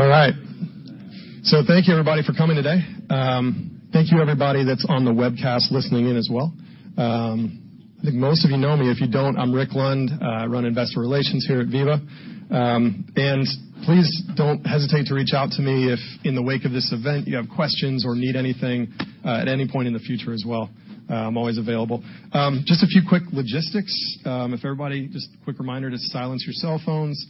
All right. Thank you everybody for coming today. Thank you everybody that's on the webcast listening in as well. I think most of you know me. If you don't, I'm Rick Lund. I run investor relations here at Veeva. Please don't hesitate to reach out to me if in the wake of this event you have questions or need anything at any point in the future as well. I'm always available. Just a few quick logistics. Just a quick reminder to silence your cell phones.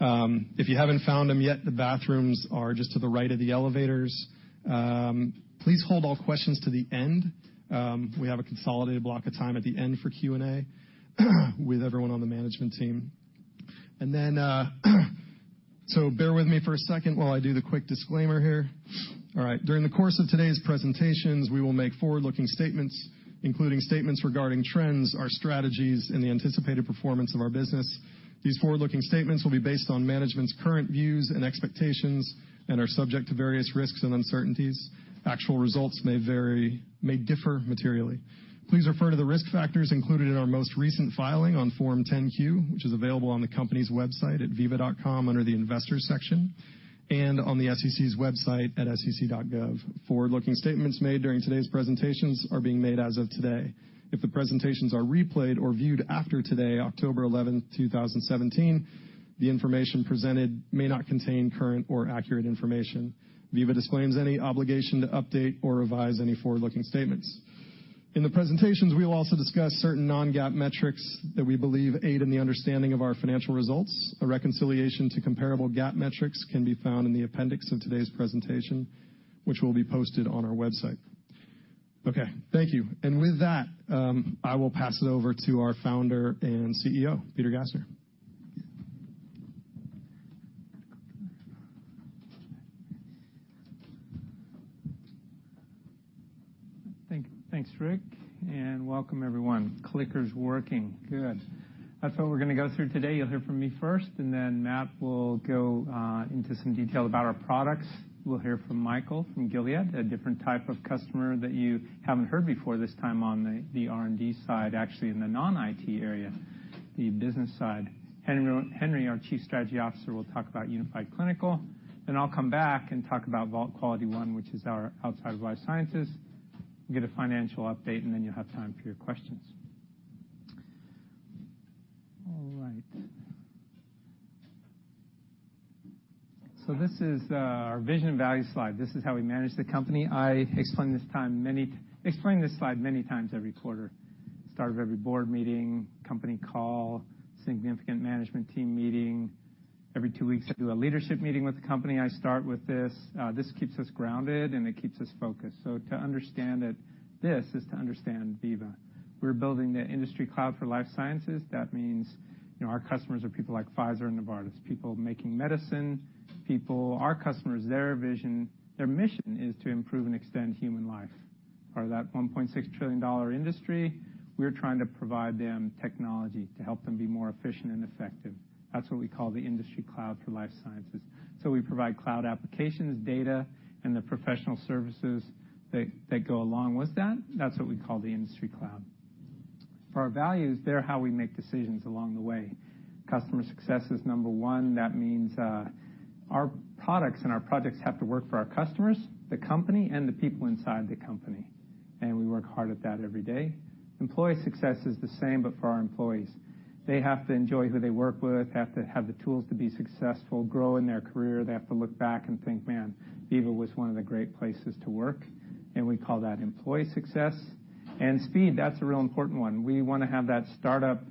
If you haven't found them yet, the bathrooms are just to the right of the elevators. Please hold all questions to the end. We have a consolidated block of time at the end for Q&A with everyone on the management team. Bear with me for a second while I do the quick disclaimer here. All right. During the course of today's presentations, we will make forward-looking statements, including statements regarding trends, our strategies, and the anticipated performance of our business. These forward-looking statements will be based on management's current views and expectations and are subject to various risks and uncertainties. Actual results may differ materially. Please refer to the risk factors included in our most recent filing on Form 10-Q, which is available on the company's website at veeva.com under the Investors section and on the SEC's website at sec.gov. Forward-looking statements made during today's presentations are being made as of today. If the presentations are replayed or viewed after today, October 11, 2017, the information presented may not contain current or accurate information. Veeva disclaims any obligation to update or revise any forward-looking statements. In the presentations, we will also discuss certain non-GAAP metrics that we believe aid in the understanding of our financial results. A reconciliation to comparable GAAP metrics can be found in the appendix of today's presentation, which will be posted on our website. Okay. Thank you. With that, I will pass it over to our founder and CEO, Peter Gassner. Thanks, Rick, and welcome everyone. Clicker's working, good. That's what we're going to go through today. You'll hear from me first, then Matt will go into some detail about our products. We'll hear from Michael from Gilead, a different type of customer that you haven't heard before this time on the R&D side, actually in the non-IT area, the business side. Henry, our Chief Strategy Officer, will talk about Unified Clinical. I'll come back and talk about Vault QualityOne, which is our outside of life sciences. You'll get a financial update, then you'll have time for your questions. All right. This is our vision and values slide. This is how we manage the company. I explain this slide many times every quarter. Start of every board meeting, company call, significant management team meeting. Every two weeks, I do a leadership meeting with the company. I start with this. This keeps us grounded, and it keeps us focused. To understand it, this is to understand Veeva. We're building the industry cloud for life sciences. That means our customers are people like Pfizer and Novartis, people making medicine. Our customers, their vision, their mission is to improve and extend human life. Part of that $1.6 trillion industry, we're trying to provide them technology to help them be more efficient and effective. That's what we call the industry cloud for life sciences. We provide cloud applications, data, and the professional services that go along with that. That's what we call the industry cloud. For our values, they're how we make decisions along the way. Customer success is number one. That means our products and our projects have to work for our customers, the company, and the people inside the company. We work hard at that every day. Employee success is the same, but for our employees. They have to enjoy who they work with, have to have the tools to be successful, grow in their career. They have to look back and think, "Man, Veeva was one of the great places to work." We call that employee success. Speed, that's a real important one. We want to have that startup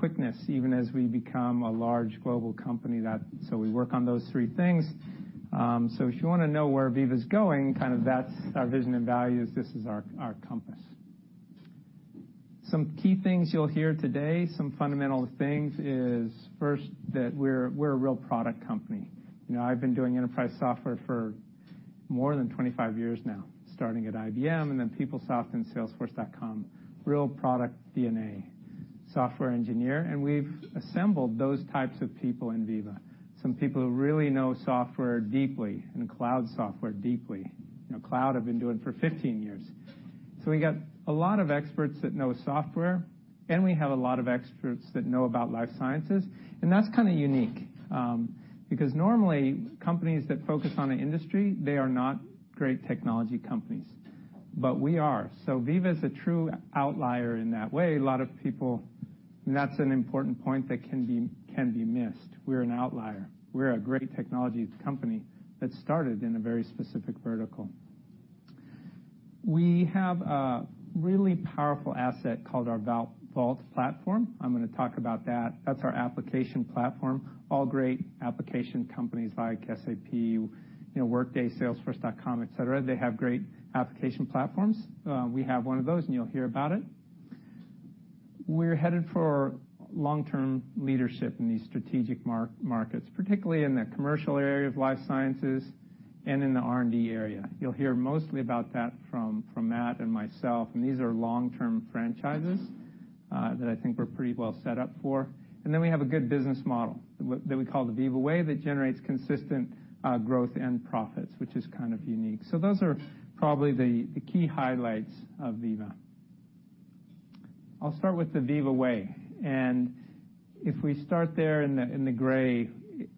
quickness even as we become a large global company. We work on those three things. If you want to know where Veeva's going, that's our vision and values. This is our compass. Some key things you'll hear today, some fundamental things is first that we're a real product company. I've been doing enterprise software for more than 25 years now, starting at IBM and then PeopleSoft and Salesforce.com. Real product DNA. Software engineer, we've assembled those types of people in Veeva. Some people who really know software deeply and cloud software deeply. Cloud I've been doing for 15 years. We got a lot of experts that know software, and we have a lot of experts that know about life sciences, and that's kind of unique. Because normally companies that focus on an industry, they are not great technology companies. We are. Veeva is a true outlier in that way. That's an important point that can be missed. We're an outlier. We're a great technology company that started in a very specific vertical. We have a really powerful asset called our Vault Platform. I'm going to talk about that. That's our application platform. All great application companies like SAP, Workday, Salesforce.com, et cetera, they have great application platforms. We have one of those, and you'll hear about it. We're headed for long-term leadership in these strategic markets, particularly in the commercial area of life sciences and in the R&D area. You'll hear mostly about that from Matt and myself. These are long-term franchises that I think we're pretty well set up for. We have a good business model that we call the Veeva Way that generates consistent growth and profits, which is kind of unique. Those are probably the key highlights of Veeva. I'll start with the Veeva Way. If we start there in the gray,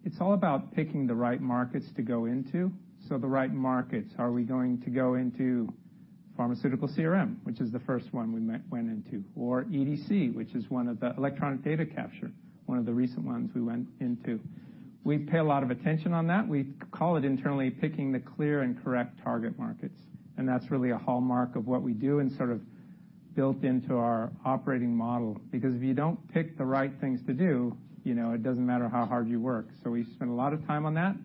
it's all about picking the right markets to go into. The right markets. Are we going to go into pharmaceutical CRM, which is the first one we went into, or EDC, electronic data capture, one of the recent ones we went into. We pay a lot of attention on that. We call it internally picking the clear and correct target markets, and that's really a hallmark of what we do and sort of built into our operating model. If you don't pick the right things to do, it doesn't matter how hard you work. We spend a lot of time on that,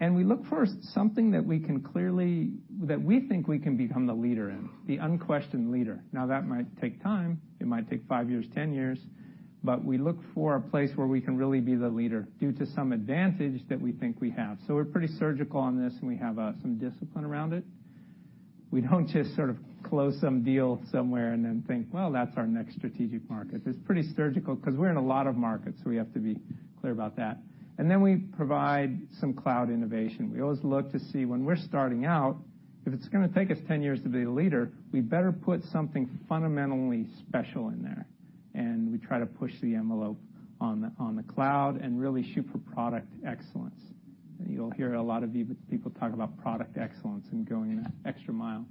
and we look for something that we think we can become the leader in, the unquestioned leader. Now, that might take time. It might take 5 years, 10 years, but we look for a place where we can really be the leader due to some advantage that we think we have. We're pretty surgical on this, and we have some discipline around it. We don't just sort of close some deal somewhere and then think, "Well, that's our next strategic market." It's pretty surgical because we're in a lot of markets, so we have to be clear about that. We provide some cloud innovation. We always look to see when we're starting out, if it's going to take us 10 years to be the leader, we better put something fundamentally special in there. We try to push the envelope on the cloud and really shoot for product excellence. You'll hear a lot of Veeva people talk about product excellence and going the extra mile.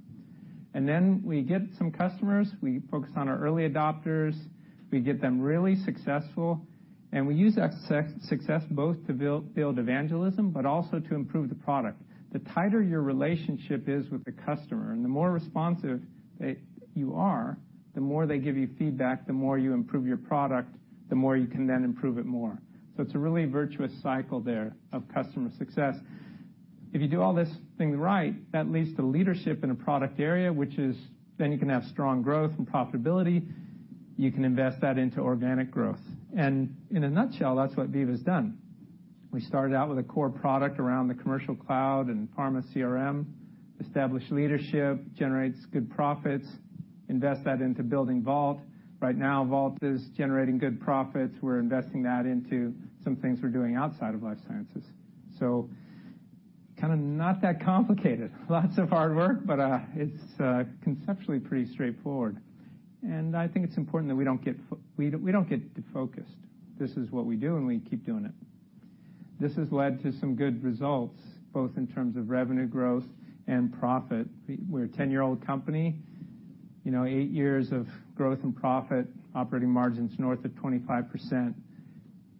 We get some customers. We focus on our early adopters. We get them really successful, and we use that success both to build evangelism, but also to improve the product. The tighter your relationship is with the customer and the more responsive you are, the more they give you feedback, the more you improve your product, the more you can then improve it more. It's a really virtuous cycle there of customer success. If you do all these things right, that leads to leadership in a product area, which is then you can have strong growth and profitability. You can invest that into organic growth. In a nutshell, that's what Veeva's done. We started out with a core product around the Commercial Cloud and pharma CRM, established leadership, generates good profits, invest that into building Vault. Right now, Vault is generating good profits. We're investing that into some things we're doing outside of life sciences. Kind of not that complicated. Lots of hard work, but it's conceptually pretty straightforward. I think it's important that we don't get defocused. This is what we do, and we keep doing it. This has led to some good results, both in terms of revenue growth and profit. We're a 10-year-old company, 8 years of growth and profit, operating margins north of 25%.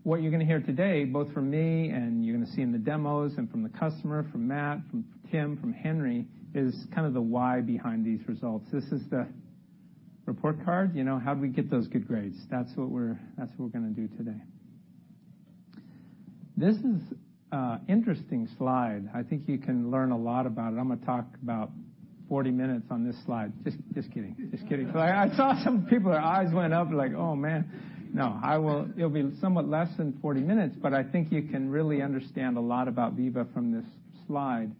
What you're going to hear today, both from me and you're going to see in the demos and from the customer, from Matt, from Tim, from Henry, is kind of the why behind these results. This is the report card. How do we get those good grades? That's what we're going to do today. This is an interesting slide. I think you can learn a lot about it. I'm going to talk about 40 minutes on this slide. Just kidding. I saw some people, their eyes went up like, oh, man. It'll be somewhat less than 40 minutes, but I think you can really understand a lot about Veeva from this slide.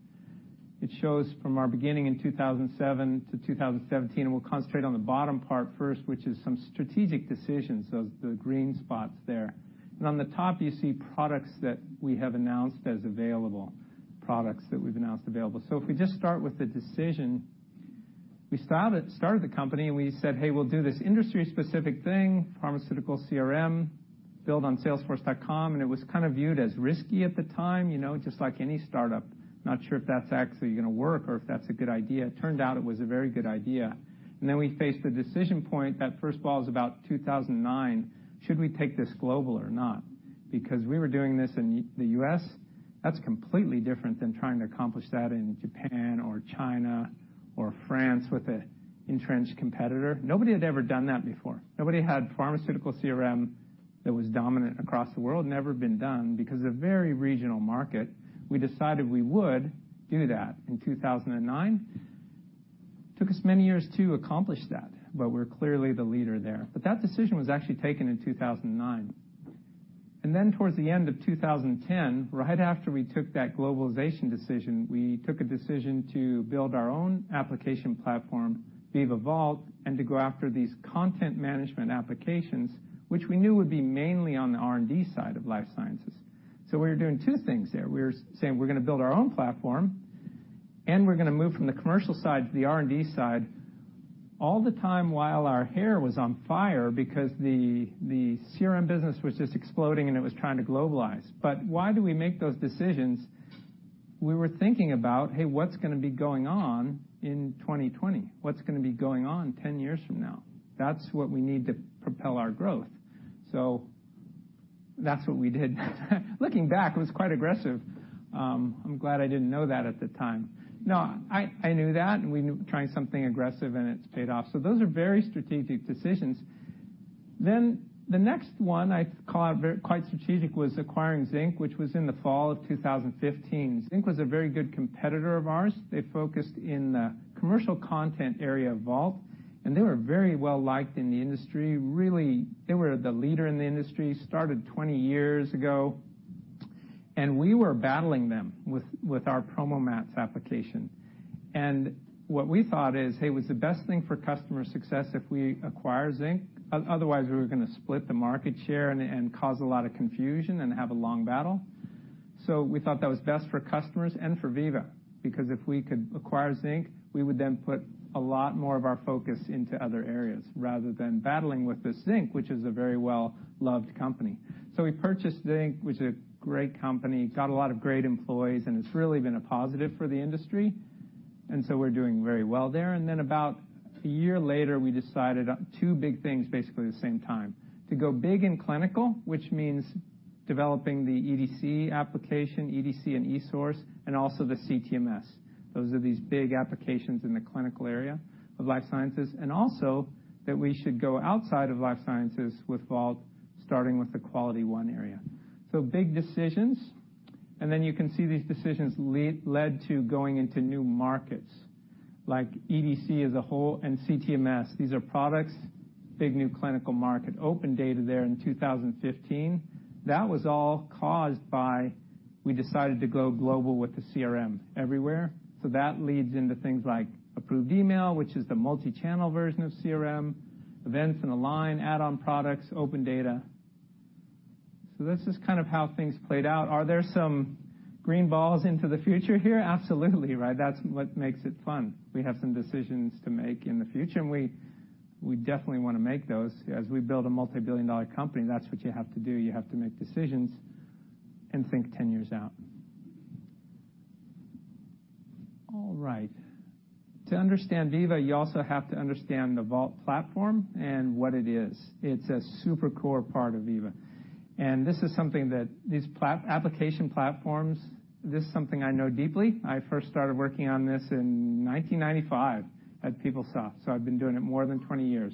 It shows from our beginning in 2007 to 2017, we'll concentrate on the bottom part first, which is some strategic decisions, the green spots there. On the top, you see products that we have announced as available. If we just start with the decision, we started the company and we said, "Hey, we'll do this industry-specific thing, pharmaceutical CRM, build on Salesforce.com," and it was kind of viewed as risky at the time, just like any startup. Not sure if that's actually going to work or if that's a good idea. It turned out it was a very good idea. We faced the decision point, that first ball is about 2009, should we take this global or not? We were doing this in the U.S., that's completely different than trying to accomplish that in Japan or China or France with an entrenched competitor. Nobody had ever done that before. Nobody had pharmaceutical CRM that was dominant across the world, never been done because they're a very regional market. We decided we would do that in 2009. Took us many years to accomplish that, but we're clearly the leader there. That decision was actually taken in 2009. Towards the end of 2010, right after we took that globalization decision, we took a decision to build our own application platform, Veeva Vault, and to go after these content management applications, which we knew would be mainly on the R&D side of life sciences. We were doing two things there. We were saying we're going to build our own platform, we're going to move from the commercial side to the R&D side, all the time while our hair was on fire because the CRM business was just exploding, and it was trying to globalize. Why do we make those decisions? We were thinking about, hey, what's going to be going on in 2020? What's going to be going on 10 years from now? That's what we need to propel our growth. That's what we did. Looking back, it was quite aggressive. I'm glad I didn't know that at the time. I knew that, and we knew trying something aggressive, and it's paid off. Those are very strategic decisions. The next one I call quite strategic was acquiring Zinc, which was in the fall of 2015. Zinc was a very good competitor of ours. They focused in the commercial content area of Vault, and they were very well-liked in the industry. Really, they were the leader in the industry, started 20 years ago. We were battling them with our PromoMats application. What we thought is, hey, was the best thing for customer success if we acquire Zinc? Otherwise, we were going to split the market share and cause a lot of confusion and have a long battle. We thought that was best for customers and for Veeva, because if we could acquire Zinc, we would then put a lot more of our focus into other areas rather than battling with Zinc, which is a very well-loved company. We purchased Zinc, which is a great company, got a lot of great employees, and it's really been a positive for the industry. We're doing very well there. About a year later, we decided two big things basically the same time. To go big in clinical, which means developing the EDC application, EDC and eSource, and also the CTMS. Those are these big applications in the clinical area of life sciences. Also that we should go outside of life sciences with Vault, starting with the QualityOne area. Big decisions. You can see these decisions led to going into new markets like EDC as a whole and CTMS. These are products, big new clinical market, OpenData there in 2015. That was all caused by, we decided to go global with the CRM everywhere. That leads into things like Approved Email, which is the multi-channel version of CRM, events and Align add-on products, OpenData. That's just how things played out. Are there some green balls into the future here? Absolutely, right? That's what makes it fun. We have some decisions to make in the future, and we definitely want to make those. As we build a multi-billion-dollar company, that's what you have to do. You have to make decisions and think 10 years out. All right. To understand Veeva, you also have to understand the Vault platform and what it is. It's a super core part of Veeva. This is something that these application platforms, this is something I know deeply. I first started working on this in 1995 at PeopleSoft. I've been doing it more than 20 years.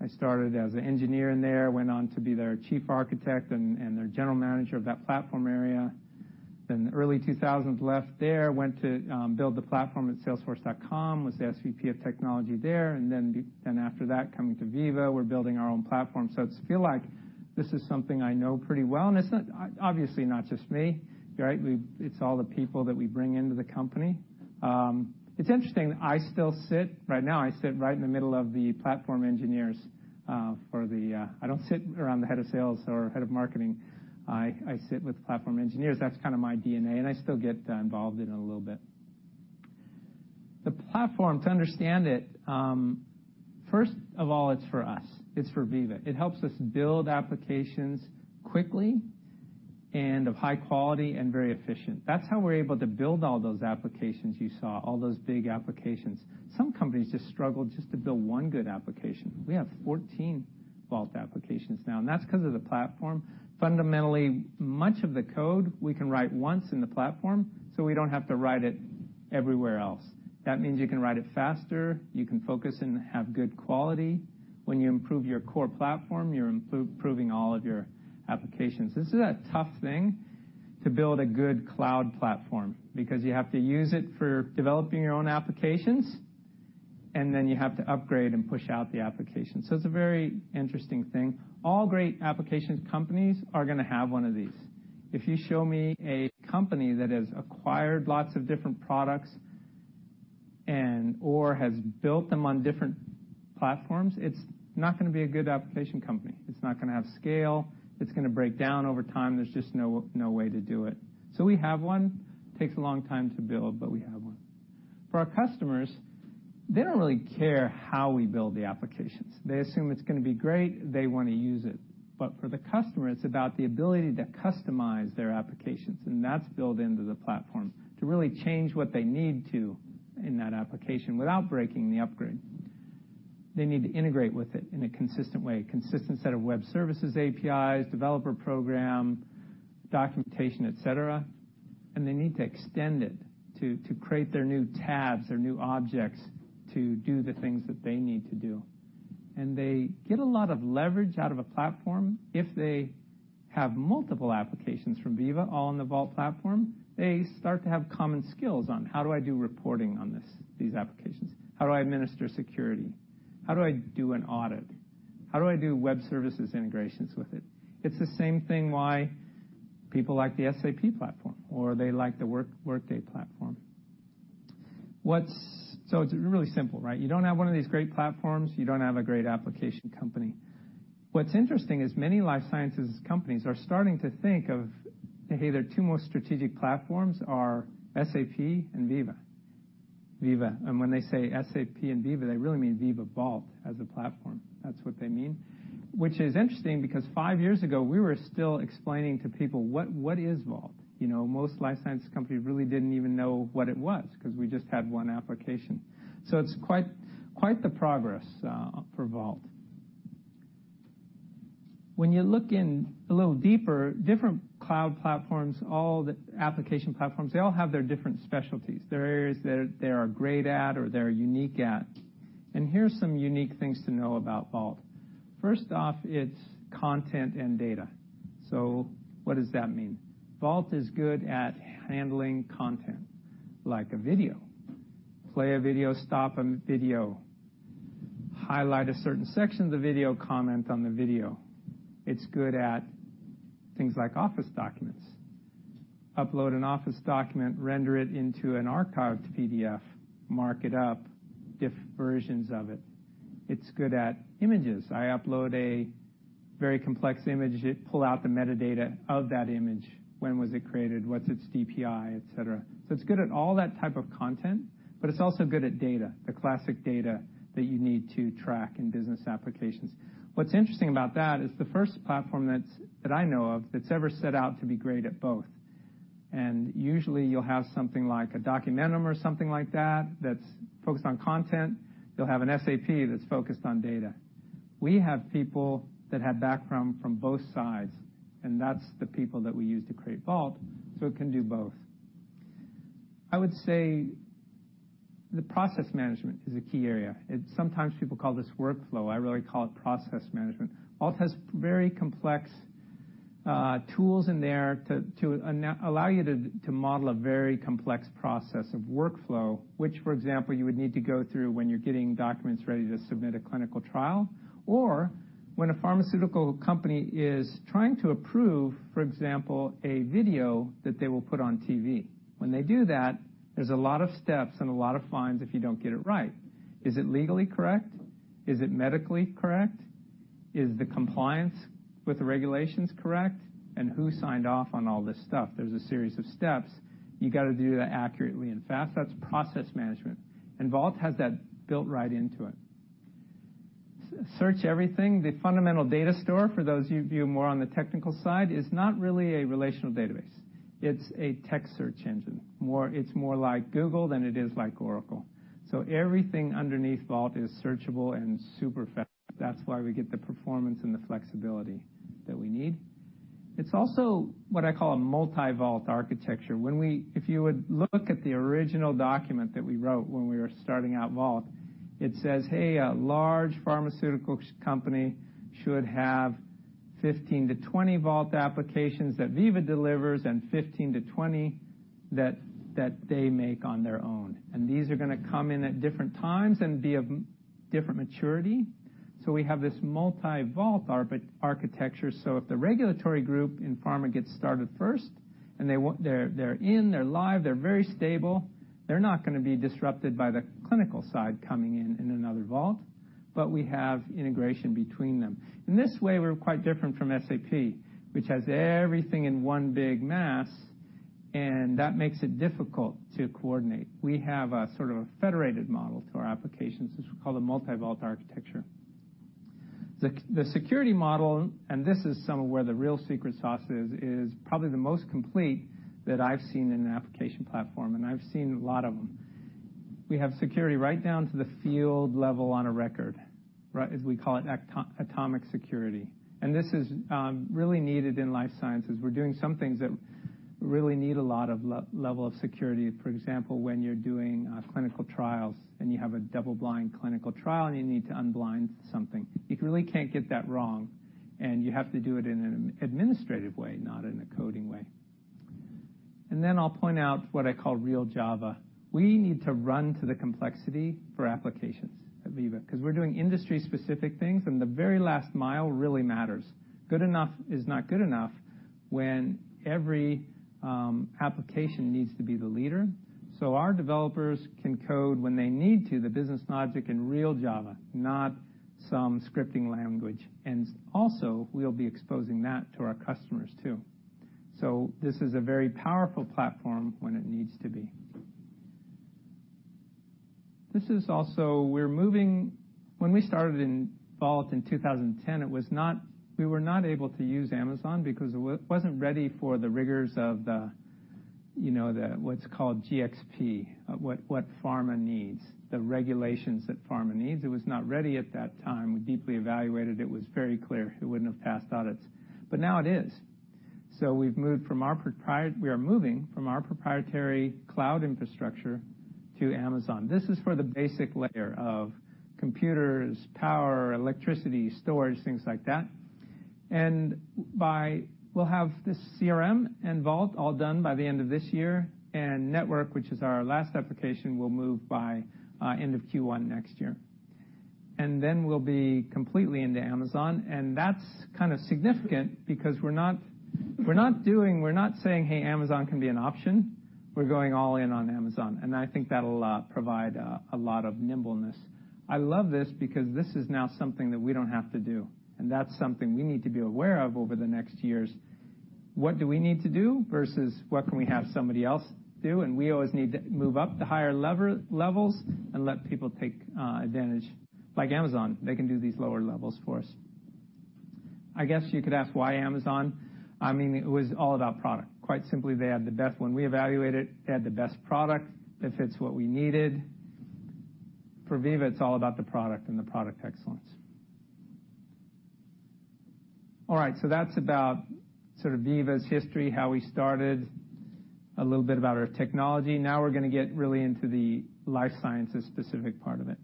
I started as an engineer there, went on to be their chief architect and their general manager of that platform area. In the early 2000s, left there, went to build the platform at Salesforce.com, was the SVP of technology there. After that, coming to Veeva, we're building our own platform. I feel like this is something I know pretty well, and it's obviously not just me, right? It's all the people that we bring into the company. It's interesting, I still sit right now, I sit right in the middle of the platform engineers. I don't sit around the head of sales or head of marketing. I sit with the platform engineers. That's kind of my DNA, and I still get involved in it a little bit. The platform, to understand it, first of all, it's for us. It's for Veeva. It helps us build applications quickly and of high quality and very efficient. That's how we're able to build all those applications you saw, all those big applications. Some companies just struggle just to build one good application. We have 14 Vault applications now, and that's because of the platform. Fundamentally, much of the code we can write once in the platform, so we don't have to write it everywhere else. That means you can write it faster, you can focus and have good quality. When you improve your core platform, you're improving all of your applications. This is a tough thing to build a good cloud platform because you have to use it for developing your own applications, and then you have to upgrade and push out the application. It's a very interesting thing. All great application companies are going to have one of these. If you show me a company that has acquired lots of different products and or has built them on different platforms, it's not going to be a good application company. It's not going to have scale. It's going to break down over time. There's just no way to do it. We have one. Takes a long time to build, but we have one. For our customers, they don't really care how we build the applications. They assume it's going to be great, they want to use it. For the customer, it's about the ability to customize their applications, and that's built into the platform, to really change what they need to in that application without breaking the upgrade. They need to integrate with it in a consistent way, consistent set of web services, APIs, developer program, documentation, et cetera. They need to extend it to create their new tabs, their new objects, to do the things that they need to do. They get a lot of leverage out of a platform if they have multiple applications from Veeva all on the Vault platform. They start to have common skills on how do I do reporting on these applications? How do I administer security? How do I do an audit? How do I do web services integrations with it? It's the same thing why people like the SAP platform or they like the Workday platform. It's really simple, right? You don't have one of these great platforms, you don't have a great application company. What's interesting is many life sciences companies are starting to think of their two most strategic platforms are SAP and Veeva. When they say SAP and Veeva, they really mean Veeva Vault as a platform. That's what they mean. Which is interesting because five years ago, we were still explaining to people what is Vault? Most life sciences companies really didn't even know what it was because we just had one application. It's quite the progress for Vault. When you look in a little deeper, different cloud platforms, all the application platforms, they all have their different specialties. There are areas that they are great at or they're unique at. Here's some unique things to know about Vault. First off, it's content and data. What does that mean? Vault is good at handling content like a video. Play a video, stop a video, highlight a certain section of the video, comment on the video. It's good at things like Office documents. Upload an Office document, render it into an archived PDF, mark it up, diff versions of it. It's good at images. I upload a very complex image, it pulls out the metadata of that image. When was it created? What's its DPI? Et cetera. It's good at all that type of content, but it's also good at data, the classic data that you need to track in business applications. What's interesting about that is it's the first platform that I know of that's ever set out to be great at both. Usually, you'll have something like a Documentum or something like that's focused on content. You'll have an SAP that's focused on data. We have people that have background from both sides, and that's the people that we use to create Vault, so it can do both. I would say the process management is a key area. Sometimes people call this workflow. I really call it process management. Vault has very complex tools in there to allow you to model a very complex process of workflow, which, for example, you would need to go through when you're getting documents ready to submit a clinical trial, or when a pharmaceutical company is trying to approve, for example, a video that they will put on TV. When they do that, there's a lot of steps and a lot of fines if you don't get it right. Is it legally correct? Is it medically correct? Is the compliance with the regulations correct? Who signed off on all this stuff? There's a series of steps. You got to do that accurately and fast. That's process management. Vault has that built right into it. Search everything, the fundamental data store, for those of you more on the technical side, is not really a relational database. It's a tech search engine. It's more like Google than it is like Oracle. Everything underneath Vault is searchable and super fast. That's why we get the performance and the flexibility that we need. It's also what I call a multi-Vault architecture. If you would look at the original document that we wrote when we were starting out Vault, it says, "Hey, a large pharmaceutical company should have 15 to 20 Vault applications that Veeva delivers and 15 to 20 that they make on their own." These are going to come in at different times and be of different maturity. We have this multi-Vault architecture, so if the regulatory group in pharma gets started first and they're in, they're live, they're very stable, they're not going to be disrupted by the clinical side coming in in another Vault, but we have integration between them. In this way, we're quite different from SAP, which has everything in one big mass, and that makes it difficult to coordinate. We have a sort of a federated model to our applications, which we call the multi-Vault architecture. The security model, and this is some of where the real secret sauce is probably the most complete that I've seen in an application platform, and I've seen a lot of them. We have security right down to the field level on a record. As we call it, atomic security. This is really needed in life sciences. We're doing some things that really need a lot of level of security. For example, when you're doing clinical trials and you have a double-blind clinical trial, and you need to unblind something. You really can't get that wrong, and you have to do it in an administrative way, not in a coding way. Then I'll point out what I call real Java. We need to run to the complexity for applications at Veeva because we're doing industry-specific things, and the very last mile really matters. Good enough is not good enough when every application needs to be the leader. Our developers can code when they need to, the business logic in real Java, not some scripting language. Also, we'll be exposing that to our customers, too. This is a very powerful platform when it needs to be. When we started in Vault in 2010, we were not able to use Amazon because it wasn't ready for the rigors of what's called GXP, what pharma needs, the regulations that pharma needs. It was not ready at that time. We deeply evaluated it. It was very clear it wouldn't have passed audits. Now it is. We are moving from our proprietary cloud infrastructure to Amazon. This is for the basic layer of computers, power, electricity, storage, things like that. We'll have this CRM and Vault all done by the end of this year. Network, which is our last application, will move by end of Q1 next year. We'll be completely into Amazon, and that's kind of significant because we're not saying, "Hey, Amazon can be an option." We're going all in on Amazon, and I think that'll provide a lot of nimbleness. I love this because this is now something that we don't have to do, and that's something we need to be aware of over the next years. What do we need to do versus what can we have somebody else do? We always need to move up to higher levels and let people take advantage. Like Amazon, they can do these lower levels for us. I guess you could ask why Amazon. I mean, it was all about product. Quite simply, they had the best one. We evaluated, they had the best product that fits what we needed. For Veeva, it's all about the product and the product excellence. All right. That's about sort of Veeva's history, how we started, a little bit about our technology. We're going to get really into the life sciences specific part of it.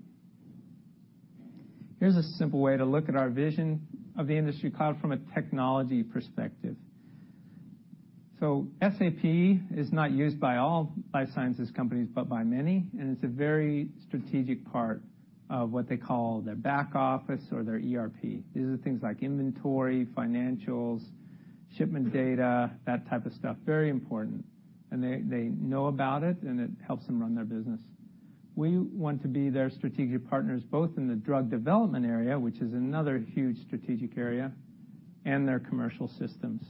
Here's a simple way to look at our vision of the industry cloud from a technology perspective. SAP is not used by all life sciences companies, but by many, and it's a very strategic part of what they call their back office or their ERP. These are things like inventory, financials, shipment data, that type of stuff. Very important. They know about it, and it helps them run their business. We want to be their strategic partners, both in the drug development area, which is another huge strategic area, and their commercial systems.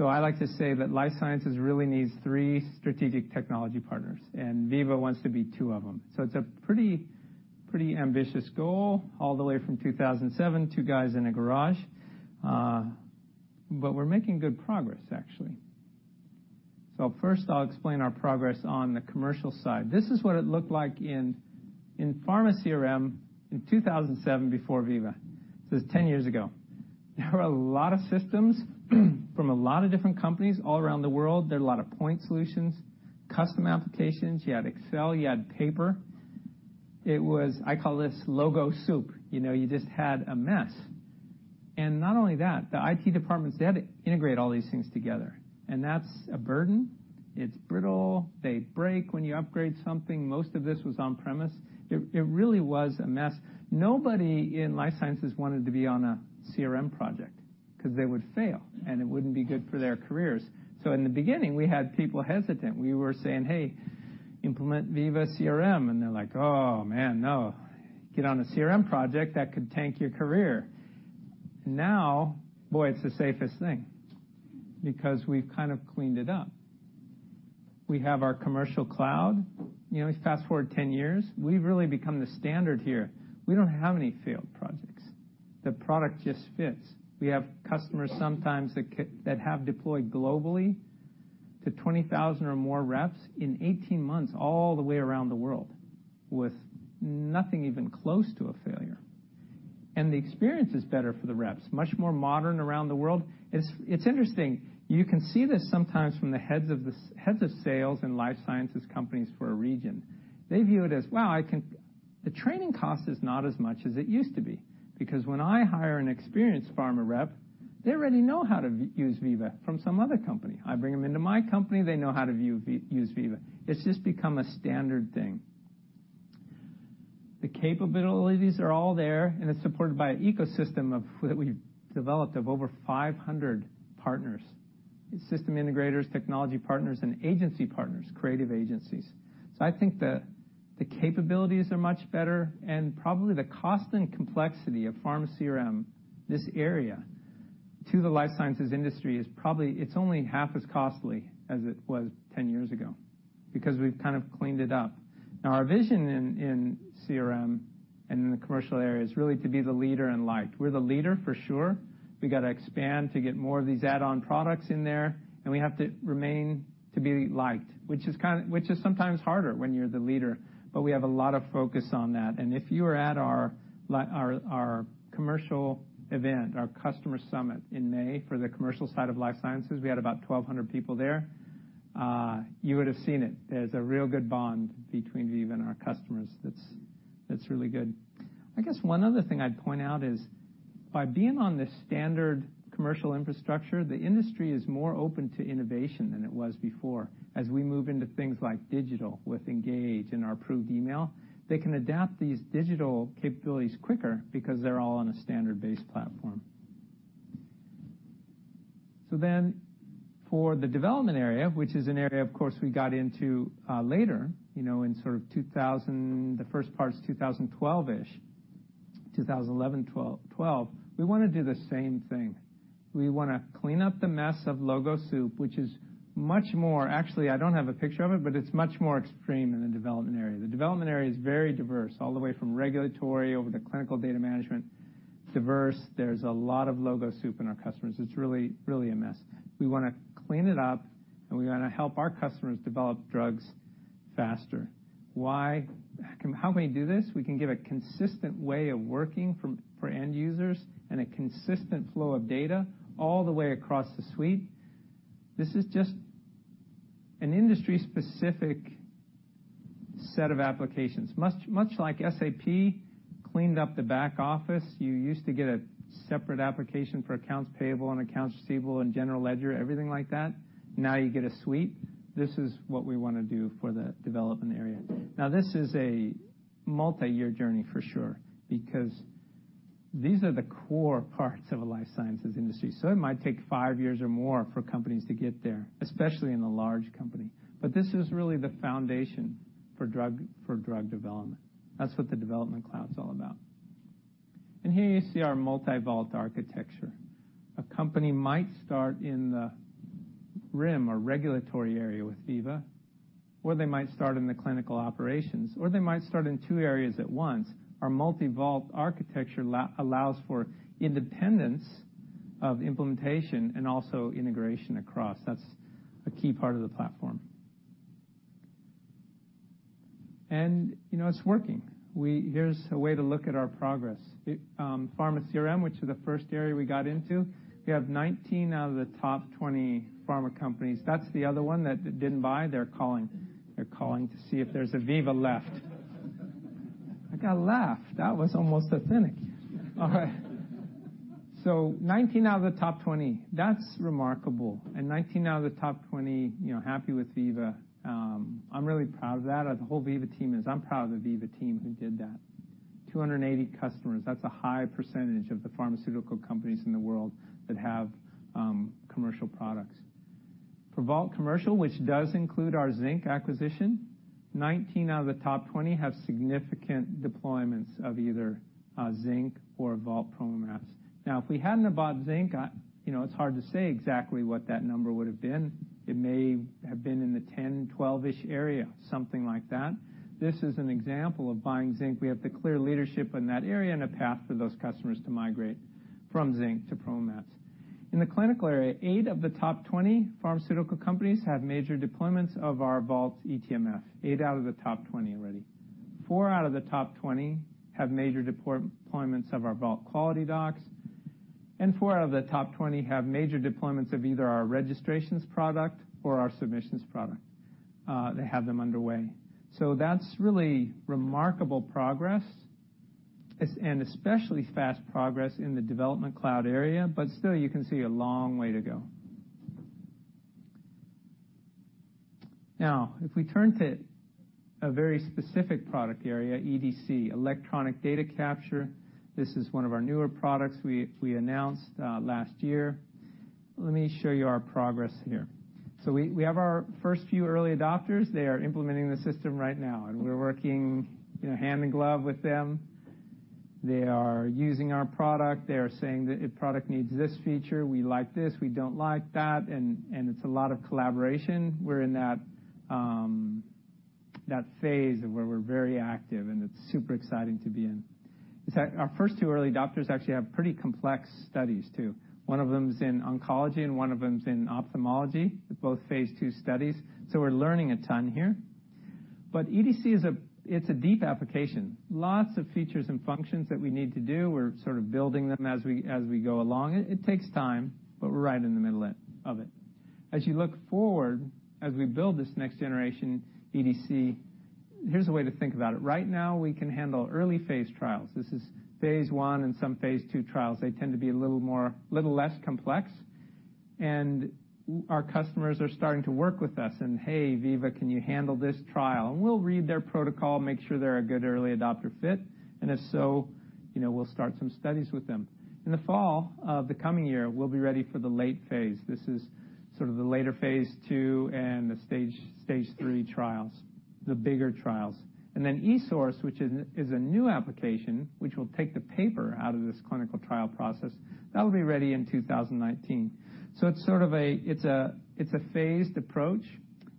I like to say that life sciences really needs three strategic technology partners, and Veeva wants to be two of them. It's a pretty ambitious goal, all the way from 2007, two guys in a garage. We're making good progress, actually. First, I'll explain our progress on the commercial side. This is what it looked like in pharma CRM in 2007 before Veeva. This is 10 years ago. There were a lot of systems from a lot of different companies all around the world. There were a lot of point solutions, custom applications. You had Excel, you had paper. I call this logo soup. You just had a mess. Not only that, the IT departments, they had to integrate all these things together. That's a burden. It's brittle. They break when you upgrade something. Most of this was on-premise. It really was a mess. Nobody in life sciences wanted to be on a CRM project because they would fail, and it wouldn't be good for their careers. In the beginning, we had people hesitant. We were saying, "Hey, implement Veeva CRM." They're like, "Oh, man, no. Get on a CRM project, that could tank your career." Boy, it's the safest thing because we've kind of cleaned it up. We have our Commercial Cloud. We fast-forward 10 years, we've really become the standard here. We don't have any failed projects. The product just fits. We have customers sometimes that have deployed globally to 20,000 or more reps in 18 months, all the way around the world, with nothing even close to a failure. The experience is better for the reps, much more modern around the world. It's interesting. You can see this sometimes from the heads of sales in life sciences companies for a region. They view it as, "Wow, the training cost is not as much as it used to be because when I hire an experienced pharma rep, they already know how to use Veeva from some other company. I bring them into my company, they know how to use Veeva." It's just become a standard thing. The capabilities are all there, and it's supported by an ecosystem that we've developed of over 500 partners, system integrators, technology partners, and agency partners, creative agencies. I think the capabilities are much better, probably the cost and complexity of pharma CRM, this area to the life sciences industry is probably only half as costly as it was 10 years ago because we've kind of cleaned it up. Our vision in CRM and in the commercial area is really to be the leader and liked. We're the leader for sure. We've got to expand to get more of these add-on products in there, and we have to remain to be liked, which is sometimes harder when you're the leader. We have a lot of focus on that. If you were at our commercial event, our customer summit in May for the commercial side of life sciences, we had about 1,200 people there. You would have seen it. There's a real good bond between Veeva and our customers that's really good. I guess one other thing I'd point out is by being on this standard commercial infrastructure, the industry is more open to innovation than it was before. As we move into things like digital with Engage and our Approved Email, they can adapt these digital capabilities quicker because they're all on a standard base platform. For the development area, which is an area, of course, we got into later, in sort of the first part of 2012-ish, 2011-12, we want to do the same thing. We want to clean up the mess of logo soup, which is much more, actually, I don't have a picture of it, but it's much more extreme in the development area. The development area is very diverse, all the way from regulatory over to clinical data management, diverse. There's a lot of logo soup in our customers. It's really a mess. We want to clean it up, we want to help our customers develop drugs faster. Why? How can we do this? We can give a consistent way of working for end users and a consistent flow of data all the way across the suite. This is just an industry-specific set of applications. Much like SAP cleaned up the back office, you used to get a separate application for accounts payable and accounts receivable and general ledger, everything like that. You get a suite. This is what we want to do for the development area. This is a multi-year journey, for sure, because these are the core parts of a life sciences industry. It might take five years or more for companies to get there, especially in a large company. This is really the foundation for drug development. That's what the development cloud is all about. Here you see our multi-Vault architecture. A company might start in the RIM or regulatory area with Veeva, or they might start in the clinical operations, or they might start in two areas at once. Our multi-Vault architecture allows for independence of implementation and also integration across. That's a key part of the platform. It's working. Here's a way to look at our progress. Veeva CRM, which is the first area we got into, we have 19 out of the top 20 pharma companies. That's the other one that didn't buy. They're calling. They're calling to see if there's a Veeva left. I got a laugh. That was almost authentic. All right. 19 out of the top 20. That's remarkable. 19 out of the top 20 happy with Veeva. I'm really proud of that, the whole Veeva team is. I'm proud of the Veeva team who did that. 280 customers. That's a high percentage of the pharmaceutical companies in the world that have commercial products. For Vault Commercial, which does include our Zinc acquisition, 19 out of the top 20 have significant deployments of either Zinc or Vault PromoMats. If we hadn't have bought Zinc, it's hard to say exactly what that number would've been. It may have been in the 10, 12-ish area, something like that. This is an example of buying Zinc. We have the clear leadership in that area and a path for those customers to migrate from Zinc to PromoMats. In the clinical area, eight of the top 20 pharmaceutical companies have major deployments of our Vault eTMF. Eight out of the top 20 already. Four out of the top 20 have major deployments of our Vault QualityDocs, and four out of the top 20 have major deployments of either our registrations product or our submissions product. They have them underway. That's really remarkable progress, and especially fast progress in the Veeva Development Cloud area, but still you can see a long way to go. If we turn to a very specific product area, EDC, electronic data capture. This is one of our newer products we announced last year. Let me show you our progress here. We have our first few early adopters. They are implementing the system right now, and we're working hand in glove with them. They are using our product. They are saying that a product needs this feature, we like this, we don't like that, and it's a lot of collaboration. We're in that phase where we're very active and it's super exciting to be in. In fact, our first two early adopters actually have pretty complex studies too. One of them is in oncology and one of them is in ophthalmology. They're both phase II studies. We're learning a ton here. EDC, it's a deep application. Lots of features and functions that we need to do. We're sort of building them as we go along. It takes time, but we're right in the middle of it. As you look forward, as we build this next generation EDC, here's a way to think about it. Right now, we can handle early-phase trials. This is phase I and some phase II trials. They tend to be a little less complex. Our customers are starting to work with us and, "Hey, Veeva, can you handle this trial?" We'll read their protocol, make sure they're a good early adopter fit, and if so, we'll start some studies with them. In the fall of the coming year, we'll be ready for the late phase. This is sort of the later phase II and the stage 3 trials, the bigger trials. Then eSource, which is a new application, which will take the paper out of this clinical trial process. That'll be ready in 2019. It's a phased approach.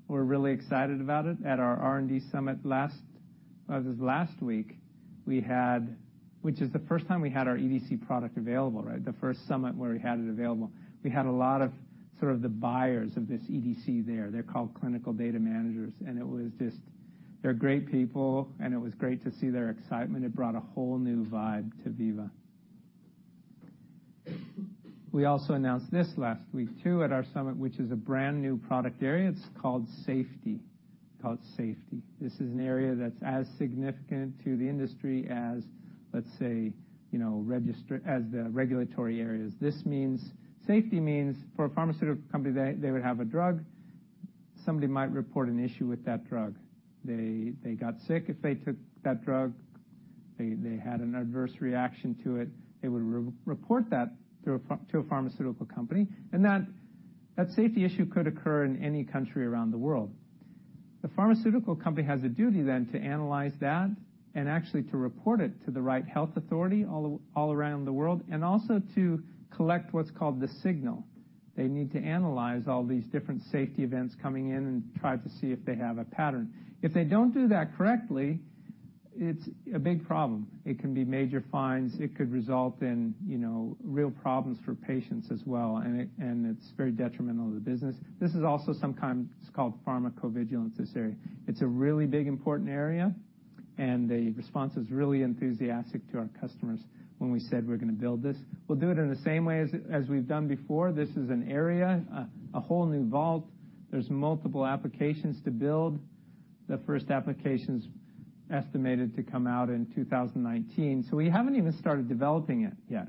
We're really excited about it. At our R&D summit this last week, which is the first time we had our EDC product available, right? The first summit where we had it available. We had a lot of the buyers of this EDC there. They're called clinical data managers, and they're great people, and it was great to see their excitement. It brought a whole new vibe to Veeva. We also announced this last week, too, at our summit, which is a brand-new product area. It's called Safety. This is an area that's as significant to the industry as the regulatory areas. Safety means for a pharmaceutical company, they would have a drug. Somebody might report an issue with that drug. They got sick if they took that drug. They had an adverse reaction to it. They would report that to a pharmaceutical company. That safety issue could occur in any country around the world. The pharmaceutical company has a duty then to analyze that and actually to report it to the right health authority all around the world, and also to collect what's called the signal. They need to analyze all these different safety events coming in and try to see if they have a pattern. If they don't do that correctly, it's a big problem. It can be major fines. It could result in real problems for patients as well, and it's very detrimental to the business. This is also sometimes called pharmacovigilance, this area. It's a really big, important area, and the response is really enthusiastic to our customers when we said we're going to build this. We'll do it in the same way as we've done before. This is an area, a whole new Vault. There's multiple applications to build. The first application's estimated to come out in 2019. We haven't even started developing it yet.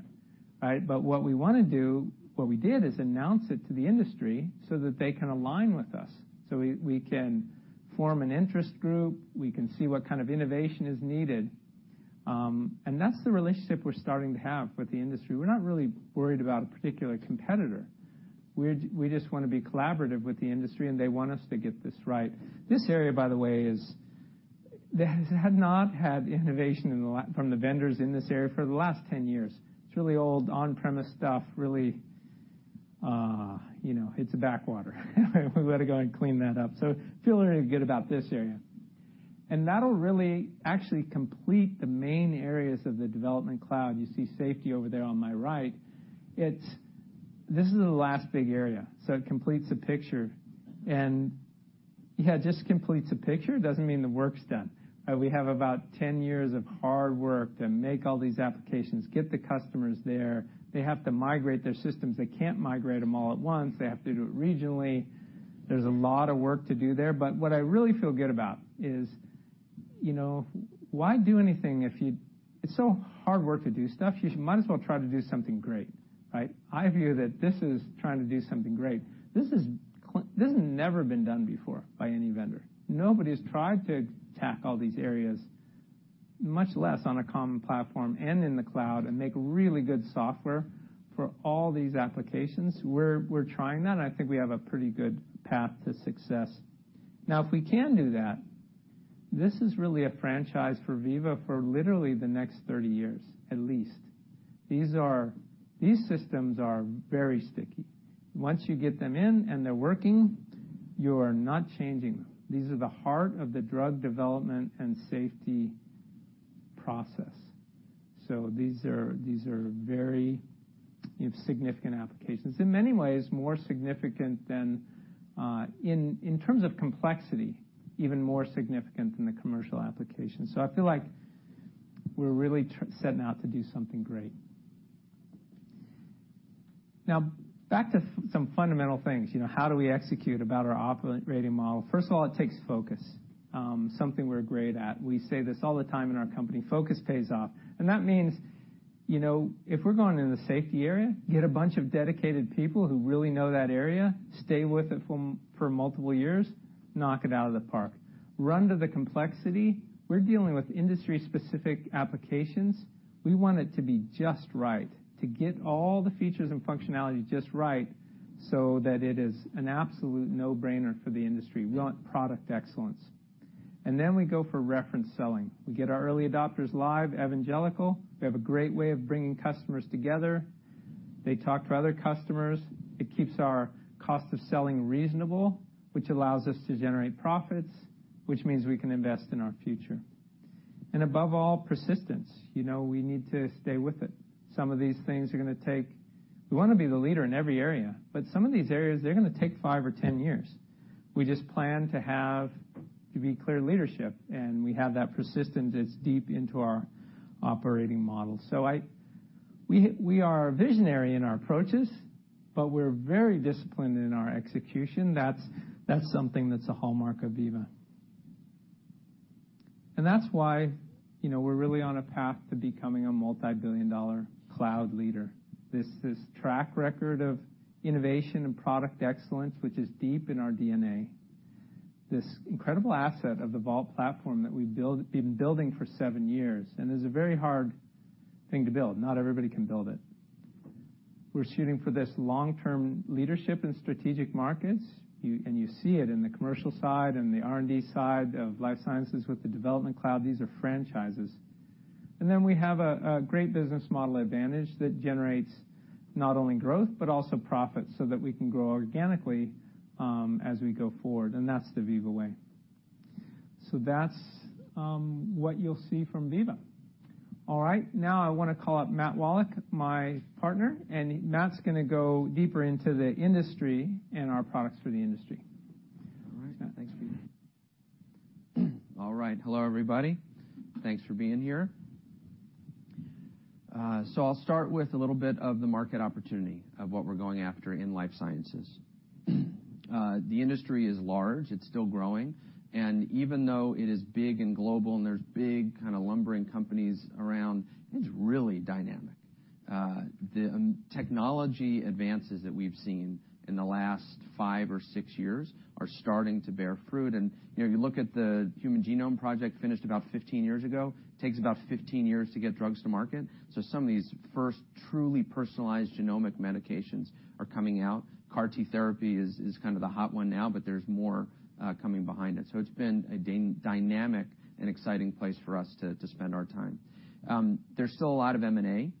But what we want to do, what we did is announce it to the industry so that they can align with us. We can form an interest group. We can see what kind of innovation is needed. That's the relationship we're starting to have with the industry. We're not really worried about a particular competitor. We just want to be collaborative with the industry, and they want us to get this right. This area, by the way, they had not had innovation from the vendors in this area for the last 10 years. It's really old on-premise stuff. It's a backwater. We better go ahead and clean that up. Feeling really good about this area. That'll really actually complete the main areas of the development cloud. You see Safety over there on my right. This is the last big area, so it completes a picture, and yeah, just completes a picture. Doesn't mean the work's done. We have about 10 years of hard work to make all these applications, get the customers there. They have to migrate their systems. They can't migrate them all at once. They have to do it regionally. There's a lot of work to do there. What I really feel good about is why do anything if it's so hard work to do stuff. You might as well try to do something great, right? I view that this is trying to do something great. This has never been done before by any vendor. Nobody's tried to attack all these areas much less on a common platform and in the cloud and make really good software for all these applications. I think we have a pretty good path to success. If we can do that, this is really a franchise for Veeva for literally the next 30 years, at least. These systems are very sticky. Once you get them in and they're working, you are not changing them. These are the heart of the drug development and safety process. These are very significant applications. In many ways, more significant than, in terms of complexity, even more significant than the commercial application. I feel like we're really setting out to do something great. Back to some fundamental things. How do we execute about our operating model? First of all, it takes focus. Something we're great at. We say this all the time in our company, "Focus pays off." That means, if we're going in the safety area, get a bunch of dedicated people who really know that area, stay with it for multiple years, knock it out of the park. Run to the complexity. We're dealing with industry-specific applications. We want it to be just right, to get all the features and functionality just right so that it is an absolute no-brainer for the industry. We want product excellence. Then we go for reference selling. We get our early adopters live, evangelical. We have a great way of bringing customers together. They talk to other customers. It keeps our cost of selling reasonable, which allows us to generate profits, which means we can invest in our future. Above all, persistence. We need to stay with it. Some of these things are going to take. We want to be the leader in every area, but some of these areas, they're going to take five or 10 years. We just plan to be clear leadership, and we have that persistence that's deep into our operating model. We are visionary in our approaches, but we're very disciplined in our execution. That's something that's a hallmark of Veeva. That's why we're really on a path to becoming a multi-billion-dollar cloud leader. This track record of innovation and product excellence, which is deep in our DNA. This incredible asset of the Vault platform that we've been building for seven years, and is a very hard thing to build. Not everybody can build it. We're shooting for this long-term leadership in strategic markets. You see it in the commercial side and the R&D side of life sciences with the Development Cloud. These are franchises. We have a great business model advantage that generates not only growth, but also profits so that we can grow organically as we go forward, and that's the Veeva Way. That's what you'll see from Veeva. All right. Now I want to call up Matt Wallach, my partner, and Matt's going to go deeper into the industry and our products for the industry. All right, Matt. Thanks, Peter. All right. Hello, everybody. Thanks for being here. I'll start with a little bit of the market opportunity of what we're going after in life sciences. The industry is large, it's still growing, and even though it is big and global and there's big kind of lumbering companies around, it's really dynamic. The technology advances that we've seen in the last 5 or 6 years are starting to bear fruit, and you look at the Human Genome Project, finished about 15 years ago, takes about 15 years to get drugs to market. Some of these first truly personalized genomic medications are coming out. CAR T therapy is kind of the hot one now, but there's more coming behind it. It's been a dynamic and exciting place for us to spend our time. There's still a lot of M&A.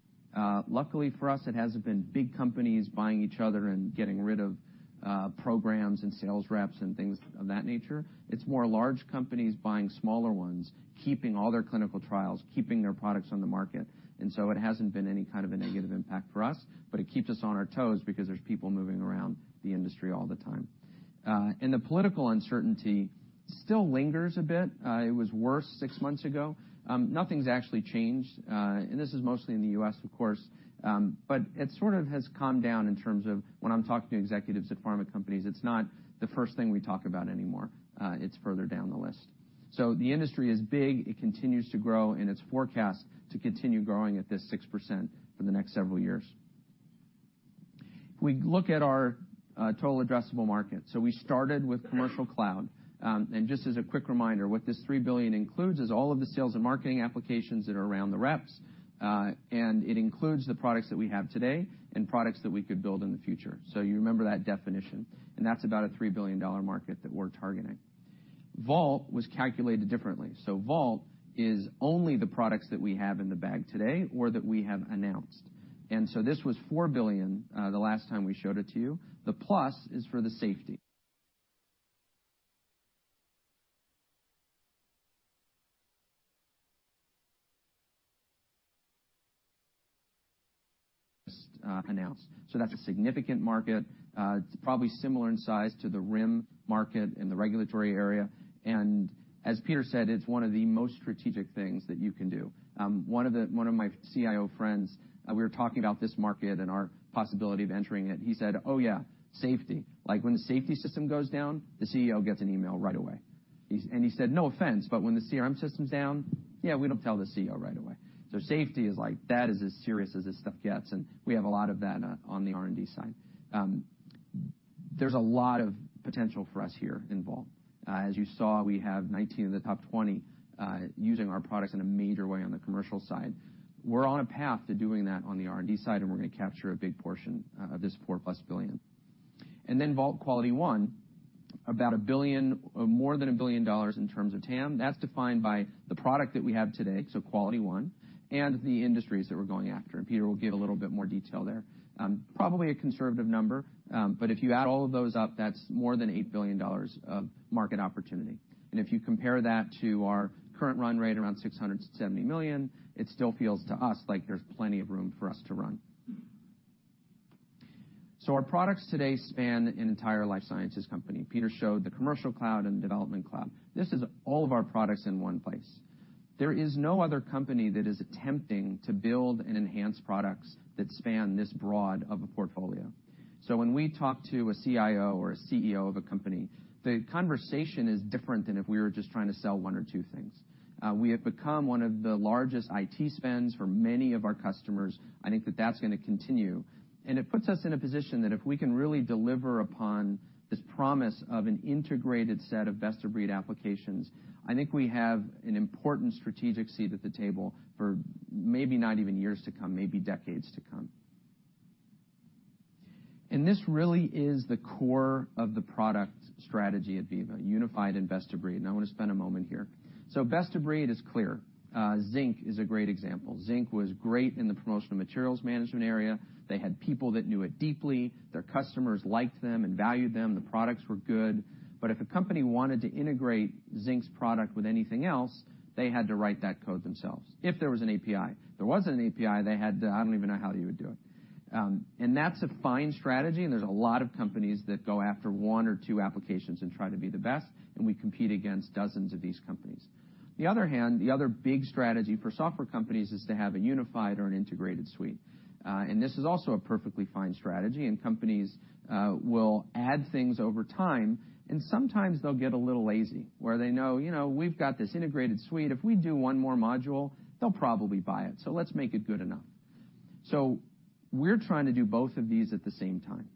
Luckily for us, it hasn't been big companies buying each other and getting rid of programs and sales reps and things of that nature. It's more large companies buying smaller ones, keeping all their clinical trials, keeping their products on the market. It hasn't been any kind of a negative impact for us, but it keeps us on our toes because there's people moving around the industry all the time. The political uncertainty still lingers a bit. It was worse 6 months ago. Nothing's actually changed, and this is mostly in the U.S., of course. It sort of has calmed down in terms of when I'm talking to executives at pharma companies, it's not the first thing we talk about anymore. It's further down the list. The industry is big. It continues to grow, it's forecast to continue growing at this 6% for the next several years. If we look at our total addressable market, we started with Commercial Cloud. Just as a quick reminder, what this $3 billion includes is all of the sales and marketing applications that are around the reps. It includes the products that we have today and products that we could build in the future. You remember that definition, and that's about a $3 billion market that we're targeting. Vault was calculated differently. Vault is only the products that we have in the bag today or that we have announced. This was $4 billion the last time we showed it to you. The plus is for Veeva Safety. Announced. That's a significant market. It's probably similar in size to the RIM market in the regulatory area. As Peter said, it's one of the most strategic things that you can do. One of my CIO friends, we were talking about this market and our possibility of entering it. He said, "Oh yeah, safety. Like when the safety system goes down, the CEO gets an email right away." He said, "No offense, but when the CRM system's down, yeah, we don't tell the CEO right away." Safety is like, that is as serious as this stuff gets, and we have a lot of that on the R&D side. There's a lot of potential for us here in Vault. As you saw, we have 19 of the top 20 using our products in a major way on the commercial side. We're on a path to doing that on the R&D side, and we're going to capture a big portion of this $4+ billion. Vault QualityOne, about more than $1 billion in terms of TAM. That's defined by the product that we have today, so QualityOne and the industries that we're going after, and Peter will give a little bit more detail there. Probably a conservative number. If you add all of those up, that's more than $8 billion of market opportunity. If you compare that to our current run rate around $670 million, it still feels to us like there's plenty of room for us to run. Our products today span an entire life sciences company. Peter showed the Commercial Cloud and Development Cloud. This is all of our products in one place. There is no other company that is attempting to build and enhance products that span this broad of a portfolio. When we talk to a CIO or a CEO of a company, the conversation is different than if we were just trying to sell one or two things. We have become one of the largest IT spends for many of our customers. I think that that's going to continue, and it puts us in a position that if we can really deliver upon this promise of an integrated set of best-of-breed applications, I think we have an important strategic seat at the table for maybe not even years to come, maybe decades to come. This really is the core of the product strategy at Veeva, unified and best of breed. I want to spend a moment here. Best of breed is clear. Zinc is a great example. Zinc was great in the promotional materials management area. They had people that knew it deeply. Their customers liked them and valued them. The products were good. If a company wanted to integrate Zinc's product with anything else, they had to write that code themselves, if there was an API. If there wasn't an API, I don't even know how you would do it. That's a fine strategy, and there's a lot of companies that go after one or two applications and try to be the best, and we compete against dozens of these companies. On the other hand, the other big strategy for software companies is to have a unified or an integrated suite. This is also a perfectly fine strategy, and companies will add things over time, and sometimes they'll get a little lazy where they know, "We've got this integrated suite. If we do one more module, they'll probably buy it, so let's make it good enough." We're trying to do both of these at the same time.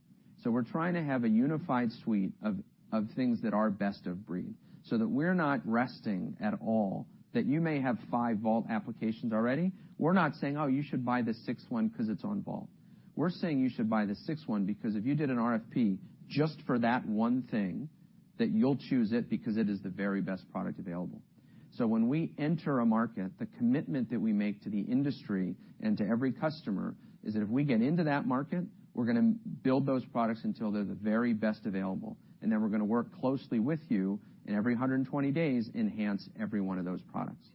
We're trying to have a unified suite of things that are best of breed, so that we're not resting at all. That you may have five Vault applications already, we're not saying, "Oh, you should buy the sixth one because it's on Vault." We're saying you should buy the sixth one because if you did an RFP just for that one thing, that you'll choose it because it is the very best product available. When we enter a market, the commitment that we make to the industry and to every customer is that if we get into that market, we're going to build those products until they're the very best available. We're going to work closely with you, and every 120 days enhance every one of those products.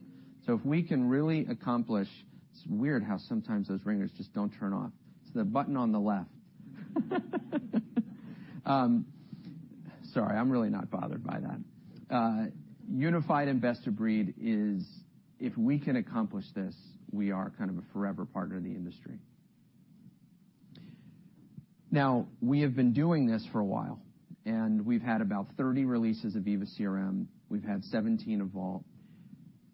If we can really accomplish It's weird how sometimes those ringers just don't turn off. It's the button on the left. Sorry, I'm really not bothered by that. Unified and best of breed is, if we can accomplish this, we are a forever partner in the industry. We have been doing this for a while, and we've had about 30 releases of Veeva CRM. We've had 17 of Vault.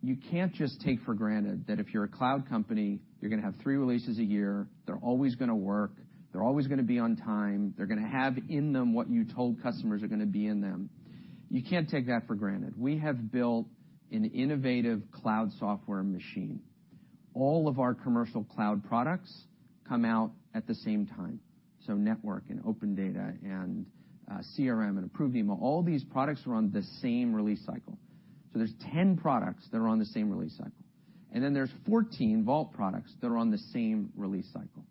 You can't just take for granted that if you're a cloud company, you're going to have three releases a year, they're always going to work, they're always going to be on time, they're going to have in them what you told customers are going to be in them. You can't take that for granted. We have built an innovative cloud software machine. All of our Commercial Cloud products come out at the same time. Network and OpenData and CRM and Approved Email, all these products are on the same release cycle. There's 10 products that are on the same release cycle. There's 14 Vault products that are on the same release cycle.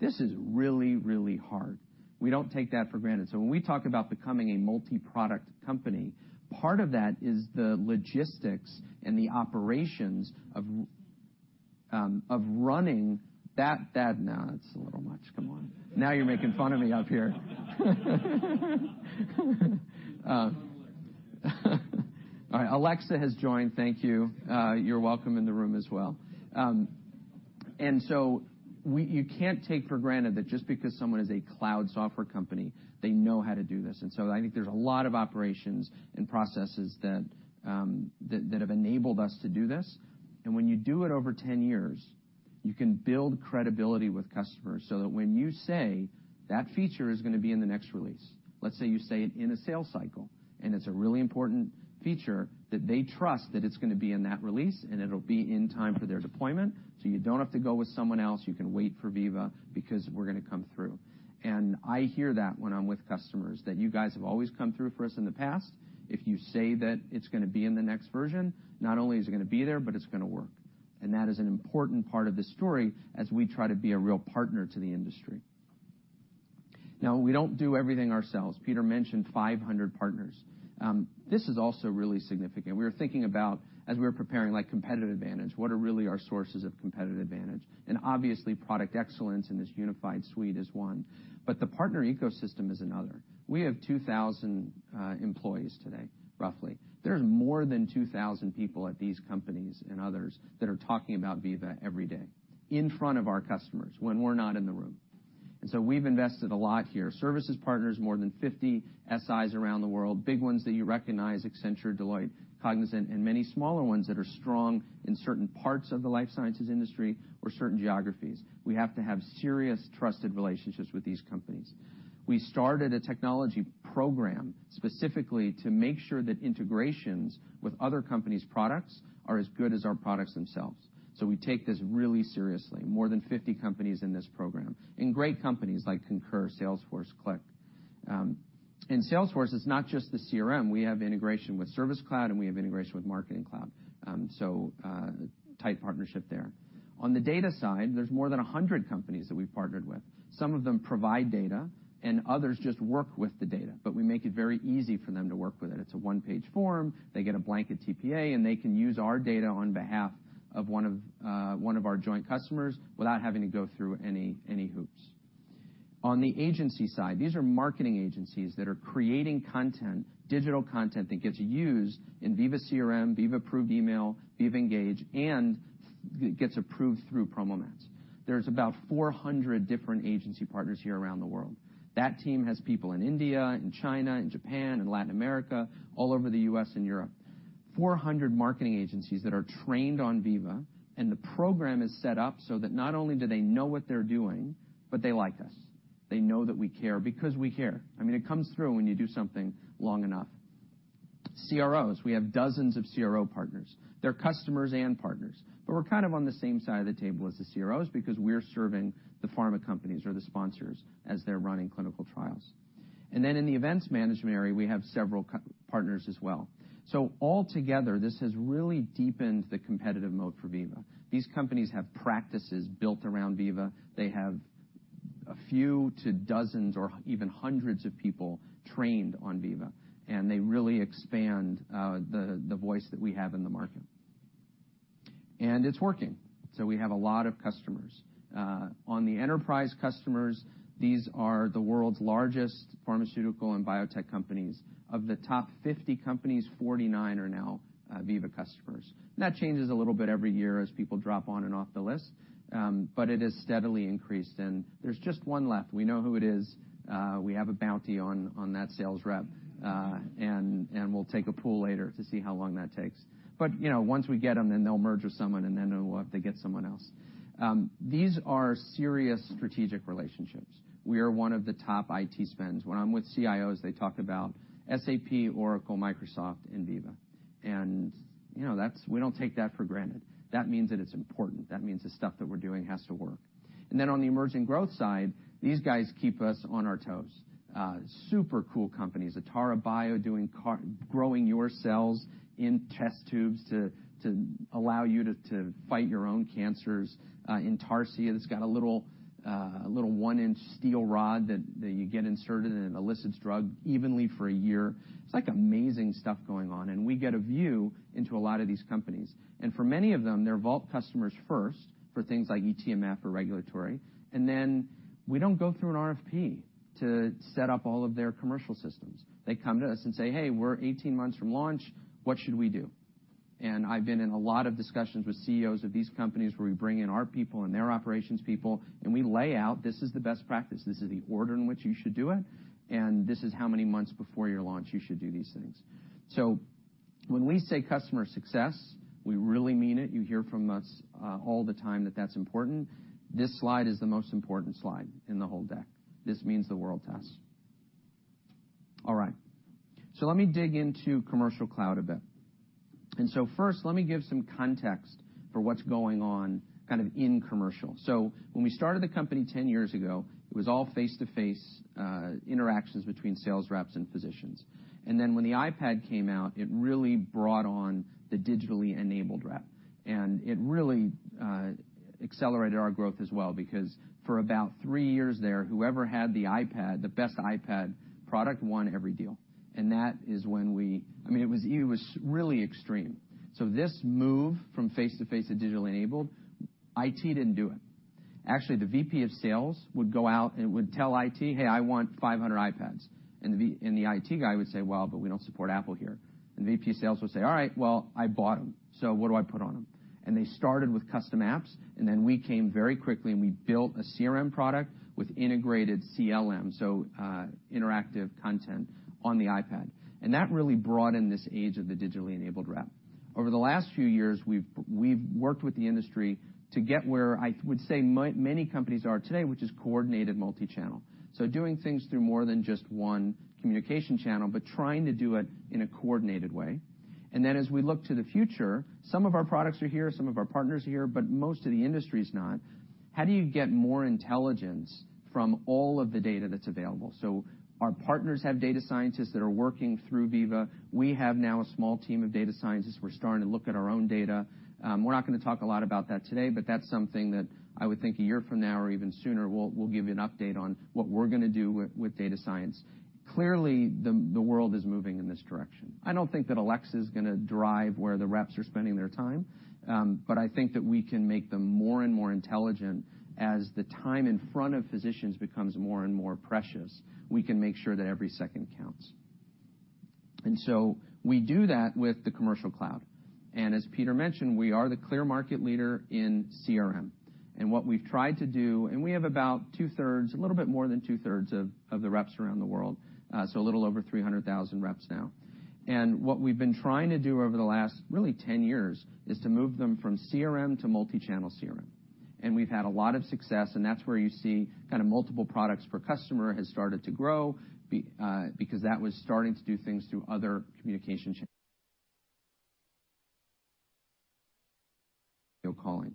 This is really, really hard. We don't take that for granted. When we talk about becoming a multi-product company, part of that is the logistics and the operations of running that No, that's a little much. Come on. Now you're making fun of me up here. All right. Alexa has joined. Thank you. You're welcome in the room as well. You can't take for granted that just because someone is a cloud software company, they know how to do this. I think there's a lot of operations and processes that have enabled us to do this. When you do it over 10 years, you can build credibility with customers so that when you say, "That feature is going to be in the next release," let's say you say it in a sales cycle, and it's a really important feature that they trust that it's going to be in that release, and it'll be in time for their deployment, so you don't have to go with someone else. You can wait for Veeva because we're going to come through. I hear that when I'm with customers, that, "You guys have always come through for us in the past. That is an important part of this story as we try to be a real partner to the industry. We do not do everything ourselves. Peter mentioned 500 partners. This is also really significant. We were thinking about as we were preparing competitive advantage, what are really our sources of competitive advantage? Obviously, product excellence in this unified suite is one. The partner ecosystem is another. We have 2,000 employees today, roughly. There is more than 2,000 people at these companies and others that are talking about Veeva every day in front of our customers when we are not in the room. We have invested a lot here. Services partners, more than 50 SIs around the world, big ones that you recognize, Accenture, Deloitte, Cognizant, and many smaller ones that are strong in certain parts of the life sciences industry or certain geographies. We have to have serious trusted relationships with these companies. We started a technology program specifically to make sure that integrations with other companies' products are as good as our products themselves. We take this really seriously. More than 50 companies in this program, and great companies like Concur, Salesforce, Qlik. In Salesforce, it is not just the CRM. We have integration with Service Cloud, and we have integration with Marketing Cloud. A tight partnership there. On the data side, there is more than 100 companies that we have partnered with. Some of them provide data, and others just work with the data, but we make it very easy for them to work with it. It is a one-page form. They get a blanket TPA, and they can use our data on behalf of one of our joint customers without having to go through any hoops. On the agency side, these are marketing agencies that are creating content, digital content that gets used in Veeva CRM, Veeva Approved Email, Veeva Engage, and gets approved through PromoMats. There is about 400 different agency partners here around the world. That team has people in India, in China, in Japan, in Latin America, all over the U.S. and Europe. 400 marketing agencies that are trained on Veeva, and the program is set up so that not only do they know what they are doing, but they like us. They know that we care because we care. It comes through when you do something long enough. CROs, we have dozens of CRO partners. They are customers and partners, but we are kind of on the same side of the table as the CROs because we are serving the pharma companies or the sponsors as they are running clinical trials. Then in the events management area, we have several partners as well. Altogether, this has really deepened the competitive moat for Veeva. These companies have practices built around Veeva. They have a few to dozens or even hundreds of people trained on Veeva, and they really expand the voice that we have in the market. It is working. We have a lot of customers. On the enterprise customers, these are the world's largest pharmaceutical and biotech companies. Of the top 50 companies, 49 are now Veeva customers. That changes a little bit every year as people drop on and off the list, but it has steadily increased, and there is just one left. We know who it is. We have a bounty on that sales rep, and we'll take a poll later to see how long that takes. Once we get them, then they'll merge with someone, and then they get someone else. These are serious strategic relationships. We are one of the top IT spends. When I'm with CIOs, they talk about SAP, Oracle, Microsoft, and Veeva. We don't take that for granted. That means that it's important. That means the stuff that we're doing has to work. On the emerging growth side, these guys keep us on our toes. Super cool companies. AtaraBio, growing your cells in test tubes to allow you to fight your own cancers. Intarcia, that's got a little one-inch steel rod that you get inserted, and it elicits drug evenly for a year. It's like amazing stuff going on, and we get a view into a lot of these companies. For many of them, they're Vault customers first for things like eTMF or regulatory, and then we don't go through an RFP to set up all of their commercial systems. They come to us and say, "Hey, we're 18 months from launch. What should we do?" I've been in a lot of discussions with CEOs of these companies where we bring in our people and their operations people, and we lay out, this is the best practice. This is the order in which you should do it, and this is how many months before your launch you should do these things. When we say customer success, we really mean it. You hear from us all the time that that's important. This slide is the most important slide in the whole deck. This means the world to us. All right. Let me dig into Commercial Cloud a bit. First, let me give some context for what's going on kind of in commercial. When we started the company 10 years ago, it was all face-to-face interactions between sales reps and physicians. When the iPad came out, it really brought on the digitally enabled rep, and it really accelerated our growth as well, because for about three years there, whoever had the iPad, the best iPad product won every deal. It was really extreme. This move from face-to-face to digitally enabled, IT didn't do it. Actually, the VP of sales would go out and would tell IT, "Hey, I want 500 iPads." The IT guy would say, "Well, but we don't support Apple here." The VP of sales would say, "All right, well, I bought them, so what do I put on them?" They started with custom apps, and then we came very quickly, and we built a CRM product with integrated CLM, so interactive content on the iPad. That really brought in this age of the digitally enabled rep. Over the last few years, we've worked with the industry to get where I would say many companies are today, which is coordinated multi-channel. Doing things through more than just one communication channel, but trying to do it in a coordinated way. As we look to the future, some of our products are here, some of our partners are here, but most of the industry is not. How do you get more intelligence from all of the data that's available? Our partners have data scientists that are working through Veeva. We have now a small team of data scientists. We're starting to look at our own data. We're not going to talk a lot about that today, but that's something that I would think a year from now or even sooner, we'll give you an update on what we're going to do with data science. Clearly, the world is moving in this direction. I don't think that Alexa is going to drive where the reps are spending their time, but I think that we can make them more and more intelligent as the time in front of physicians becomes more and more precious. We can make sure that every second counts. We do that with the Commercial Cloud. As Peter mentioned, we are the clear market leader in CRM. What we've tried to do, and we have about two-thirds, a little bit more than two-thirds of the reps around the world, so a little over 300,000 reps now. What we've been trying to do over the last really 10 years is to move them from CRM to multi-channel CRM. We've had a lot of success, and that's where you see multiple products per customer has started to grow, because that was starting to do things through other communication channels, calling.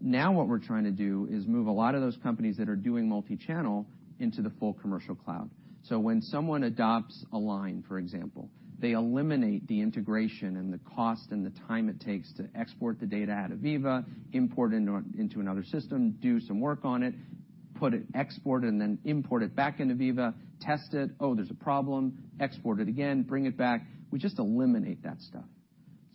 Now what we're trying to do is move a lot of those companies that are doing multi-channel into the full Commercial Cloud. When someone adopts Align, for example, they eliminate the integration and the cost and the time it takes to export the data out of Veeva, import into another system, do some work on it, export it, and then import it back into Veeva, test it. Oh, there's a problem, export it again, bring it back. We just eliminate that stuff.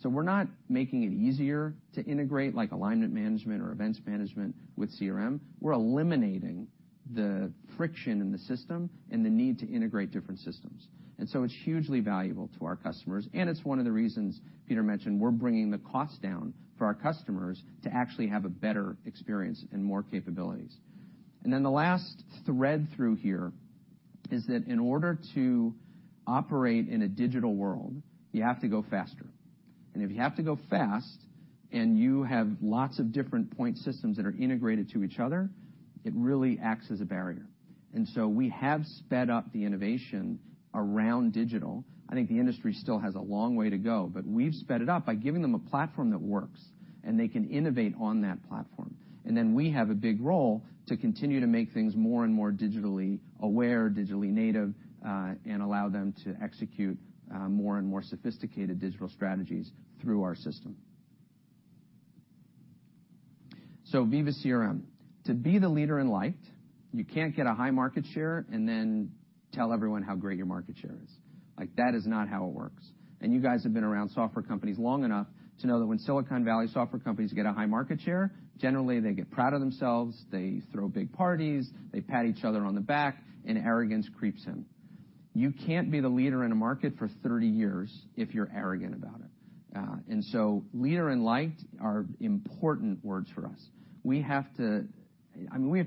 We're not making it easier to integrate like alignment management or events management with CRM. We're eliminating the friction in the system and the need to integrate different systems. It's hugely valuable to our customers, and it's one of the reasons Peter mentioned we're bringing the cost down for our customers to actually have a better experience and more capabilities. The last thread through here is that in order to operate in a digital world, you have to go faster. If you have to go fast and you have lots of different point systems that are integrated to each other, it really acts as a barrier. We have sped up the innovation around digital. I think the industry still has a long way to go, but we've sped it up by giving them a platform that works, and they can innovate on that platform. We have a big role to continue to make things more and more digitally aware, digitally native, and allow them to execute more and more sophisticated digital strategies through our system. Veeva CRM. To be the leader and liked, you can't get a high market share and then tell everyone how great your market share is. That is not how it works. You guys have been around software companies long enough to know that when Silicon Valley software companies get a high market share, generally they get proud of themselves, they throw big parties, they pat each other on the back, and arrogance creeps in. You can't be the leader in a market for 30 years if you're arrogant about it. Leader and liked are important words for us. We have to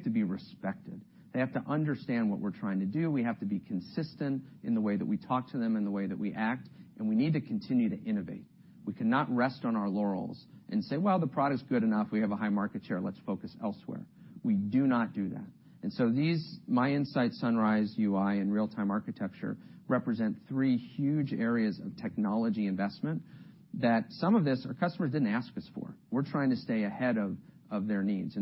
be respected. They have to understand what we're trying to do. We have to be consistent in the way that we talk to them, in the way that we act, and we need to continue to innovate. We cannot rest on our laurels and say, "Well, the product is good enough. We have a high market share. Let's focus elsewhere." We do not do that. These, MyInsights, Sunrise UI, and real-time architecture represent three huge areas of technology investment that some of this our customers didn't ask us for. We're trying to stay ahead of their needs.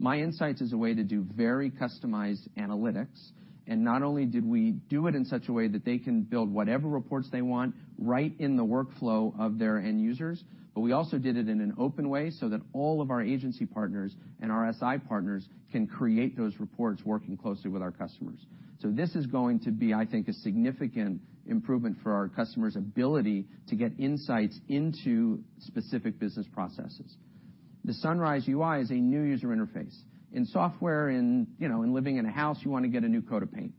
MyInsights is a way to do very customized analytics. Not only did we do it in such a way that they can build whatever reports they want right in the workflow of their end users, but we also did it in an open way so that all of our agency partners and our SI partners can create those reports working closely with our customers. This is going to be, I think, a significant improvement for our customers' ability to get insights into specific business processes. The Sunrise UI is a new user interface. In software, in living in a house, you want to get a new coat of paint.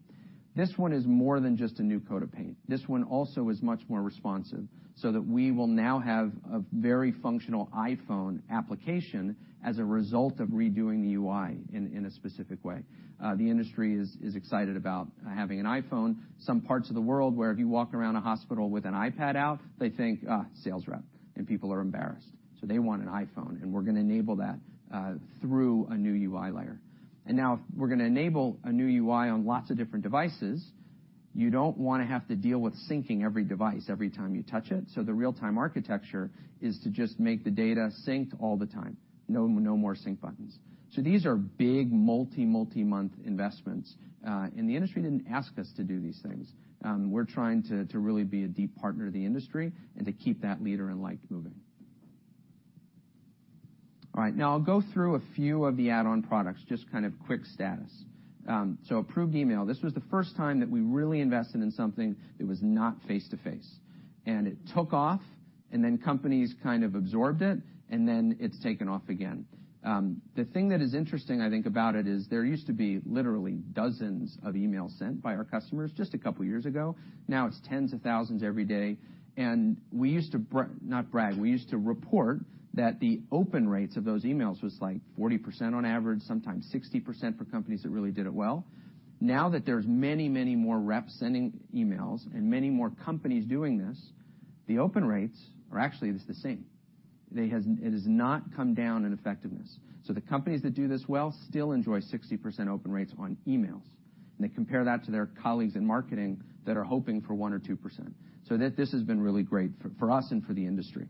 This one is more than just a new coat of paint. This one also is much more responsive so that we will now have a very functional iPhone application as a result of redoing the UI in a specific way. The industry is excited about having an iPhone. Some parts of the world where if you walk around a hospital with an iPad out, they think, "Ah, sales rep," and people are embarrassed. They want an iPhone, and we're going to enable that through a new UI layer. Now we're going to enable a new UI on lots of different devices. You don't want to have to deal with syncing every device every time you touch it. The real-time architecture is to just make the data synced all the time. No more sync buttons. These are big multi-month investments. The industry didn't ask us to do these things. We're trying to really be a deep partner to the industry and to keep that leader and liked moving. All right, now I'll go through a few of the add-on products, just kind of quick status. Approved Email. This was the first time that we really invested in something that was not face-to-face. It took off, then companies kind of absorbed it, then it's taken off again. The thing that is interesting, I think, about it is there used to be literally dozens of emails sent by our customers just a couple of years ago. Now it's tens of thousands every day. We used to, not brag, we used to report that the open rates of those emails was like 40% on average, sometimes 60% for companies that really did it well. Now that there's many more reps sending emails and many more companies doing this, the open rates are actually the same. It has not come down in effectiveness. The companies that do this well still enjoy 60% open rates on emails, and they compare that to their colleagues in marketing that are hoping for 1% or 2%. This has been really great for us and for the industry.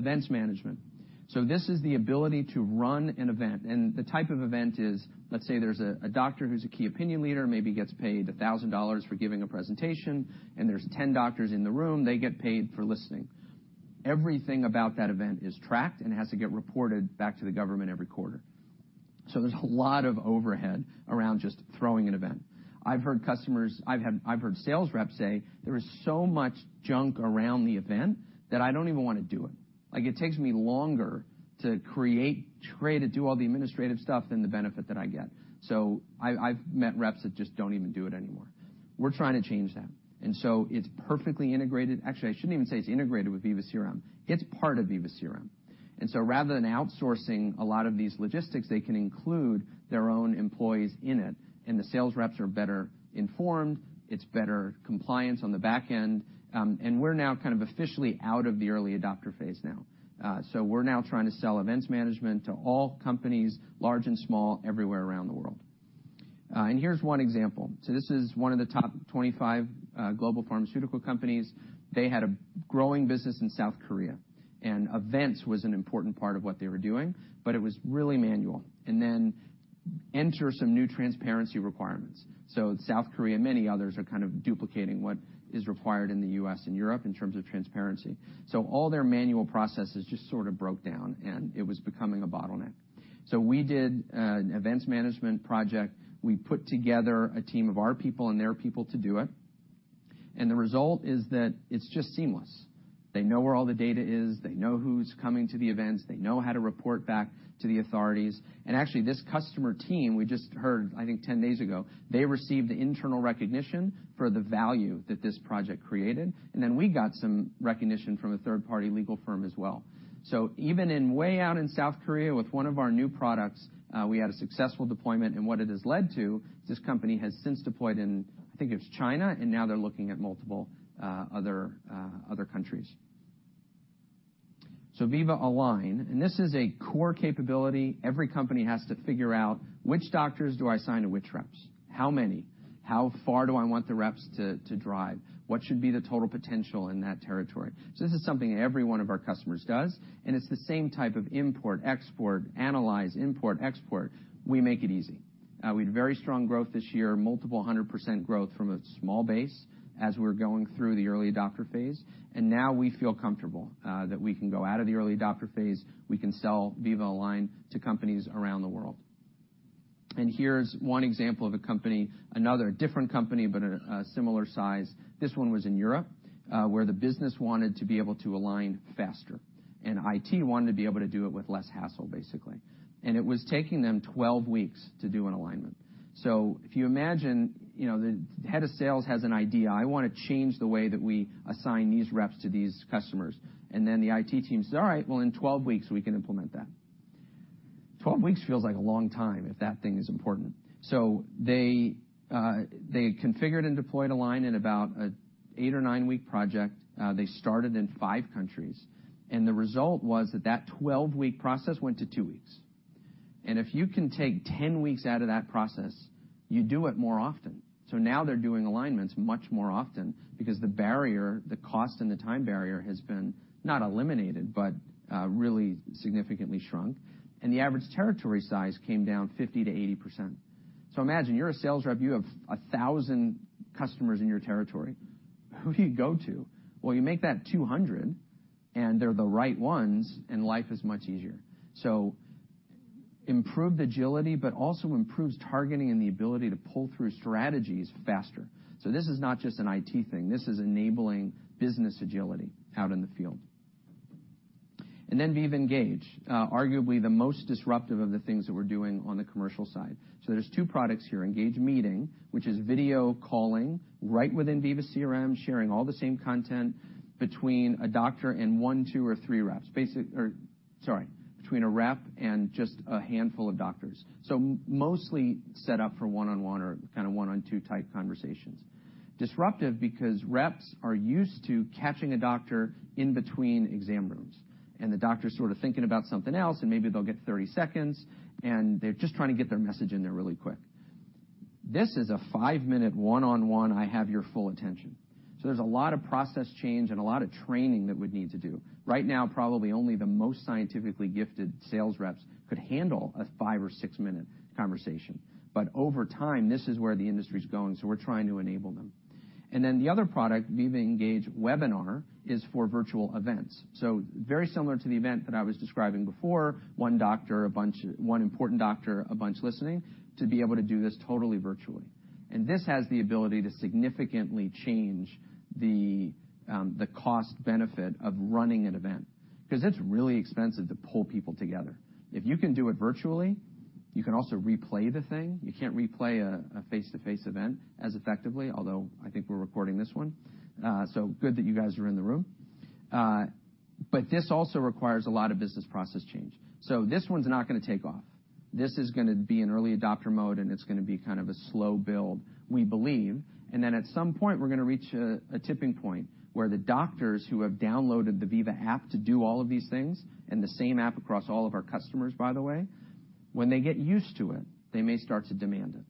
Events management. This is the ability to run an event, and the type of event is, let's say there's a doctor who's a key opinion leader, maybe gets paid $1,000 for giving a presentation, and there's 10 doctors in the room. They get paid for listening. Everything about that event is tracked and has to get reported back to the government every quarter. There's a lot of overhead around just throwing an event. I've heard sales reps say, "There is so much junk around the event that I don't even want to do it. It takes me longer to create, try to do all the administrative stuff than the benefit that I get." I've met reps that just don't even do it anymore. We're trying to change that, it's perfectly integrated. Actually, I shouldn't even say it's integrated with Veeva CRM. It's part of Veeva CRM. Rather than outsourcing a lot of these logistics, they can include their own employees in it, and the sales reps are better informed, it's better compliance on the back end. We're now officially out of the early adopter phase now. We're now trying to sell events management to all companies, large and small, everywhere around the world. Here's one example. This is one of the top 25 global pharmaceutical companies. They had a growing business in South Korea, events was an important part of what they were doing, but it was really manual. Then enter some new transparency requirements. South Korea, many others, are kind of duplicating what is required in the U.S. and Europe in terms of transparency. All their manual processes just sort of broke down, and it was becoming a bottleneck. We did an events management project. We put together a team of our people and their people to do it. The result is that it's just seamless. They know where all the data is. They know who's coming to the events. They know how to report back to the authorities. Actually, this customer team, we just heard, I think 10 days ago, they received internal recognition for the value that this project created. We got some recognition from a third-party legal firm as well. Even way out in South Korea with one of our new products, we had a successful deployment. What it has led to, this company has since deployed in, I think it's China, and now they're looking at multiple other countries. Veeva Align, this is a core capability. Every company has to figure out which doctors do I assign to which reps, how many, how far do I want the reps to drive? What should be the total potential in that territory? This is something every one of our customers does, and it's the same type of import, export, analyze, import, export. We make it easy. We had very strong growth this year, multiple 100% growth from a small base as we're going through the early adopter phase. Now we feel comfortable that we can go out of the early adopter phase. We can sell Veeva Align to companies around the world. Here's one example of a company, another different company, but a similar size. This one was in Europe, where the business wanted to be able to align faster, and IT wanted to be able to do it with less hassle, basically. It was taking them 12 weeks to do an alignment. If you imagine, the head of sales has an idea. "I want to change the way that we assign these reps to these customers." The IT team says, "All right. Well, in 12 weeks, we can implement that." 12 weeks feels like a long time if that thing is important. They configured and deployed Align in about an eight or nine-week project. They started in five countries. The result was that that 12-week process went to two weeks. If you can take 10 weeks out of that process, you do it more often. Now they're doing alignments much more often because the barrier, the cost and the time barrier, has been not eliminated, but really significantly shrunk. The average territory size came down 50%-80%. Imagine you're a sales rep, you have 1,000 customers in your territory. Who do you go to? Well, you make that 200 and they're the right ones, and life is much easier. Improved agility, but also improves targeting and the ability to pull through strategies faster. This is not just an IT thing. This is enabling business agility out in the field. Veeva Engage, arguably the most disruptive of the things that we're doing on the commercial side. There's two products here, Engage Meeting, which is video calling right within Veeva CRM, sharing all the same content between a rep and just a handful of doctors. Mostly set up for one-on-one or one-on-two type conversations. Disruptive because reps are used to catching a doctor in between exam rooms, and the doctor's sort of thinking about something else, and maybe they'll get 30 seconds, and they're just trying to get their message in there really quick. This is a five-minute one-on-one, I have your full attention. There's a lot of process change and a lot of training that we'd need to do. Right now, probably only the most scientifically gifted sales reps could handle a five or six-minute conversation. Over time, this is where the industry is going, so we're trying to enable them. The other product, Veeva Engage Webinar, is for virtual events. Very similar to the event that I was describing before, one important doctor, a bunch listening, to be able to do this totally virtually. This has the ability to significantly change the cost benefit of running an event because it's really expensive to pull people together. If you can do it virtually, you can also replay the thing. You can't replay a face-to-face event as effectively, although I think we're recording this one. Good that you guys are in the room. This also requires a lot of business process change. This one's not going to take off. This is going to be in early adopter mode, and it's going to be kind of a slow build, we believe. At some point, we're going to reach a tipping point where the doctors who have downloaded the Veeva app to do all of these things, and the same app across all of our customers, by the way, when they get used to it, they may start to demand it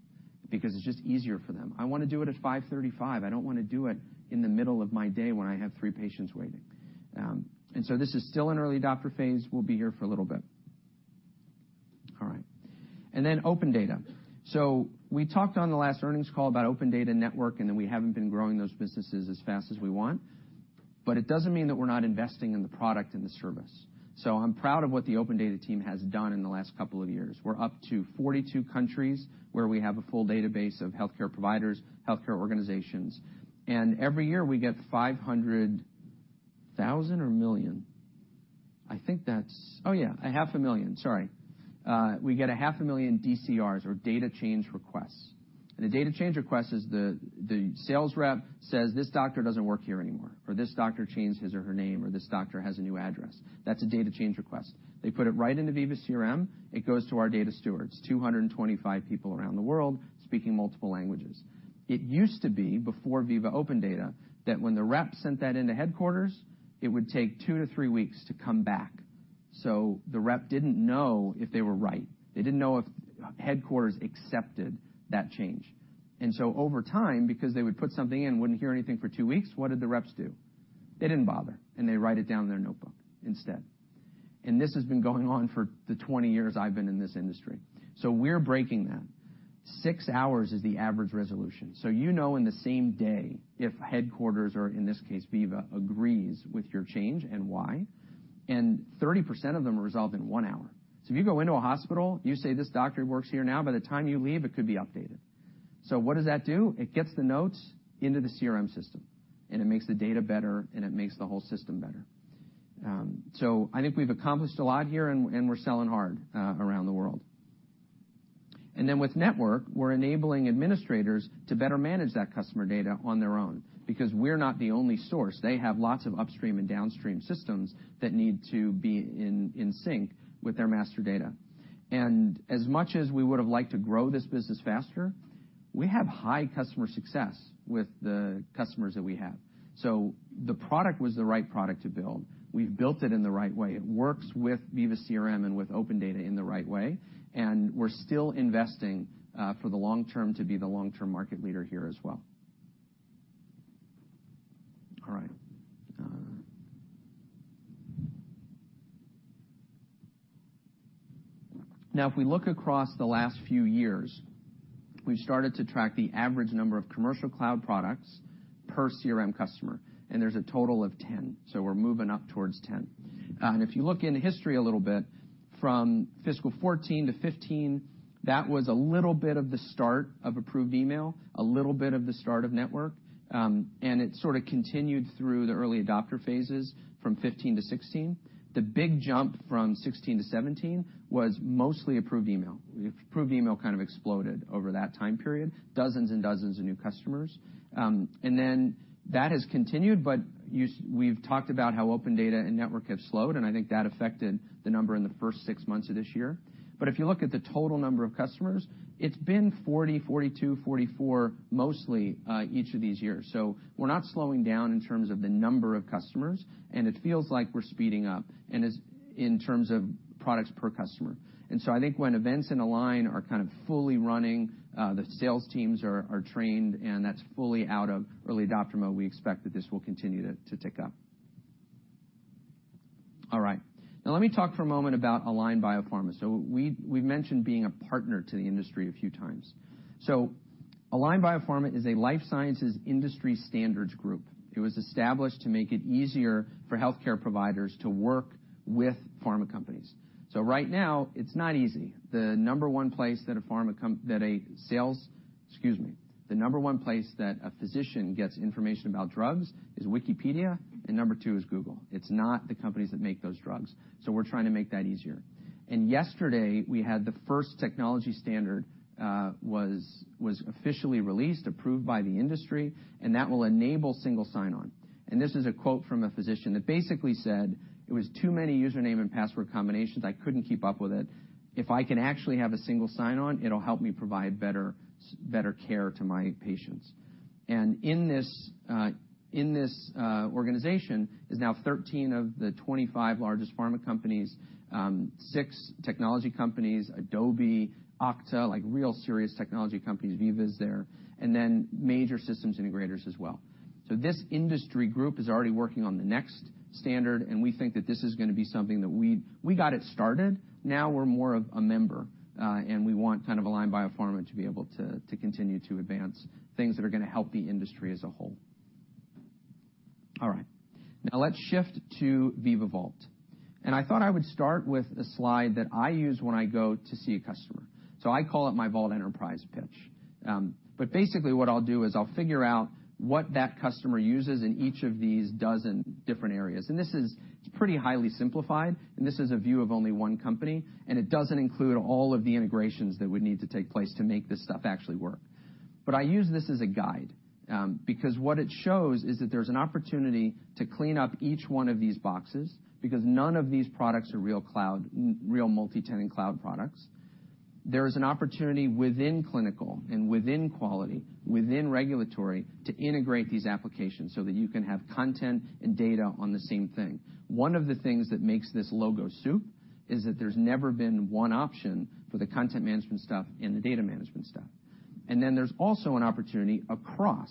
because it's just easier for them. I want to do it at 5:35. I don't want to do it in the middle of my day when I have three patients waiting. This is still in early adopter phase. We'll be here for a little bit. All right. OpenData. We talked on the last earnings call about OpenData and Network, and that we haven't been growing those businesses as fast as we want. It doesn't mean that we're not investing in the product and the service. I'm proud of what the OpenData team has done in the last couple of years. We're up to 42 countries where we have a full database of healthcare providers, healthcare organizations, and every year we get a half a million DCRs or Data Change Requests. A Data Change Request is the sales rep says, "This doctor doesn't work here anymore," or, "This doctor changed his or her name," or, "This doctor has a new address." That's a Data Change Request. They put it right into Veeva CRM. It goes to our data stewards, 225 people around the world speaking multiple languages. It used to be, before Veeva OpenData, that when the rep sent that into headquarters, it would take two to three weeks to come back. The rep didn't know if they were right. They didn't know if headquarters accepted that change. Over time, because they would put something in, wouldn't hear anything for two weeks, what did the reps do? They didn't bother, and they write it down in their notebook instead. This has been going on for the 20 years I've been in this industry. We're breaking that. Six hours is the average resolution. You know in the same day if headquarters, or in this case Veeva, agrees with your change and why. 30% of them are resolved in one hour. If you go into a hospital, you say, "This doctor works here now," by the time you leave, it could be updated. What does that do? It gets the notes into the CRM system, and it makes the data better, and it makes the whole system better. I think we've accomplished a lot here, and we're selling hard around the world. With Veeva Network, we're enabling administrators to better manage that customer data on their own because we're not the only source. They have lots of upstream and downstream systems that need to be in sync with their master data. As much as we would've liked to grow this business faster, we have high customer success with the customers that we have. The product was the right product to build. We've built it in the right way. It works with Veeva CRM and with Veeva OpenData in the right way. We're still investing for the long term to be the long-term market leader here as well. All right. If we look across the last few years, we've started to track the average number of Veeva Commercial Cloud products per CRM customer, and there's a total of 10. We're moving up towards 10. If you look into history a little bit, from fiscal 2014 to 2015, that was a little bit of the start of Veeva Approved Email, a little bit of the start of Veeva Network, and it sort of continued through the early adopter phases from 2015 to 2016. The big jump from 2016 to 2017 was mostly Veeva Approved Email. Veeva Approved Email kind of exploded over that time period, dozens and dozens of new customers. That has continued, but we've talked about how Veeva OpenData and Veeva Network have slowed. I think that affected the number in the first six months of this year. If you look at the total number of customers, it's been 40, 42, 44, mostly, each of these years. We're not slowing down in terms of the number of customers, and it feels like we're speeding up in terms of products per customer. I think when events and Align are kind of fully running, the sales teams are trained, and that's fully out of early adopter mode, we expect that this will continue to tick up. All right. Let me talk for a moment about Align Biopharma. We've mentioned being a partner to the industry a few times. Align Biopharma is a life sciences industry standards group. It was established to make it easier for healthcare providers to work with pharma companies. Right now, it's not easy. The number one place that a physician gets information about drugs is Wikipedia. Number two is Google. It's not the companies that make those drugs. We're trying to make that easier. Yesterday, we had the first technology standard was officially released, approved by the industry, and that will enable single sign-on. This is a quote from a physician that basically said, "It was too many username and password combinations. I couldn't keep up with it. If I can actually have a single sign-on, it'll help me provide better care to my patients." In this organization is now 13 of the 25 largest pharma companies, six technology companies, Adobe, Okta, like real serious technology companies. Veeva is there, and then major systems integrators as well. This industry group is already working on the next standard, and we think that this is going to be something that we got it started, now we're more of a member, and we want Align Biopharma to be able to continue to advance things that are going to help the industry as a whole. All right. I thought I would start with a slide that I use when I go to see a customer. I call it my Vault Enterprise pitch. Basically what I'll do is I'll figure out what that customer uses in each of these 12 different areas. This is pretty highly simplified, and this is a view of only one company, and it doesn't include all of the integrations that would need to take place to make this stuff actually work. I use this as a guide, because what it shows is that there's an opportunity to clean up each one of these boxes because none of these products are real multi-tenant cloud products. There is an opportunity within clinical and within quality, within regulatory to integrate these applications so that you can have content and data on the same thing. One of the things that makes this logo soup is that there's never been one option for the content management stuff and the data management stuff. There's also an opportunity across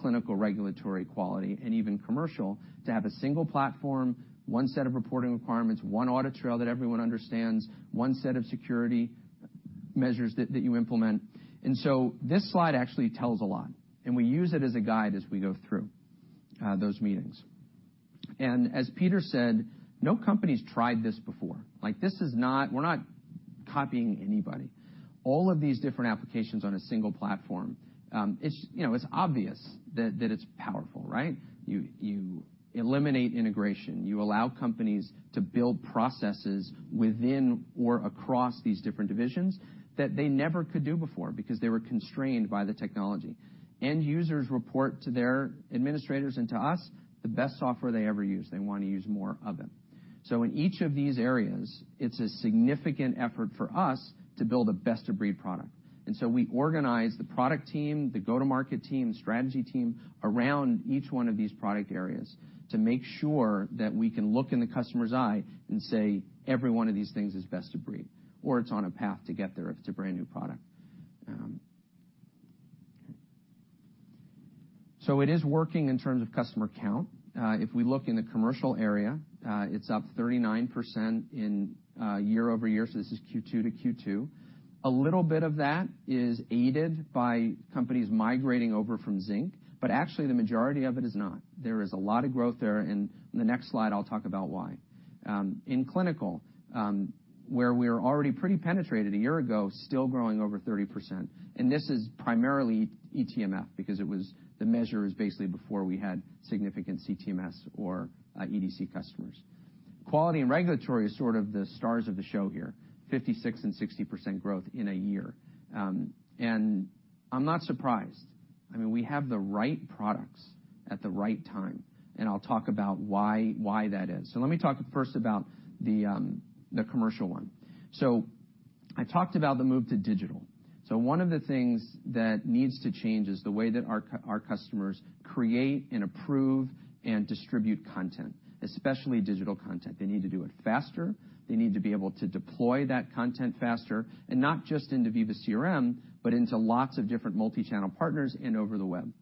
clinical regulatory quality and even commercial to have a single platform, one set of reporting requirements, one audit trail that everyone understands, one set of security measures that you implement. This slide actually tells a lot, and we use it as a guide as we go through those meetings. As Peter said, no company's tried this before. We're not copying anybody. All of these different applications on a single platform, it's obvious that it's powerful, right? You eliminate integration. You allow companies to build processes within or across these different divisions that they never could do before because they were constrained by the technology. End users report to their administrators and to us the best software they ever use. They want to use more of it. In each of these areas, it's a significant effort for us to build a best-of-breed product. We organize the product team, the go-to-market team, the strategy team around each one of these product areas to make sure that we can look in the customer's eye and say, "Every one of these things is best-of-breed," or it's on a path to get there if it's a brand-new product. It is working in terms of customer count. If we look in the commercial area, it's up 39% in year-over-year. This is Q2 to Q2. A little bit of that is aided by companies migrating over from Zinc, but actually the majority of it is not. There is a lot of growth there, and in the next slide I'll talk about why. In clinical, where we were already pretty penetrated a year ago, still growing over 30%. This is primarily eTMF because the measure is basically before we had significant CTMS or EDC customers. Quality and regulatory is sort of the stars of the show here, 56% and 60% growth in a year. I'm not surprised. I mean, we have the right products at the right time, and I'll talk about why that is. Let me talk first about the commercial one. I talked about the move to digital. One of the things that needs to change is the way that our customers create and approve and distribute content, especially digital content. They need to do it faster. They need to be able to deploy that content faster, and not just into Veeva CRM, but into lots of different multi-channel partners and over the web.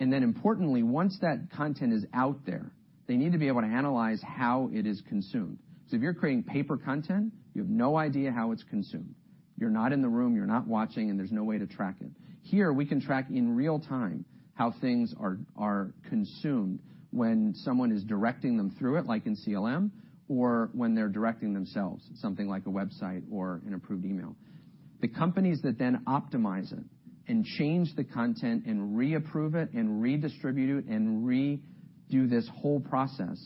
Importantly, once that content is out there, they need to be able to analyze how it is consumed. If you're creating paper content, you have no idea how it's consumed. You're not in the room, you're not watching, and there's no way to track it. Here, we can track in real time how things are consumed when someone is directing them through it, like in CLM, or when they're directing themselves, something like a website or an approved email. The companies that optimize it and change the content and reapprove it and redistribute it and redo this whole process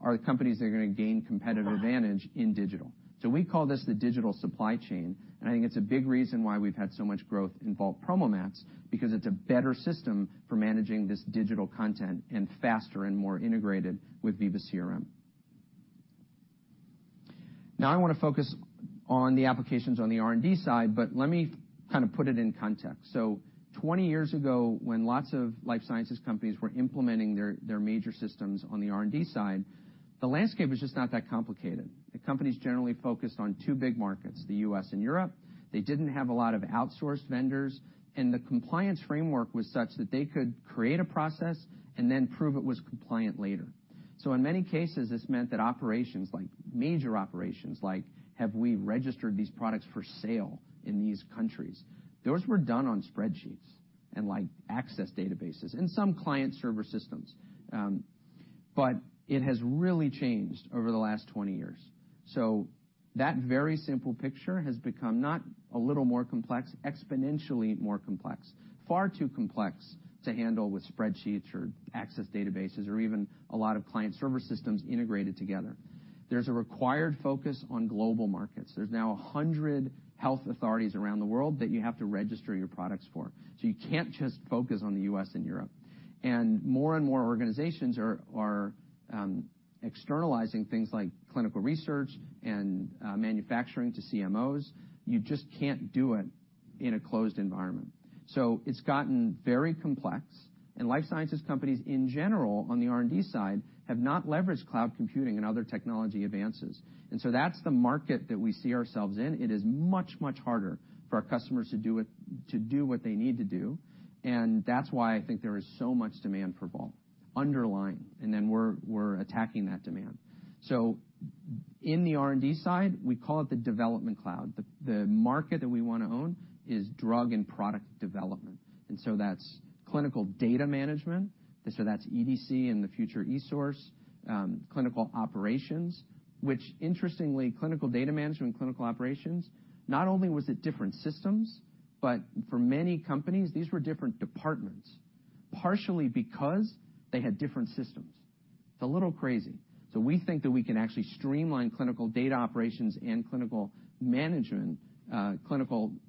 are the companies that are going to gain competitive advantage in digital. We call this the digital supply chain, and I think it's a big reason why we've had so much growth in Vault PromoMats because it's a better system for managing this digital content and faster and more integrated with Veeva CRM. I want to focus on the applications on the R&D side, but let me kind of put it in context. 20 years ago, when lots of life sciences companies were implementing their major systems on the R&D side, the landscape was just not that complicated. The companies generally focused on two big markets, the U.S. and Europe. They didn't have a lot of outsourced vendors. The compliance framework was such that they could create a process and then prove it was compliant later. In many cases, this meant that operations, like major operations, like have we registered these products for sale in these countries, those were done on spreadsheets and Access databases and some client server systems. It has really changed over the last 20 years. That very simple picture has become not a little more complex, exponentially more complex, far too complex to handle with spreadsheets or Access databases or even a lot of client server systems integrated together. There's a required focus on global markets. There's now 100 health authorities around the world that you have to register your products for. You can't just focus on the U.S. and Europe. More and more organizations are externalizing things like clinical research and manufacturing to CMOs. You just can't do it in a closed environment. It's gotten very complex. Life sciences companies in general, on the R&D side, have not leveraged cloud computing and other technology advances. That's the market that we see ourselves in. It is much, much harder for our customers to do what they need to do. That's why I think there is so much demand for Vault underlying. We're attacking that demand. In the R&D side, we call it the development cloud. The market that we want to own is drug and product development. That's clinical data management, and so that's EDC and the future eSource, clinical operations, which interestingly, clinical data management and clinical operations, not only was it different systems, but for many companies, these were different departments, partially because they had different systems. It's a little crazy. We think that we can actually streamline clinical data operations and clinical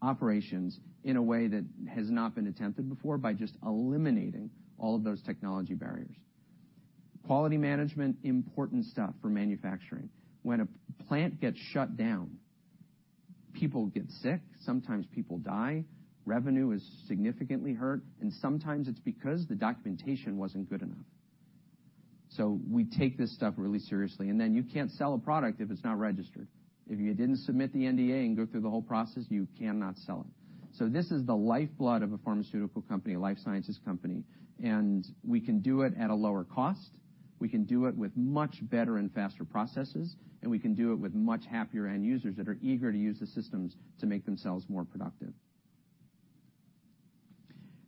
operations in a way that has not been attempted before by just eliminating all of those technology barriers. Quality management, important stuff for manufacturing. When a plant gets shut down, people get sick. Sometimes people die. Revenue is significantly hurt, and sometimes it's because the documentation wasn't good enough. We take this stuff really seriously. Then you can't sell a product if it's not registered. If you didn't submit the NDA and go through the whole process, you cannot. This is the lifeblood of a pharmaceutical company, a life sciences company, and we can do it at a lower cost. We can do it with much better and faster processes, and we can do it with much happier end users that are eager to use the systems to make themselves more productive.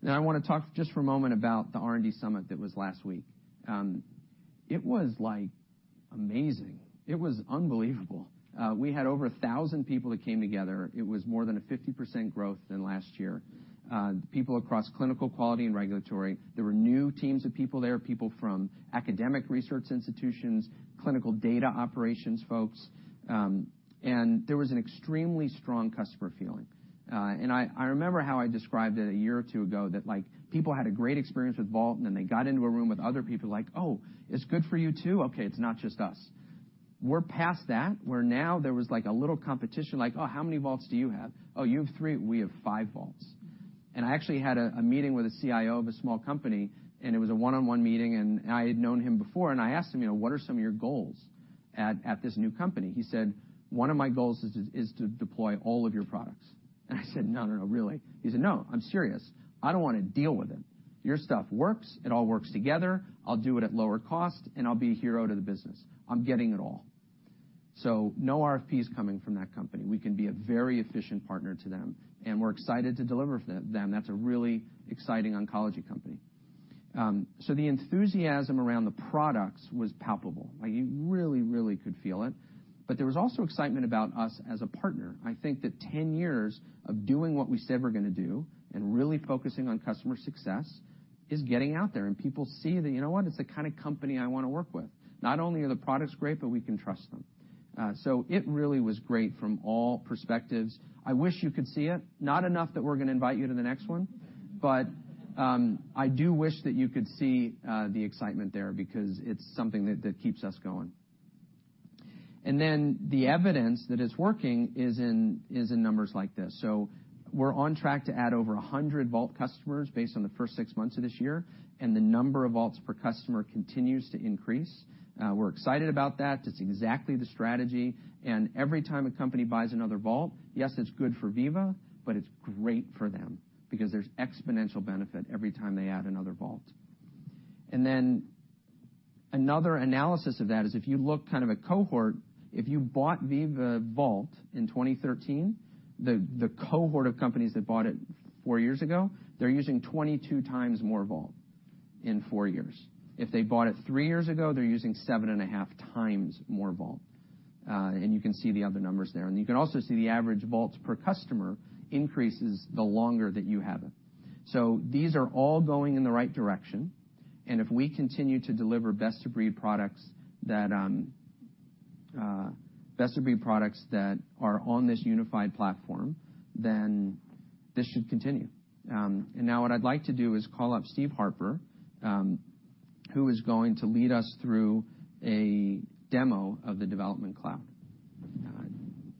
I want to talk just for a moment about the R&D summit that was last week. It was amazing. It was unbelievable. We had over 1,000 people that came together. It was more than a 50% growth than last year. People across clinical quality and regulatory. There were new teams of people there, people from academic research institutions, clinical data operations folks. There was an extremely strong customer feeling. I remember how I described it a year or two ago, that people had a great experience with Vault, and then they got into a room with other people like, "Oh, it's good for you too? Okay, it's not just us." We're past that. Where now there was a little competition like, "Oh, how many Vaults do you have? Oh, you have three. We have five Vaults." I actually had a meeting with a CIO of a small company, and it was a one-on-one meeting, and I had known him before. I asked him, "What are some of your goals at this new company?" He said, "One of my goals is to deploy all of your products." I said, "No, really?" He said, "No, I'm serious. I don't want to deal with it. Your stuff works. It all works together. I'll do it at lower cost, and I'll be a hero to the business. I'm getting it all." No RFPs coming from that company. We can be a very efficient partner to them, and we're excited to deliver for them. That's a really exciting oncology company. The enthusiasm around the products was palpable. You really could feel it. There was also excitement about us as a partner. I think that 10 years of doing what we said we're going to do and really focusing on customer success is getting out there, and people see that, you know what? It's the kind of company I want to work with. Not only are the products great, but we can trust them. It really was great from all perspectives. I wish you could see it. Not enough that we're going to invite you to the next one, but I do wish that you could see the excitement there because it's something that keeps us going. The evidence that it's working is in numbers like this. We're on track to add over 100 Vault customers based on the first six months of this year, and the number of Vaults per customer continues to increase. We're excited about that. That's exactly the strategy. Every time a company buys another Vault, yes, it's good for Veeva, but it's great for them because there's exponential benefit every time they add another Vault. Another analysis of that is if you look kind of a cohort, if you bought Veeva Vault in 2013, the cohort of companies that bought it four years ago, they're using 22 times more Vault in four years. If they bought it three years ago, they're using 7.5 times more Vault. You can see the other numbers there. You can also see the average Vaults per customer increases the longer that you have it. These are all going in the right direction. If we continue to deliver best-of-breed products that are on this unified platform, then this should continue. Now what I'd like to do is call up Steve Harper, who is going to lead us through a demo of the Development Cloud.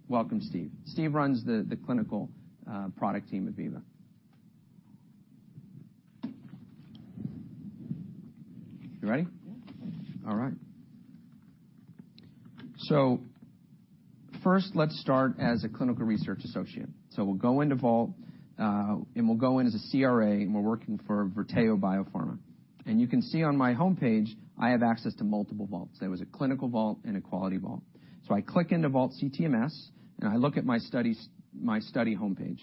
Welcome, Steve. Steve runs the clinical product team at Veeva. You ready? Yeah. All right. First, let's start as a clinical research associate. We'll go into Vault, and we'll go in as a CRA, and we're working for Verteo Biopharma. You can see on my homepage, I have access to multiple Vaults. There was a clinical Vault and a quality Vault. I click into Vault CTMS, and I look at my study homepage.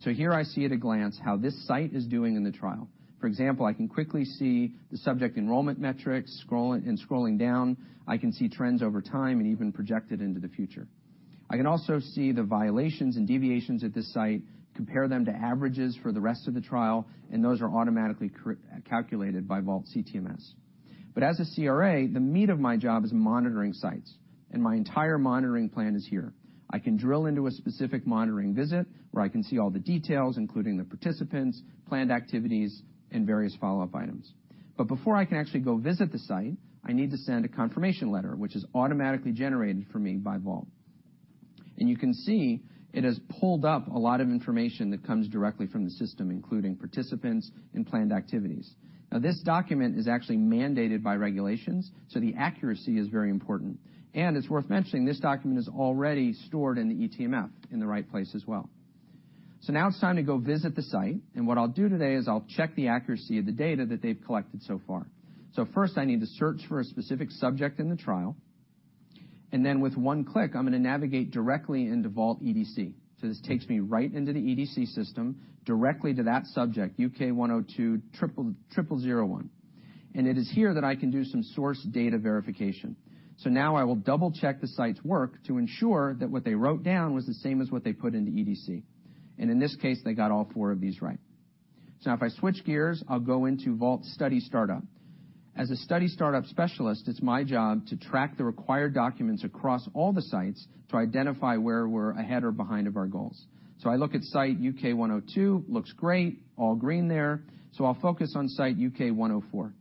Here I see at a glance how this site is doing in the trial. For example, I can quickly see the subject enrollment metrics. Scrolling down, I can see trends over time and even projected into the future. I can also see the violations and deviations at this site, compare them to averages for the rest of the trial, and those are automatically calculated by Vault CTMS. As a CRA, the meat of my job is monitoring sites, and my entire monitoring plan is here. I can drill into a specific monitoring visit where I can see all the details, including the participants, planned activities, and various follow-up items. Before I can actually go visit the site, I need to send a confirmation letter, which is automatically generated for me by Vault. You can see it has pulled up a lot of information that comes directly from the system, including participants and planned activities. This document is actually mandated by regulations, so the accuracy is very important. It's worth mentioning, this document is already stored in the eTMF in the right place as well. Now it's time to go visit the site. What I'll do today is I'll check the accuracy of the data that they've collected so far. First, I need to search for a specific subject in the trial. Then with one click, I'm going to navigate directly into Vault EDC. This takes me right into the EDC system directly to that subject, UK1020001. It is here that I can do some source data verification. Now I will double-check the site's work to ensure that what they wrote down was the same as what they put into EDC. In this case, they got all four of these right. Now if I switch gears, I'll go into Vault Study Startup. As a study startup specialist, it's my job to track the required documents across all the sites to identify where we're ahead or behind of our goals. I look at site UK102, looks great, all green there. I'll focus on site UK104.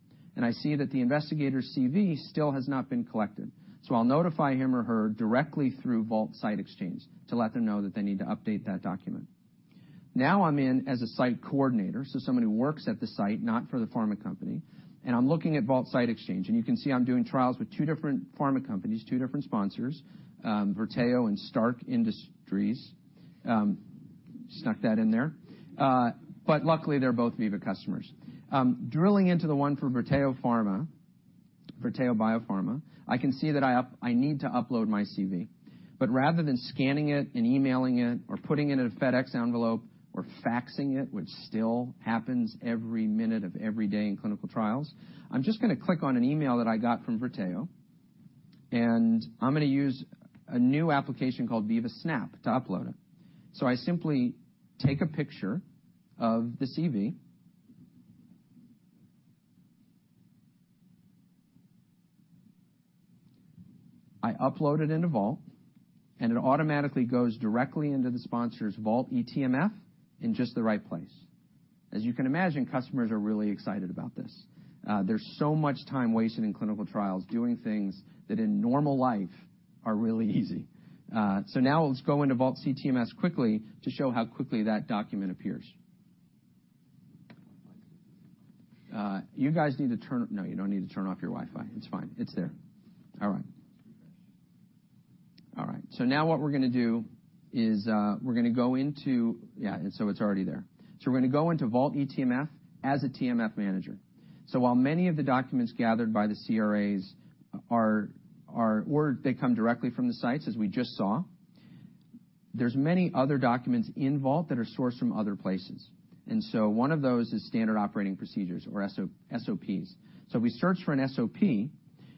Rather than scanning it and emailing it or putting it in a FedEx envelope or faxing it, which still happens every minute of every day in clinical trials, I'm just going to click on an email that I got from Verteo, and I'm going to use a new application called Veeva Snap to upload it. I simply take a picture of the CV. I upload it into Vault, and it automatically goes directly into the sponsor's Vault eTMF is we're going to go into Yeah, it's already there. We're going to go into Vault eTMF as a TMF manager. While many of the documents gathered by the CRAs are-- or they come directly from the sites, as we just saw, there's many other documents in Vault that are sourced from other places. One of those is standard operating procedures or SOPs. We search for an SOP.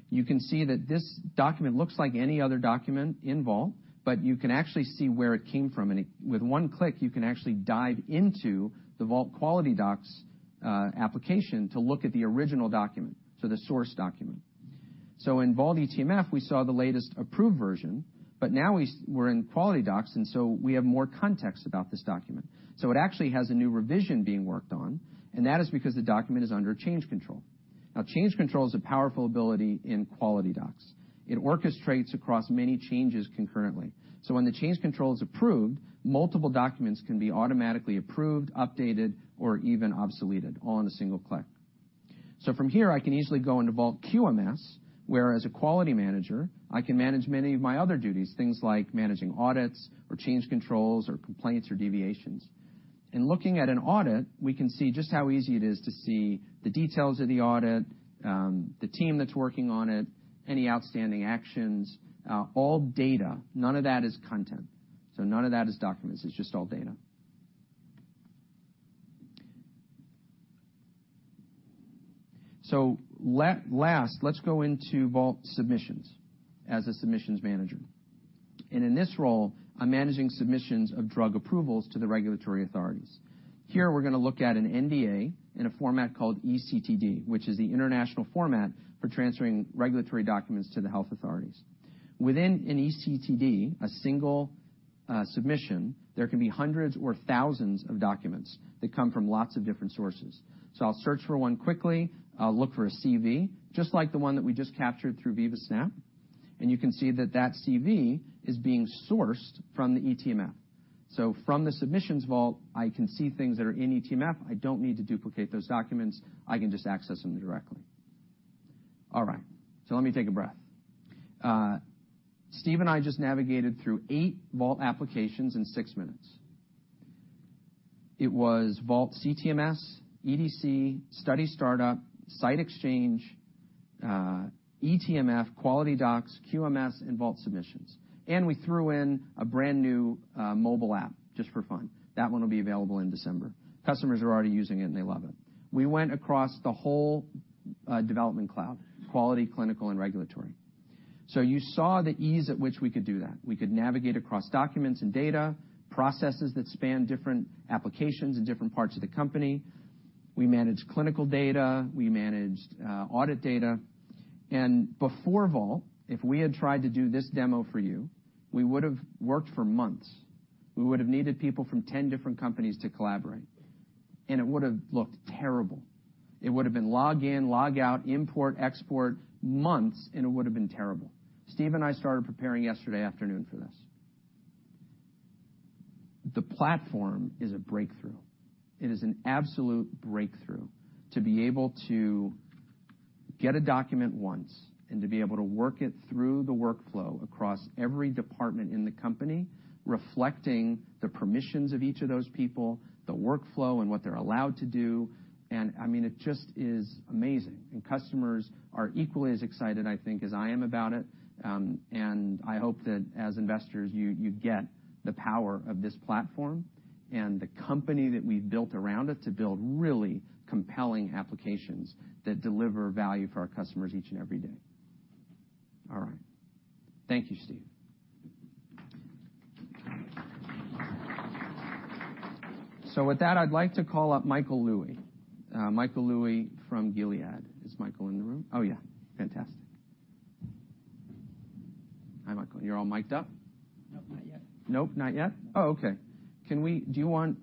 You can see that this document looks like any other document in Vault, but you can actually see where it came from. With one click, you can actually dive into the Vault QualityDocs application to look at the original document, so the source document. In Vault eTMF, we saw the latest approved version, but now we're in QualityDocs, we have more context about this document. It actually has a new revision being worked on, and that is because the document is under change control. Change control is a powerful ability in QualityDocs. It orchestrates across many changes concurrently. When the change control is approved, multiple documents can be automatically approved, updated, or even obsoleted all in a single click. From here, I can easily go into Vault QMS, where as a quality manager, I can manage many of my other duties, things like managing audits or change controls or complaints or deviations. In looking at an audit, we can see just how easy it is to see the details of the audit, the team that's working on it, any outstanding actions. All data, none of that is content. None of that is documents. It's just all data. Last, let's go into Vault Submissions as a submissions manager. In this role, I'm managing submissions of drug approvals to the regulatory authorities. Here, we're going to look at an NDA in a format called eCTD, which is the international format for transferring regulatory documents to the health authorities. Within an eCTD, a single submission, there can be hundreds or thousands of documents that come from lots of different sources. I'll search for one quickly. I'll look for a CV, just like the one that we just captured through Veeva Snap. You can see that that CV is being sourced from the eTMF. From the Submissions Vault, I can see things that are in eTMF. I don't need to duplicate those documents. I can just access them directly. All right. Let me take a breath. Steve and I just navigated through eight Vault applications in six minutes. It was Vault CTMS, EDC, Study Startup, SiteExchange, eTMF, QualityDocs, QMS, and Vault Submissions. We threw in a brand-new mobile app just for fun. That one will be available in December. Customers are already using it, and they love it. We went across the whole Development Cloud, quality, clinical, and regulatory. You saw the ease at which we could do that. We could navigate across documents and data, processes that span different applications and different parts of the company. We managed clinical data, we managed audit data. Before Vault, if we had tried to do this demo for you, we would have worked for months. We would have needed people from ten different companies to collaborate. It would have looked terrible. It would have been log in, log out, import, export, months, it would have been terrible. Steve and I started preparing yesterday afternoon for this. The platform is a breakthrough. It is an absolute breakthrough to be able to get a document once and to be able to work it through the workflow across every department in the company, reflecting the permissions of each of those people, the workflow and what they're allowed to do. I mean, it just is amazing. Customers are equally as excited, I think, as I am about it. I hope that as investors, you get the power of this platform and the company that we've built around it to build really compelling applications that deliver value for our customers each and every day. All right. Thank you, Steve. With that, I'd like to call up Michael Louie. Michael Louie from Gilead. Is Michael in the room? Oh, yeah. Fantastic. Hi, Michael. You're all mic'd up? Nope, not yet. Nope, not yet? Oh, okay. Do you want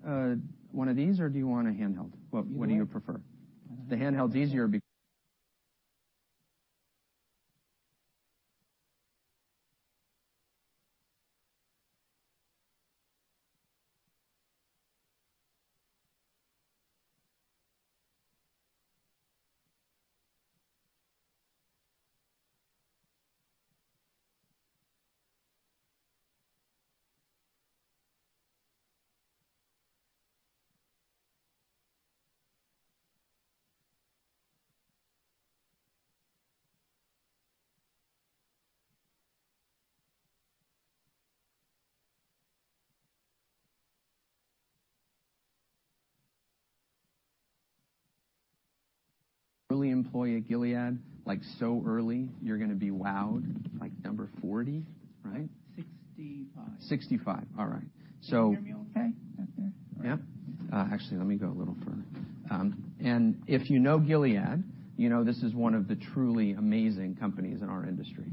one of these, or do you want a handheld? What do you prefer? The handheld's easier. Early employee at Gilead, like so early, you're going to be wowed. Like number 40, right? 65. 65. All right. Can you hear me okay back there? Yeah. Actually, let me go a little further. If you know Gilead, you know this is one of the truly amazing companies in our industry.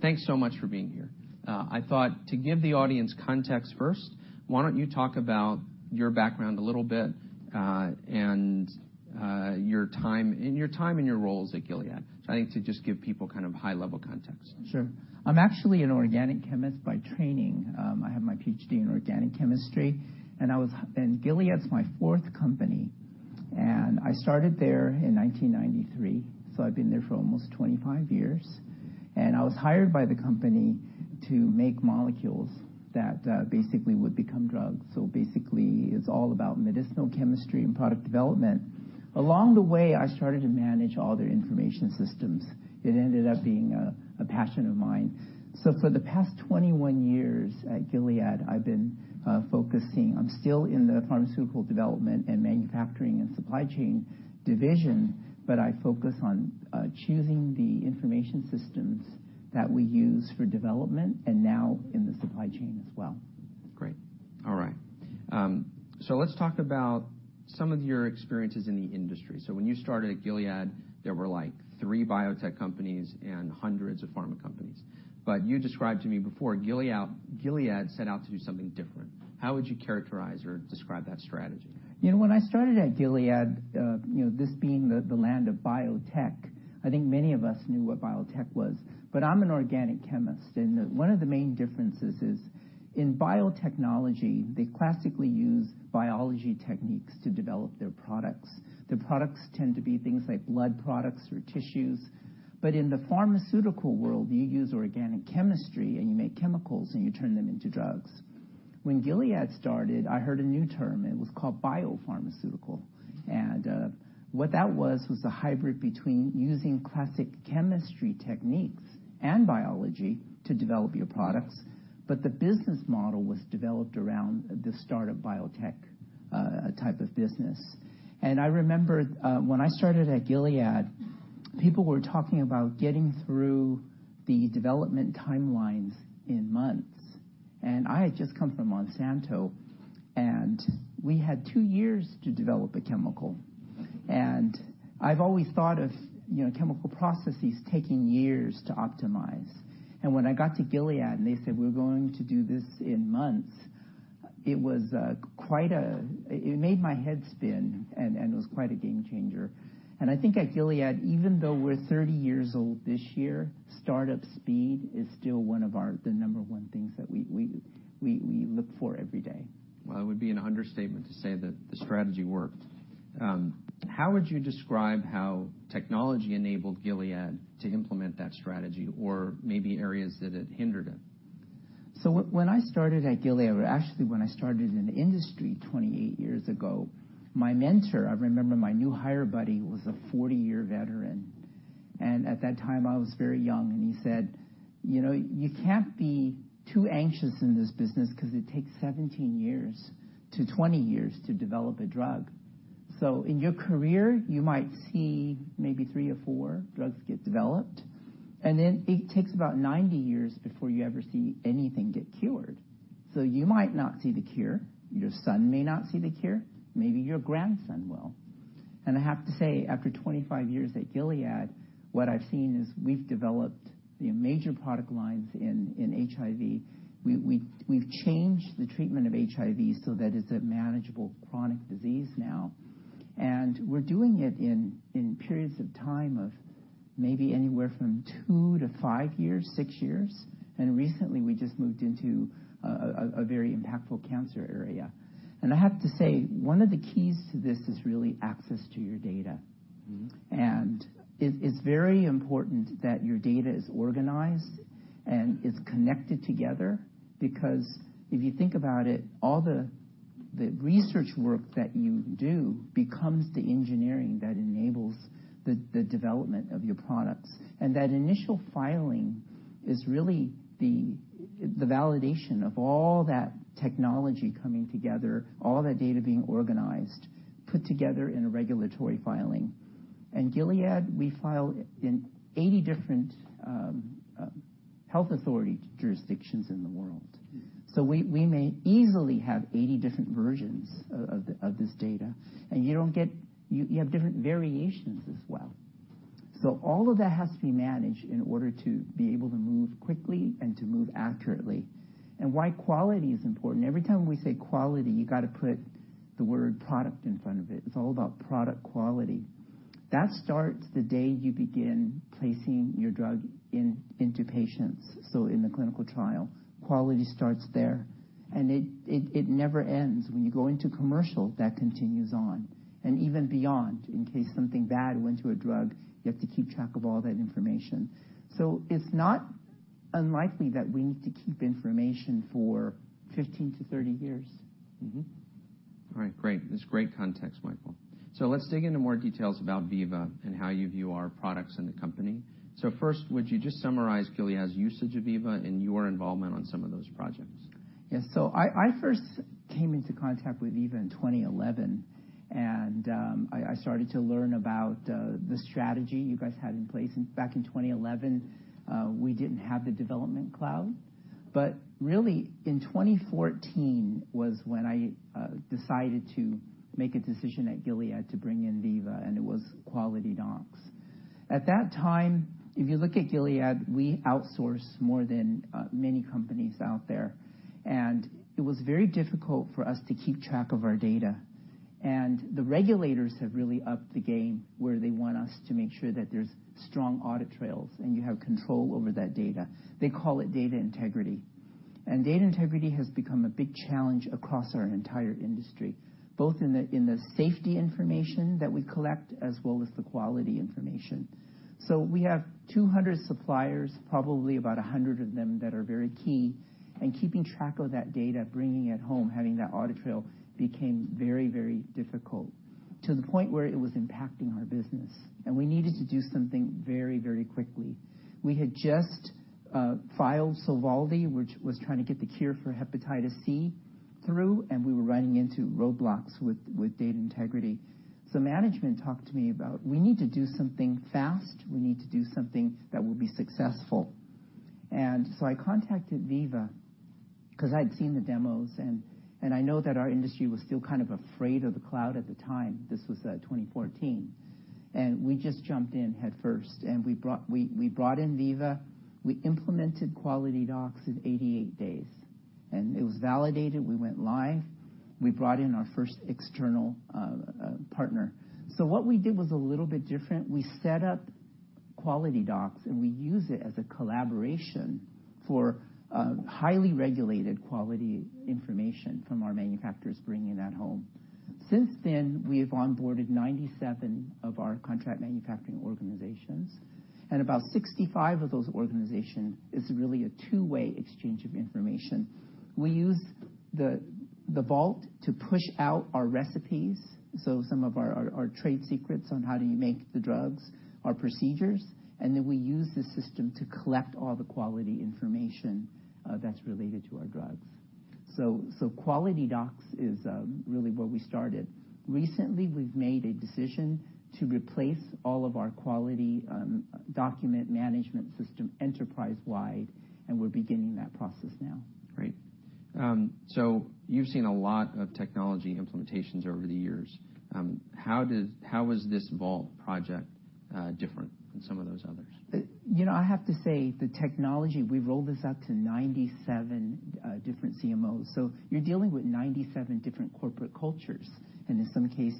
Thanks so much for being here. I thought to give the audience context first, why don't you talk about your background a little bit, and your time and your roles at Gilead. I think to just give people high-level context. Sure. I'm actually an organic chemist by training. I have my PhD in organic chemistry. Gilead's my fourth company, and I started there in 1993. I've been there for almost 25 years. I was hired by the company to make molecules that basically would become drugs. Basically, it's all about medicinal chemistry and product development. Along the way, I started to manage all their information systems. It ended up being a passion of mine. For the past 21 years at Gilead, I've been focusing-- I'm still in the pharmaceutical development and manufacturing and supply chain division, but I focus on choosing the information systems that we use for development, and now in the supply chain as well. Great. All right. Let's talk about some of your experiences in the industry. When you started at Gilead, there were three biotech companies and hundreds of pharma companies. You described to me before, Gilead set out to do something different. How would you characterize or describe that strategy? I started at Gilead, this being the land of biotech, I think many of us knew what biotech was. I'm an organic chemist, and one of the main differences is in biotechnology, they classically use biology techniques to develop their products. The products tend to be things like blood products or tissues. In the pharmaceutical world, you use organic chemistry, and you make chemicals and you turn them into drugs. When Gilead started, I heard a new term, it was called biopharmaceutical. What that was the hybrid between using classic chemistry techniques and biology to develop your products, but the business model was developed around the start of biotech type of business. I remember when I started at Gilead, people were talking about getting through the development timelines in months. I had just come from Monsanto, and we had two years to develop a chemical. I've always thought of chemical processes taking years to optimize. When I got to Gilead and they said, "We're going to do this in months," it made my head spin, and it was quite a game changer. I think at Gilead, even though we're 30 years old this year, startup speed is still one of the number 1 things that we look for every day. Well, it would be an understatement to say that the strategy worked. How would you describe how technology enabled Gilead to implement that strategy or maybe areas that it hindered it? When I started at Gilead, or actually when I started in the industry 28 years ago, my mentor, I remember my new hire buddy was a 40-year veteran. At that time I was very young and he said, "You can't be too anxious in this business because it takes 17 years to 20 years to develop a drug. In your career you might see maybe three or four drugs get developed. Then it takes about 90 years before you ever see anything get cured. You might not see the cure, your son may not see the cure, maybe your grandson will." I have to say, after 25 years at Gilead, what I've seen is we've developed the major product lines in HIV. We've changed the treatment of HIV so that it's a manageable chronic disease now. We're doing it in periods of time of maybe anywhere from two to five years, six years. Recently we just moved into a very impactful cancer area. I have to say, one of the keys to this is really access to your data. It's very important that your data is organized and is connected together because if you think about it, all the research work that you do becomes the engineering that enables the development of your products. That initial filing is really the validation of all that technology coming together, all that data being organized, put together in a regulatory filing. In Gilead, we file in 80 different health authority jurisdictions in the world. We may easily have 80 different versions of this data. You have different variations as well. All of that has to be managed in order to be able to move quickly and to move accurately. Why quality is important, every time we say quality, you got to put the word product in front of it. It's all about product quality. That starts the day you begin placing your drug into patients. In the clinical trial, quality starts there. It never ends. When you go into commercial, that continues on, and even beyond. In case something bad went through a drug, you have to keep track of all that information. It's not unlikely that we need to keep information for 15 to 30 years. All right, great. That's great context, Michael. Let's dig into more details about Veeva and how you view our products in the company. First, would you just summarize Gilead's usage of Veeva and your involvement on some of those projects? Yes. I first came into contact with Veeva in 2011, and I started to learn about the strategy you guys had in place. Back in 2011, we didn't have the Development Cloud, in 2014 was when I decided to make a decision at Gilead to bring in Veeva, and it was QualityDocs. At that time, if you look at Gilead, we outsource more than many companies out there, and it was very difficult for us to keep track of our data. The regulators have really upped the game where they want us to make sure that there's strong audit trails, and you have control over that data. They call it data integrity. Data integrity has become a big challenge across our entire industry, both in the safety information that we collect as well as the quality information. We have 200 suppliers, probably about 100 of them that are very key, and keeping track of that data, bringing it home, having that audit trail became very difficult to the point where it was impacting our business, and we needed to do something very quickly. We had just filed SOVALDI, which was trying to get the cure for hepatitis C through, and we were running into roadblocks with data integrity. Management talked to me about, "We need to do something fast. We need to do something that will be successful." I contacted Veeva because I'd seen the demos and I know that our industry was still kind of afraid of the cloud at the time. This was 2014. We just jumped in headfirst, and we brought in Veeva. We implemented QualityDocs in 88 days, and it was validated. We went live. We brought in our first external partner. What we did was a little bit different. We set up QualityDocs, and we use it as a collaboration for highly regulated quality information from our manufacturers bringing that home. Since then, we have onboarded 97 of our Contract Manufacturing Organizations, and about 65 of those organizations is really a two-way exchange of information. We use the Vault to push out our recipes, some of our trade secrets on how do you make the drugs, our procedures, and then we use the system to collect all the quality information that's related to our drugs. QualityDocs is really where we started. Recently, we've made a decision to replace all of our quality document management system enterprise-wide, and we're beginning that process now. Great. You've seen a lot of technology implementations over the years. How was this Vault project different than some of those others? I have to say, the technology, we rolled this out to 97 different CMOs, so you're dealing with 97 different corporate cultures, and in some case,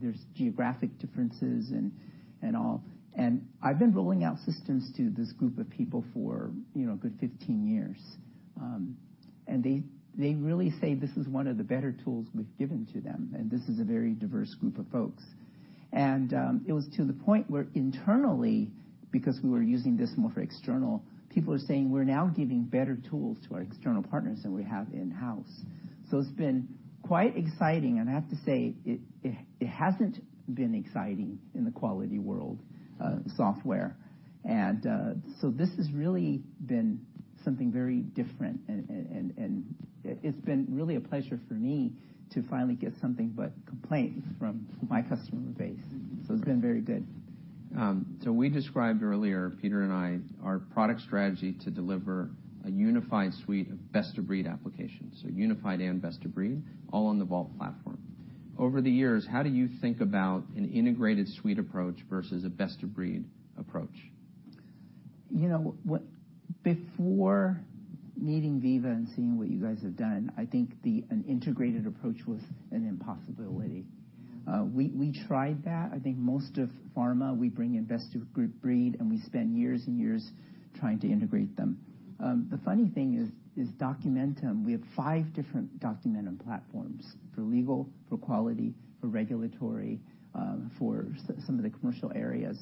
there's geographic differences and all. I've been rolling out systems to this group of people for a good 15 years. They really say this is one of the better tools we've given to them, and this is a very diverse group of folks. It was to the point where internally, because we were using this more for external, people are saying we're now giving better tools to our external partners than we have in-house. It's been quite exciting, and I have to say, it hasn't been exciting in the quality world software. This has really been something very different, and it's been really a pleasure for me to finally get something but complaints from my customer base. It's been very good. We described earlier, Peter and I, our product strategy to deliver a unified suite of best-of-breed applications. Unified and best of breed, all on the Vault platform. Over the years, how do you think about an integrated suite approach versus a best of breed approach? Before meeting Veeva and seeing what you guys have done, I think an integrated approach was an impossibility. We tried that. I think most of pharma, we bring in best of breed, and we spend years and years trying to integrate them. The funny thing is Documentum. We have five different Documentum platforms for legal, for quality, for regulatory, for some of the commercial areas.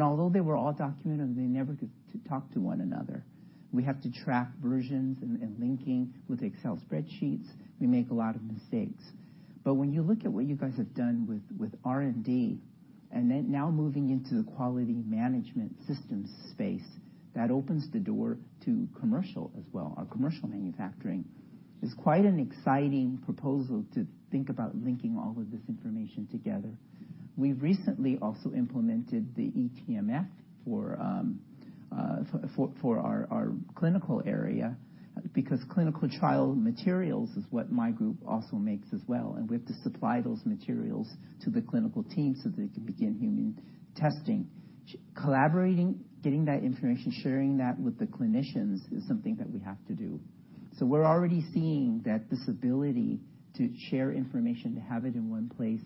Although they were all Documentum, they never could talk to one another. We have to track versions and linking with Excel spreadsheets. We make a lot of mistakes. When you look at what you guys have done with R&D and then now moving into the quality management systems space, that opens the door to commercial as well, our commercial manufacturing. It's quite an exciting proposal to think about linking all of this information together. We've recently also implemented the eTMF for our clinical area because clinical trial materials is what my group also makes as well, and we have to supply those materials to the clinical team so they can begin human testing. Collaborating, getting that information, sharing that with the clinicians is something that we have to do. We're already seeing that this ability to share information, to have it in one place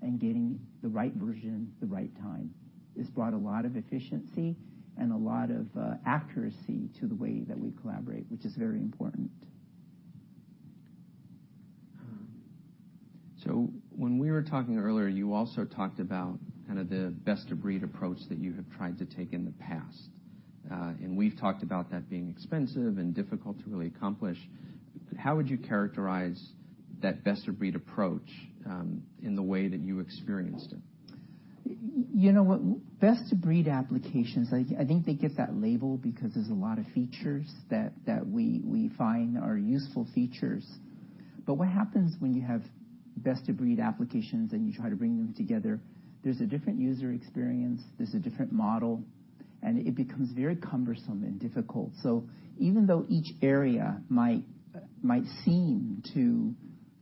and getting the right version at the right time has brought a lot of efficiency and a lot of accuracy to the way that we collaborate, which is very important. When we were talking earlier, you also talked about the best of breed approach that you have tried to take in the past. We've talked about that being expensive and difficult to really accomplish. How would you characterize that best of breed approach in the way that you experienced it? Best of breed applications, I think they get that label because there's a lot of features that we find are useful features. What happens when you have best of breed applications and you try to bring them together, there's a different user experience, there's a different model, and it becomes very cumbersome and difficult. Even though each area might seem to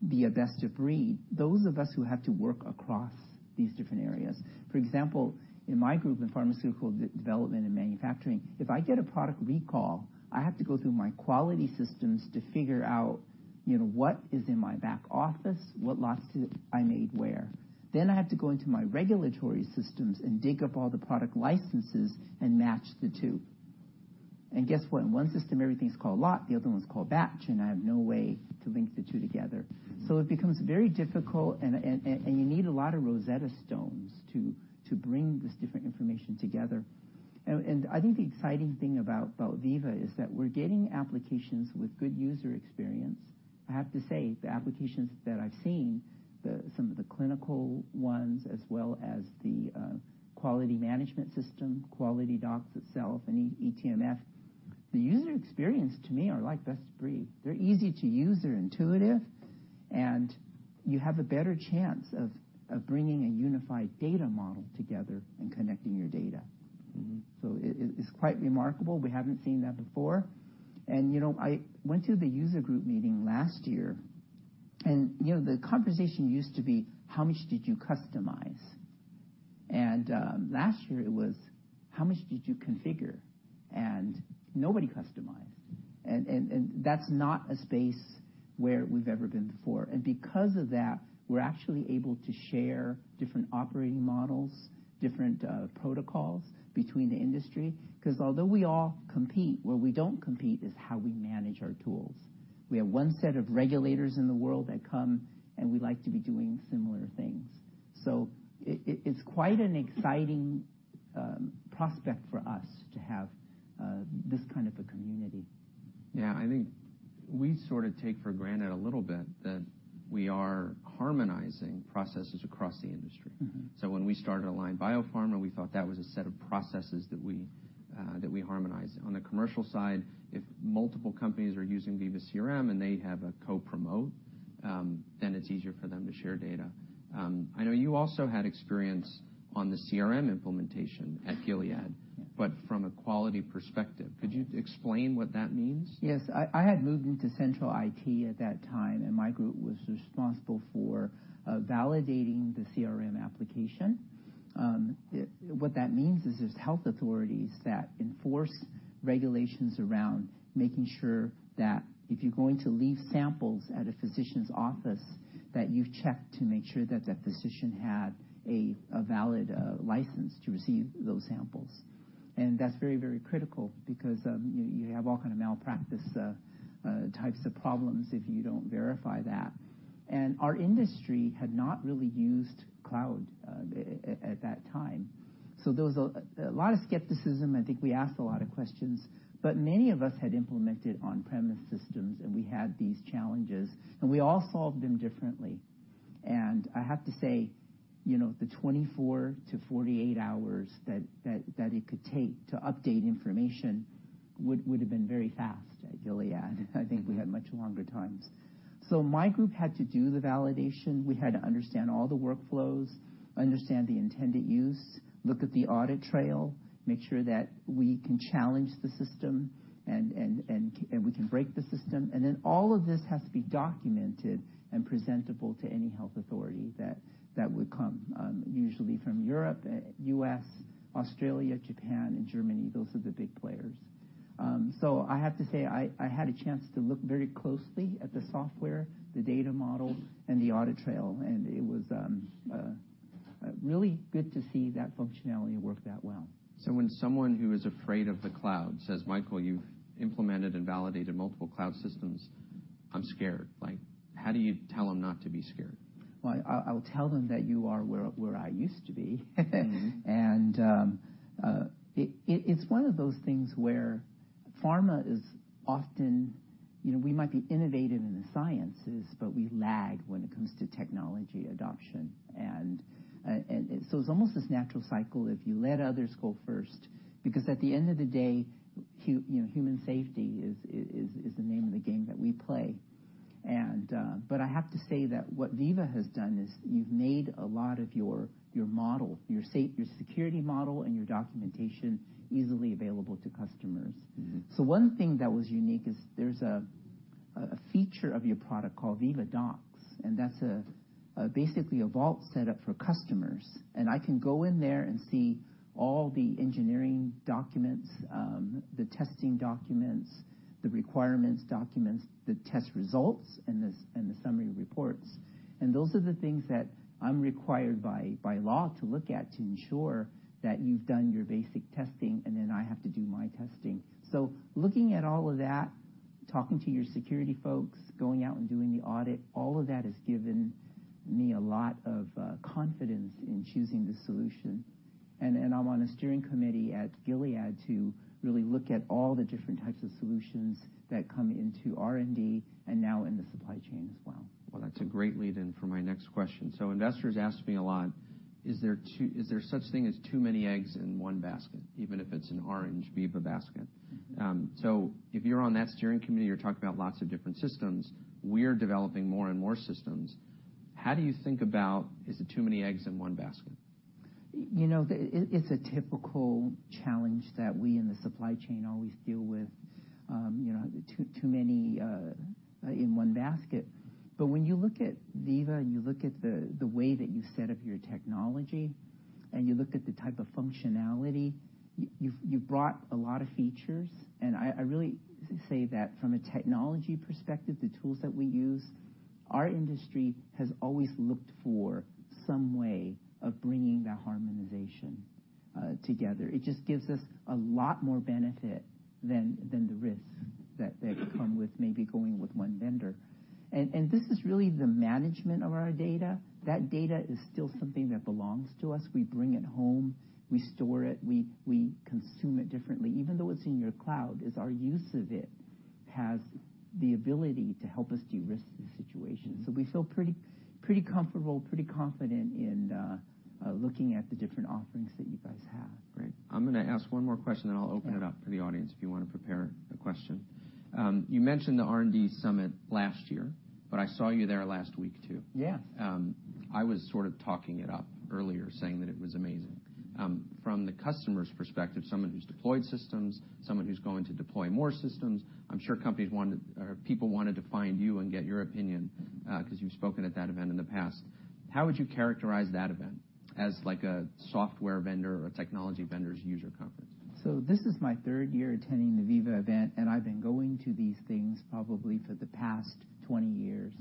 be a best of breed, those of us who have to work across these different areas, for example, in my group, in pharmaceutical development and manufacturing, if I get a product recall, I have to go through my quality systems to figure out what is in my back office, what lots I made where. I have to go into my regulatory systems and dig up all the product licenses and match the two. Guess what? In one system, everything's called lot, the other one's called batch, I have no way to link the two together. It becomes very difficult, and you need a lot of Rosetta Stones to bring this different information together. I think the exciting thing about Veeva is that we're getting applications with good user experience. I have to say, the applications that I've seen, some of the clinical ones, as well as the quality management system, QualityDocs itself and eTMF, the user experience to me are like best of breed. They're easy to use, they're intuitive, and you have a better chance of bringing a unified data model together and connecting your data. It's quite remarkable. We haven't seen that before. I went to the user group meeting last year, and the conversation used to be, how much did you customize? Last year it was, how much did you configure? Nobody customized. That's not a space where we've ever been before. Because of that, we're actually able to share different operating models, different protocols between the industry. Because although we all compete, where we don't compete is how we manage our tools. We have one set of regulators in the world that come, and we like to be doing similar things. It's quite an exciting prospect for us to have this kind of a community. Yeah. I think we sort of take for granted a little bit that we are harmonizing processes across the industry. When we started Align Biopharma, we thought that was a set of processes that we harmonized. On the commercial side, if multiple companies are using Veeva CRM and they have a co-promote, then it's easier for them to share data. I know you also had experience on the CRM implementation at Gilead. Yes From a quality perspective. Could you explain what that means? Yes. I had moved into central IT at that time, and my group was responsible for validating the CRM application. What that means is there's health authorities that enforce regulations around making sure that if you're going to leave samples at a physician's office, that you've checked to make sure that that physician had a valid license to receive those samples. That's very critical because you have all kind of malpractice types of problems if you don't verify that. Our industry had not really used cloud at that time. There was a lot of skepticism. I think we asked a lot of questions, many of us had implemented on-premise systems, and we had these challenges, and we all solved them differently. I have to say, the 24-48 hours that it could take to update information would've been very fast at Gilead. I think we had much longer times. My group had to do the validation. We had to understand all the workflows, understand the intended use, look at the audit trail, make sure that we can challenge the system and we can break the system. Then all of this has to be documented and presentable to any health authority that would come, usually from Europe, U.S., Australia, Japan, and Germany. Those are the big players. I have to say, I had a chance to look very closely at the software, the data model, and the audit trail, and it was really good to see that functionality work that well. When someone who is afraid of the cloud says, "Michael, you've implemented and validated multiple cloud systems, I'm scared." How do you tell them not to be scared? Well, I'll tell them that you are where I used to be. It's one of those things where we might be innovative in the sciences, but we lag when it comes to technology adoption. It's almost this natural cycle if you let others go first, because at the end of the day, human safety is the name of the game that we play. I have to say that what Veeva has done is you've made a lot of your model, your security model, and your documentation easily available to customers. One thing that was unique is there's a feature of your product called Veeva Docs, and that's basically a vault set up for customers. I can go in there and see all the engineering documents, the testing documents, the requirements documents, the test results, and the summary reports. Those are the things that I'm required by law to look at to ensure that you've done your basic testing, and then I have to do my testing. Looking at all of that Talking to your security folks, going out and doing the audit, all of that has given me a lot of confidence in choosing this solution. I'm on a steering committee at Gilead to really look at all the different types of solutions that come into R&D and now in the supply chain as well. Well, that's a great lead-in for my next question. Investors ask me a lot, is there such thing as too many eggs in one basket, even if it's an orange Veeva basket? If you're on that steering committee, you're talking about lots of different systems. We're developing more and more systems. How do you think about, is it too many eggs in one basket? It's a typical challenge that we in the supply chain always deal with, too many in one basket. When you look at Veeva and you look at the way that you set up your technology, and you look at the type of functionality, you've brought a lot of features. I really say that from a technology perspective, the tools that we use, our industry has always looked for some way of bringing that harmonization together. It just gives us a lot more benefit than the risks that could come with maybe going with one vendor. This is really the management of our data. That data is still something that belongs to us. We bring it home, we store it, we consume it differently. Even though it's in your cloud, it's our use of it has the ability to help us de-risk the situation. We feel pretty comfortable, pretty confident in looking at the different offerings that you guys have. Great. I'm going to ask one more question, then I'll open it up for the audience if you want to prepare a question. You mentioned the R&D summit last year, I saw you there last week, too. Yes. I was sort of talking it up earlier, saying that it was amazing. From the customer's perspective, someone who's deployed systems, someone who's going to deploy more systems, I'm sure people wanted to find you and get your opinion, because you've spoken at that event in the past. How would you characterize that event as like a software vendor or a technology vendor's user conference? This is my third year attending the Veeva event, I've been going to these things probably for the past 20 years.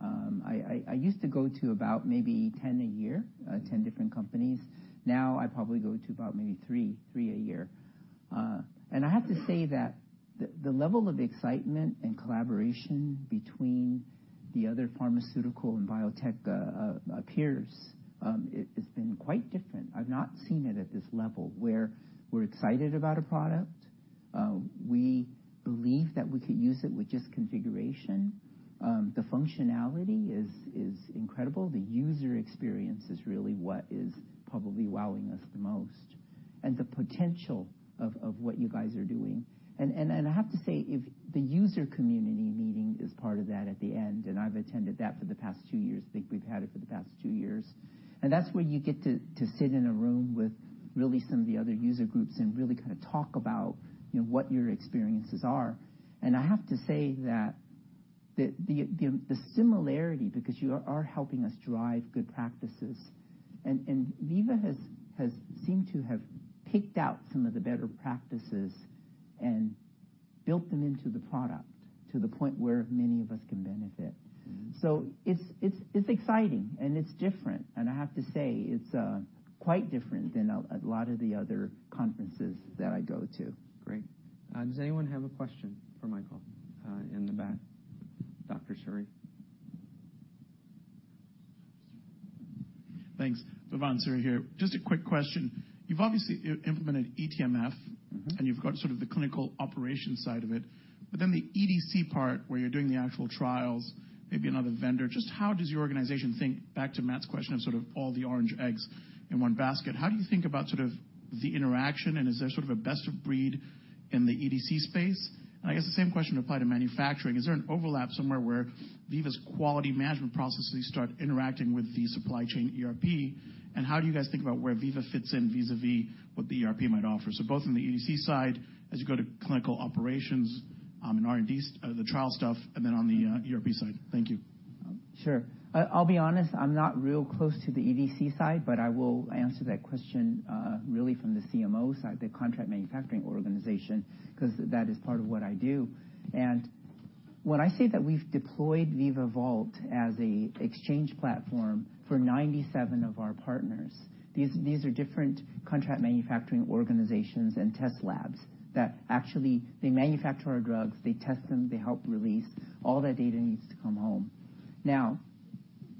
I used to go to about maybe 10 a year, 10 different companies. Now I probably go to about maybe three a year. I have to say that the level of excitement and collaboration between the other pharmaceutical and biotech peers has been quite different. I've not seen it at this level where we're excited about a product. We believe that we could use it with just configuration. The functionality is incredible. The user experience is really what is probably wowing us the most, and the potential of what you guys are doing. I have to say, the user community meeting is part of that at the end, I've attended that for the past two years. I think we've had it for the past two years. That's where you get to sit in a room with really some of the other user groups and really kind of talk about what your experiences are. I have to say that the similarity, because you are helping us drive good practices, Veeva has seemed to have picked out some of the better practices and built them into the product to the point where many of us can benefit. It's exciting and it's different, and I have to say it's quite different than a lot of the other conferences that I go to. Great. Does anyone have a question for Michael? In the back, Dr. Suri. Thanks. Vivek Suri here. Just a quick question. You've obviously implemented eTMF- You've got sort of the clinical operations side of it, but then the EDC part where you're doing the actual trials, maybe another vendor. Just how does your organization think, back to Matt's question of sort of all the orange eggs in one basket, how do you think about sort of the interaction, and is there sort of a best of breed in the EDC space? I guess the same question would apply to manufacturing. Is there an overlap somewhere where Veeva's quality management processes start interacting with the supply chain ERP? And how do you guys think about where Veeva fits in vis-à-vis what the ERP might offer? Both in the EDC side as you go to clinical operations, in R&D, the trial stuff, and then on the ERP side. Thank you. Sure. I'll be honest, I'm not real close to the EDC side, but I will answer that question really from the CMO side, the contract manufacturing organization, because that is part of what I do. When I say that we've deployed Veeva Vault as an exchange platform for 97 of our partners, these are different contract manufacturing organizations and test labs that actually, they manufacture our drugs, they test them, they help release. All that data needs to come home. Now,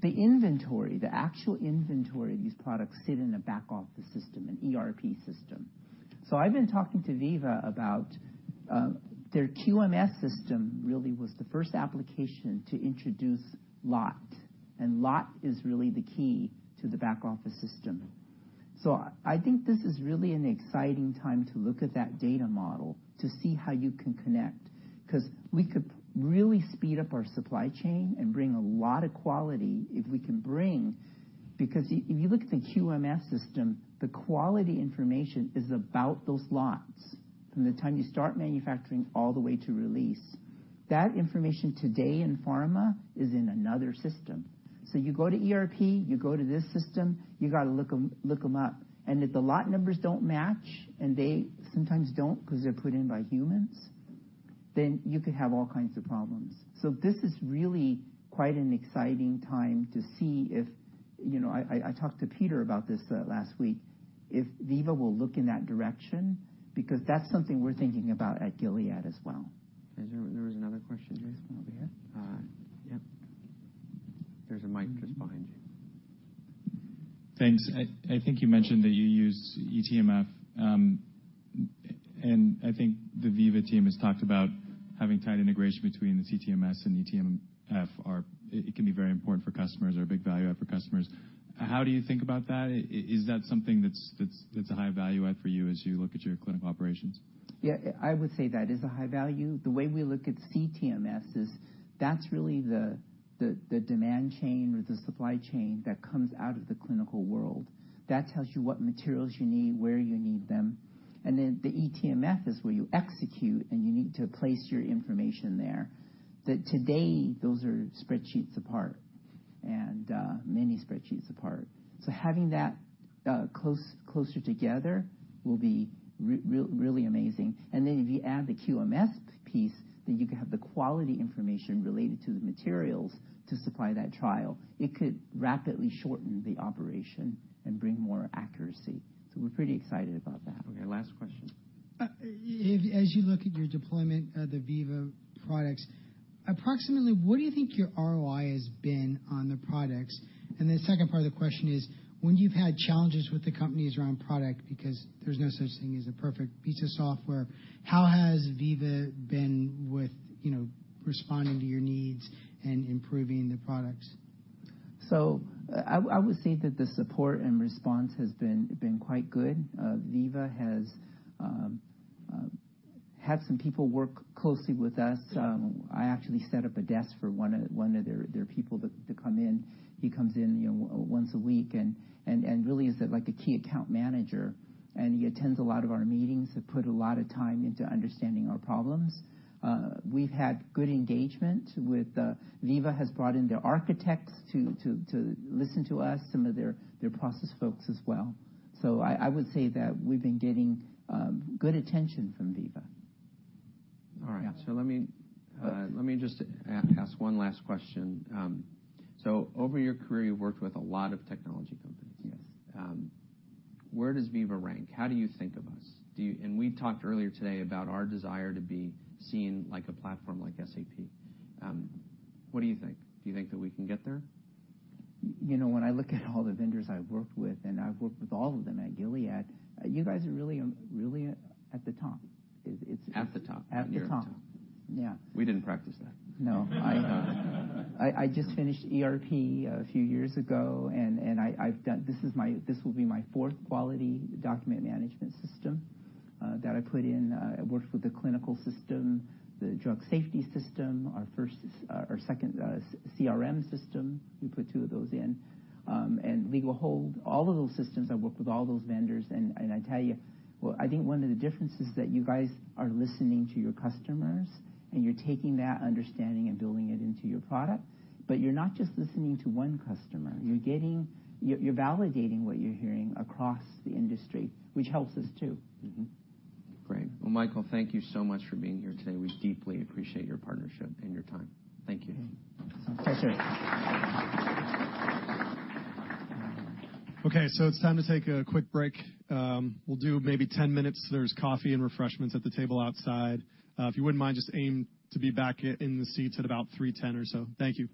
the inventory, the actual inventory of these products sit in a back-office system, an ERP system. I've been talking to Veeva about their QMS system really was the first application to introduce lot, and lot is really the key to the back-office system. I think this is really an exciting time to look at that data model to see how you can connect, because we could really speed up our supply chain and bring a lot of quality if we can bring-- Because if you look at the QMS system, the quality information is about those lots from the time you start manufacturing all the way to release. That information today in pharma is in another system. You go to ERP, you go to this system, you got to look them up. If the lot numbers don't match, and they sometimes don't because they're put in by humans, then you could have all kinds of problems. This is really quite an exciting time to see. I talked to Peter about this last week. Veeva will look in that direction, because that's something we're thinking about at Gilead as well. There was another question. There's one over here. Yep. There's a mic just behind you. Thanks. I think you mentioned that you use eTMF. I think the Veeva team has talked about having tight integration between the CTMS and eTMF. It can be very important for customers or a big value add for customers. How do you think about that? Is that something that's a high value add for you as you look at your clinical operations? Yeah, I would say that is a high value. The way we look at CTMS is that's really the demand chain or the supply chain that comes out of the clinical world. That tells you what materials you need, where you need them. The eTMF is where you execute, and you need to place your information there. That today, those are spreadsheets apart, and many spreadsheets apart. Having that closer together will be really amazing. If you add the QMS piece, then you can have the quality information related to the materials to supply that trial. It could rapidly shorten the operation and bring more accuracy. We're pretty excited about that. Okay, last question. As you look at your deployment of the Veeva products, approximately what do you think your ROI has been on the products? The second part of the question is, when you've had challenges with the companies around product, because there's no such thing as a perfect piece of software, how has Veeva been with responding to your needs and improving the products? I would say that the support and response has been quite good. Veeva has had some people work closely with us. I actually set up a desk for one of their people to come in. He comes in once a week and really is the key account manager, and he attends a lot of our meetings, has put a lot of time into understanding our problems. We've had good engagement. Veeva has brought in their architects to listen to us, some of their process folks as well. I would say that we've been getting good attention from Veeva. All right. Let me just ask one last question. Over your career, you've worked with a lot of technology companies. Yes. Where does Veeva rank? How do you think of us? We talked earlier today about our desire to be seen like a platform like SAP. What do you think? Do you think that we can get there? When I look at all the vendors I've worked with, I've worked with all of them at Gilead, you guys are really at the top. At the top. At the top. Yeah. We didn't practice that. No. I just finished ERP a few years ago, and this will be my fourth quality document management system that I put in. I worked with the clinical system, the drug safety system, our second CRM system. We put two of those in. Legal hold, all of those systems, I worked with all those vendors, and I tell you, I think one of the differences is that you guys are listening to your customers, and you're taking that understanding and building it into your product. You're not just listening to one customer. You're validating what you're hearing across the industry, which helps us too. Great. Michael, thank you so much for being here today. We deeply appreciate your partnership and your time. Thank you. Pleasure. It's time to take a quick break. We'll do maybe 10 minutes. There's coffee and refreshments at the table outside. If you wouldn't mind, just aim to be back in the seats at about 3:10 or so. Thank you.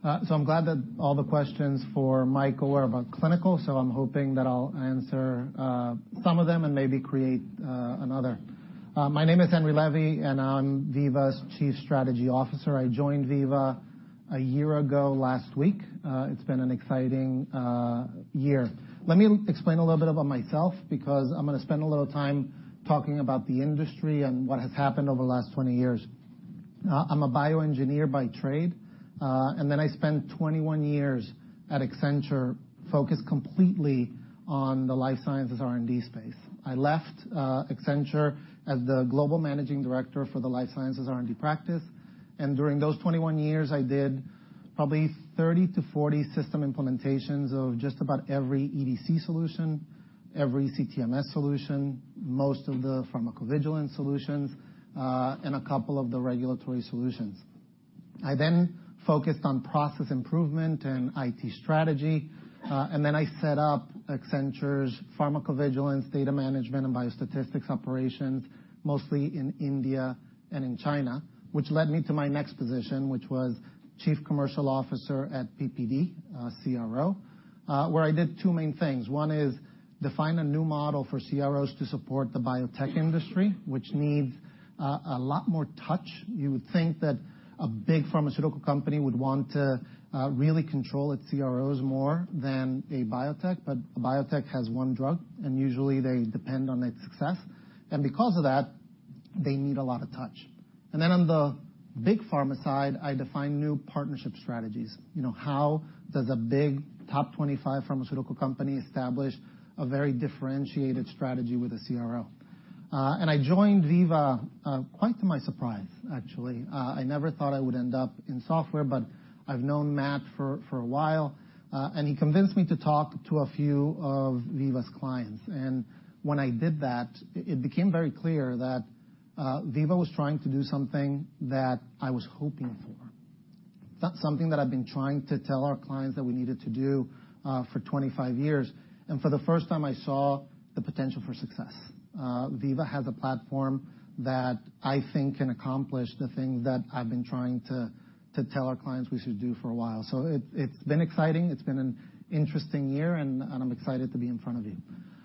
Getting a little more in-depth about what we're doing in clinical. Thanks. Thank you. Can you all hear me? I'm glad that all the questions for Michael were about clinical, so I'm hoping that I'll answer some of them and maybe create another. My name is Henry Levy, and I'm Veeva's Chief Strategy Officer. I joined Veeva a year ago last week. It's been an exciting year. Let me explain a little bit about myself, because I'm going to spend a little time talking about the industry and what has happened over the last 20 years. I spent 21 years at Accenture focused completely on the life sciences R&D space. I left Accenture as the Global Managing Director for the life sciences R&D practice, and during those 21 years, I did probably 30 to 40 system implementations of just about every EDC solution, every CTMS solution, most of the pharmacovigilance solutions, and a couple of the regulatory solutions. I then focused on process improvement and IT strategy, and then I set up Accenture's pharmacovigilance data management and biostatistics operations, mostly in India and in China, which led me to my next position, which was Chief Commercial Officer at PPD, a CRO where I did two main things. One is define a new model for CROs to support the biotech industry, which needs a lot more touch. You would think that a big pharmaceutical company would want to really control its CROs more than a biotech, but a biotech has one drug, and usually they depend on its success, and because of that, they need a lot of touch. On the big pharma side, I define new partnership strategies. How does a big top 25 pharmaceutical company establish a very differentiated strategy with a CRO? I joined Veeva, quite to my surprise, actually. I never thought I would end up in software, but I've known Matt for a while, and he convinced me to talk to a few of Veeva's clients. When I did that, it became very clear that Veeva was trying to do something that I was hoping for. That's something that I've been trying to tell our clients that we needed to do for 25 years, and for the first time, I saw the potential for success. Veeva has a platform that I think can accomplish the thing that I've been trying to tell our clients we should do for a while. It's been exciting. It's been an interesting year, and I'm excited to be in front of you.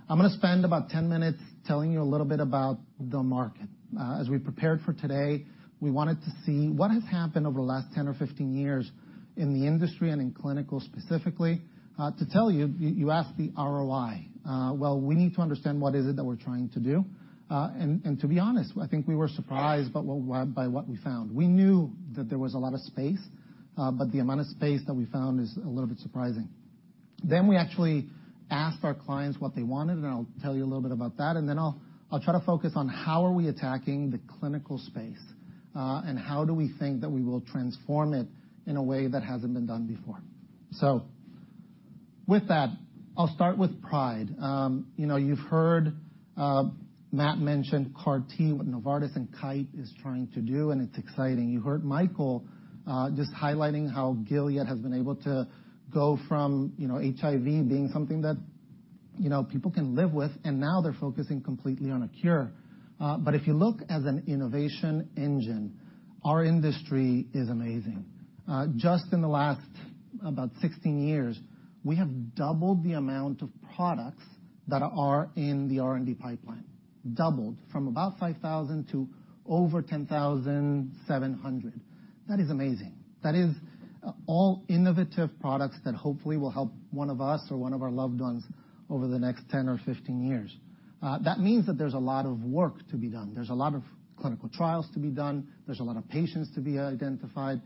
I'm going to spend about 10 minutes telling you a little bit about the market. As we prepared for today, we wanted to see what has happened over the last 10 or 15 years in the industry and in clinical specifically. To tell you ask the ROI. Well, we need to understand what is it that we're trying to do. To be honest, I think we were surprised by what we found. We knew that there was a lot of space, but the amount of space that we found is a little bit surprising. We actually asked our clients what they wanted, and I'll tell you a little bit about that, and then I'll try to focus on how are we attacking the clinical space, and how do we think that we will transform it in a way that hasn't been done before. With that, I'll start with pride. You've heard Matt mention CAR T, what Novartis and Kite is trying to do, and it's exciting. You heard Michael just highlighting how Gilead has been able to go from HIV being something that people can live with, and now they're focusing completely on a cure. If you look as an innovation engine, our industry is amazing. In the last about 16 years, we have doubled the amount of products that are in the R&D pipeline. Doubled from about 5,000 to over 10,700. That is amazing. That is all innovative products that hopefully will help one of us or one of our loved ones over the next 10 or 15 years. That means that there's a lot of work to be done. There's a lot of clinical trials to be done. There's a lot of patients to be identified.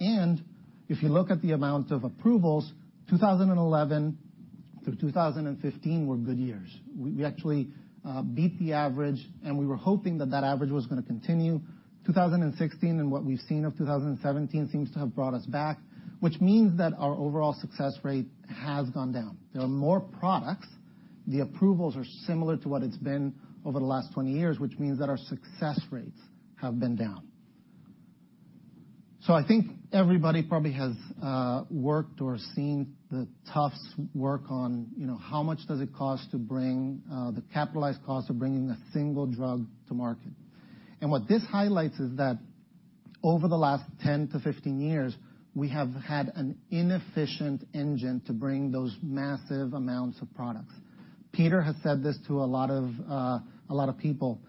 If you look at the amount of approvals, 2011 through 2015 were good years. We actually beat the average, and we were hoping that that average was going to continue. 2016 and what we've seen of 2017 seems to have brought us back, which means that our overall success rate has gone down. There are more products. The approvals are similar to what it's been over the last 20 years, which means that our success rates have been down. I think everybody probably has worked or seen the Tufts work on how much does it cost to bring the capitalized cost of bringing a single drug to market. What this highlights is that over the last 10 to 15 years, we have had an inefficient engine to bring those massive amounts of products. Peter has said this to a lot of people.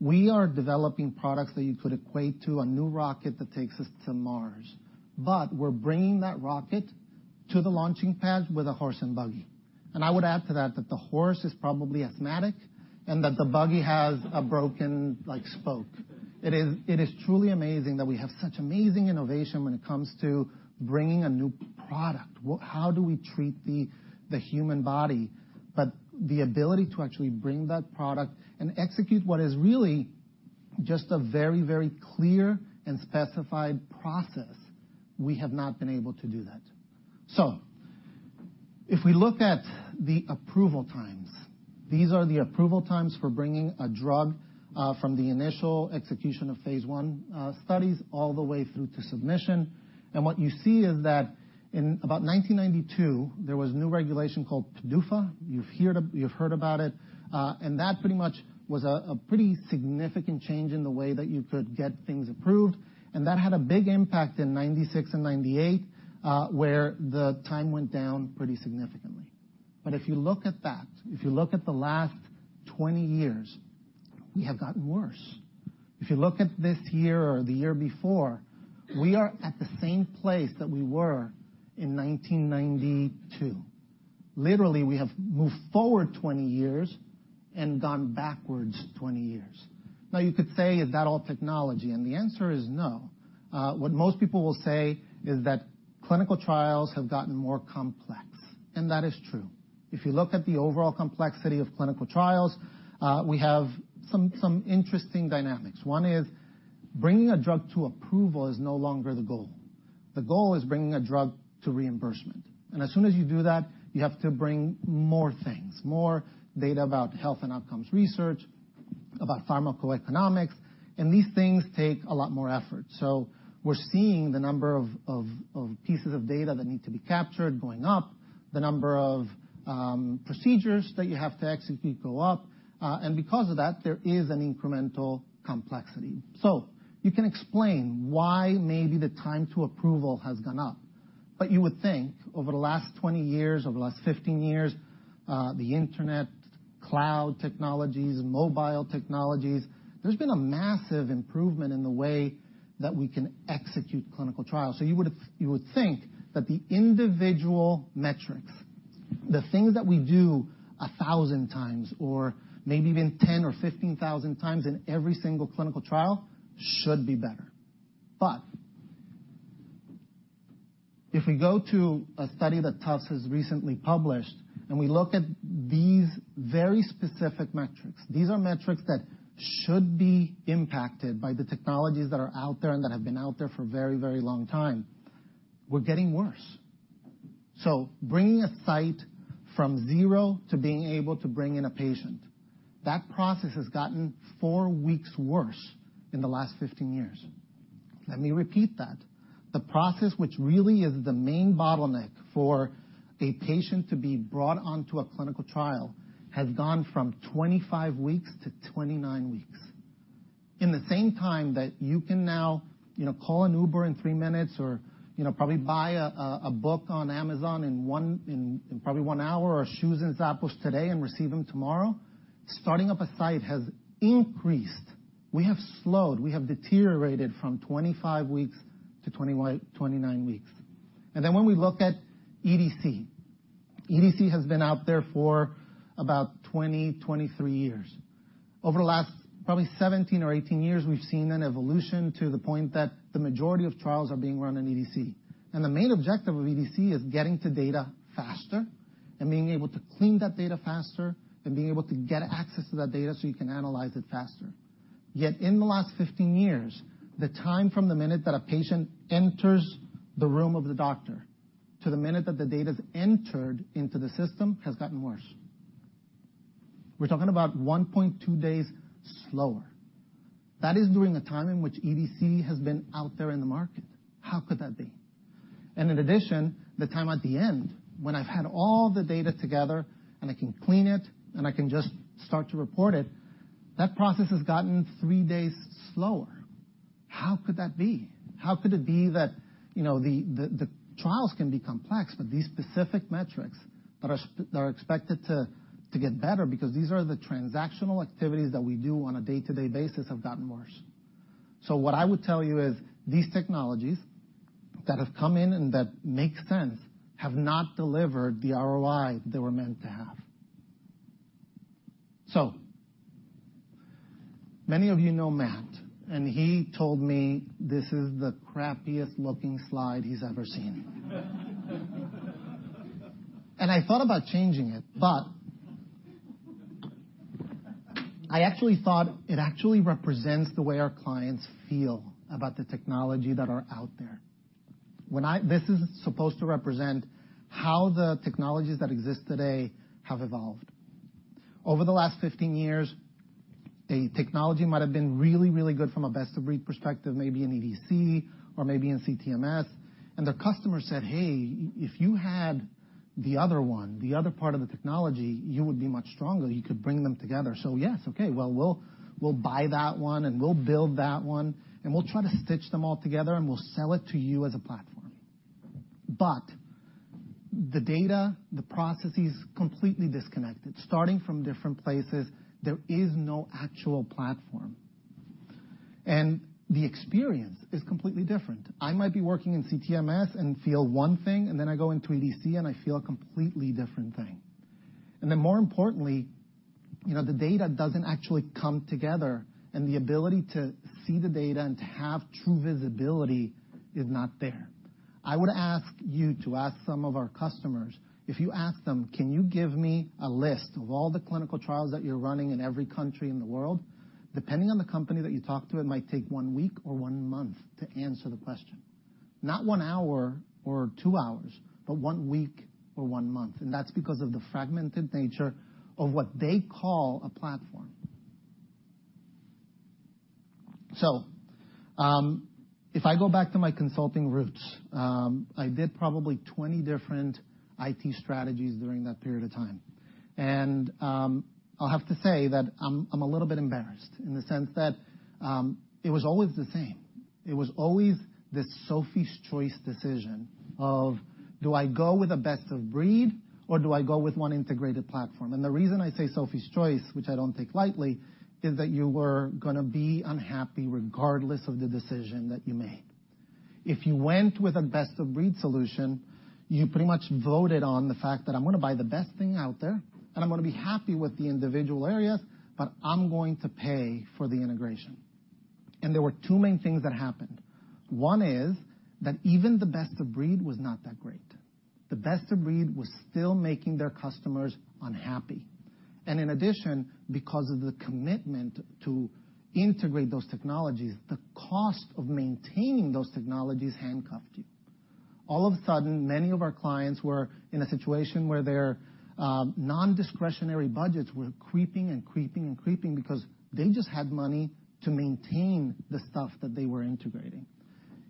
We are developing products that you could equate to a new rocket that takes us to Mars, but we're bringing that rocket to the launching pad with a horse and buggy. I would add to that the horse is probably asthmatic and that the buggy has a broken spoke. It is truly amazing that we have such amazing innovation when it comes to bringing a new product. How do we treat the human body? The ability to actually bring that product and execute what is really just a very clear and specified process, we have not been able to do that. If we look at the approval times, these are the approval times for bringing a drug from the initial execution of phase I studies all the way through to submission. What you see is that in about 1992, there was a new regulation called PDUFA. You've heard about it. That pretty much was a pretty significant change in the way that you could get things approved. That had a big impact in 1996 and 1998, where the time went down pretty significantly. If you look at that, if you look at the last 20 years, we have gotten worse. If you look at this year or the year before, we are at the same place that we were in 1992. Literally, we have moved forward 20 years and gone backwards 20 years. You could say is that all technology? The answer is no. What most people will say is that clinical trials have gotten more complex, that is true. If you look at the overall complexity of clinical trials, we have some interesting dynamics. One is bringing a drug to approval is no longer the goal. The goal is bringing a drug to reimbursement. As soon as you do that, you have to bring more things. More data about health and outcomes research, about pharmacoeconomics, these things take a lot more effort. We're seeing the number of pieces of data that need to be captured going up, the number of procedures that you have to execute go up. Because of that, there is an incremental complexity. You can explain why maybe the time to approval has gone up. You would think over the last 20 years, over the last 15 years, the internet, cloud technologies, mobile technologies, there's been a massive improvement in the way that we can execute clinical trials. You would think that the individual metrics, the things that we do 1,000 times or maybe even 10,000 or 15,000 times in every single clinical trial, should be better. If we go to a study that Tufts has recently published and we look at these very specific metrics, these are metrics that should be impacted by the technologies that are out there and that have been out there for a very long time, we're getting worse. Bringing a site from zero to being able to bring in a patient, that process has gotten four weeks worse in the last 15 years. Let me repeat that. The process, which really is the main bottleneck for a patient to be brought onto a clinical trial, has gone from 25 weeks to 29 weeks. In the same time that you can now call an Uber in three minutes or probably buy a book on Amazon in probably one hour or shoes in Zappos today and receive them tomorrow, starting up a site has increased. We have slowed, we have deteriorated from 25 weeks to 29 weeks. When we look at EDC has been out there for about 20, 23 years. Over the last probably 17 or 18 years, we've seen an evolution to the point that the majority of trials are being run in EDC. The main objective of EDC is getting to data faster and being able to clean that data faster and being able to get access to that data so you can analyze it faster. Yet in the last 15 years, the time from the minute that a patient enters the room of the doctor to the minute that the data's entered into the system has gotten worse. We're talking about 1.2 days slower. That is during the time in which EDC has been out there in the market. How could that be? In addition, the time at the end when I've had all the data together and I can clean it and I can just start to report it, that process has gotten three days slower. How could that be? How could it be that the trials can be complex, these specific metrics that are expected to get better because these are the transactional activities that we do on a day-to-day basis, have gotten worse? What I would tell you is these technologies that have come in and that make sense have not delivered the ROI they were meant to have. Many of you know Matt, he told me this is the crappiest-looking slide he's ever seen. I actually thought it actually represents the way our clients feel about the technology that are out there. This is supposed to represent how the technologies that exist today have evolved. Over the last 15 years, a technology might have been really good from a best-of-breed perspective, maybe in EDC or maybe in CTMS, and the customer said, "Hey, if you had The other one, the other part of the technology, you would be much stronger. You could bring them together. Yes, okay, well, we'll buy that one, and we'll build that one, and we'll try to stitch them all together, and we'll sell it to you as a platform. The data, the processes, completely disconnected, starting from different places. There is no actual platform. The experience is completely different. I might be working in CTMS and feel one thing, and then I go into EDC and I feel a completely different thing. More importantly, the data doesn't actually come together, and the ability to see the data and to have true visibility is not there. I would ask you to ask some of our customers. If you ask them, "Can you give me a list of all the clinical trials that you're running in every country in the world?" Depending on the company that you talk to, it might take one week or one month to answer the question. Not one hour or two hours, but one week or one month. That's because of the fragmented nature of what they call a platform. If I go back to my consulting roots, I did probably 20 different IT strategies during that period of time. I'll have to say that I'm a little bit embarrassed in the sense that it was always the same. It was always this Sophie's Choice decision of do I go with a best-of-breed or do I go with one integrated platform? The reason I say Sophie's Choice, which I don't take lightly, is that you were going to be unhappy regardless of the decision that you made. If you went with a best-of-breed solution, you pretty much voted on the fact that I'm going to buy the best thing out there, and I'm going to be happy with the individual areas, but I'm going to pay for the integration. There were two main things that happened. One is that even the best-of-breed was not that great. The best-of-breed was still making their customers unhappy. In addition, because of the commitment to integrate those technologies, the cost of maintaining those technologies handcuffed you. All of a sudden, many of our clients were in a situation where their non-discretionary budgets were creeping and creeping and creeping because they just had money to maintain the stuff that they were integrating.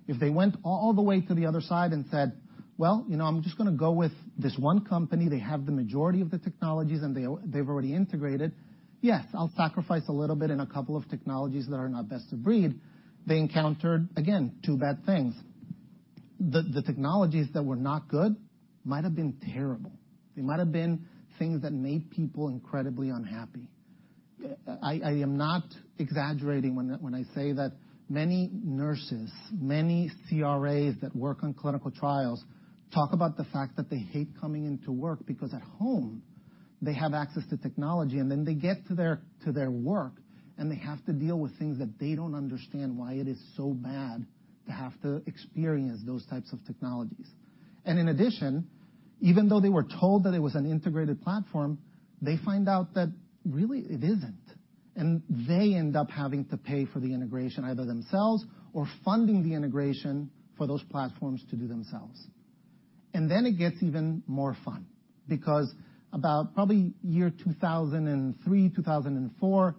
If they went all the way to the other side and said, "Well, I'm just going to go with this one company. They have the majority of the technologies, and they've already integrated. Yes, I'll sacrifice a little bit in a couple of technologies that are not best of breed," they encountered, again, two bad things. The technologies that were not good might have been terrible. They might have been things that made people incredibly unhappy. I am not exaggerating when I say that many nurses, many CRAs that work on clinical trials talk about the fact that they hate coming into work because at home, they have access to technology, then they get to their work, and they have to deal with things that they don't understand why it is so bad to have to experience those types of technologies. In addition, even though they were told that it was an integrated platform, they find out that really it isn't. They end up having to pay for the integration, either themselves or funding the integration for those platforms to do themselves. Then it gets even more fun because about probably year 2003, 2004,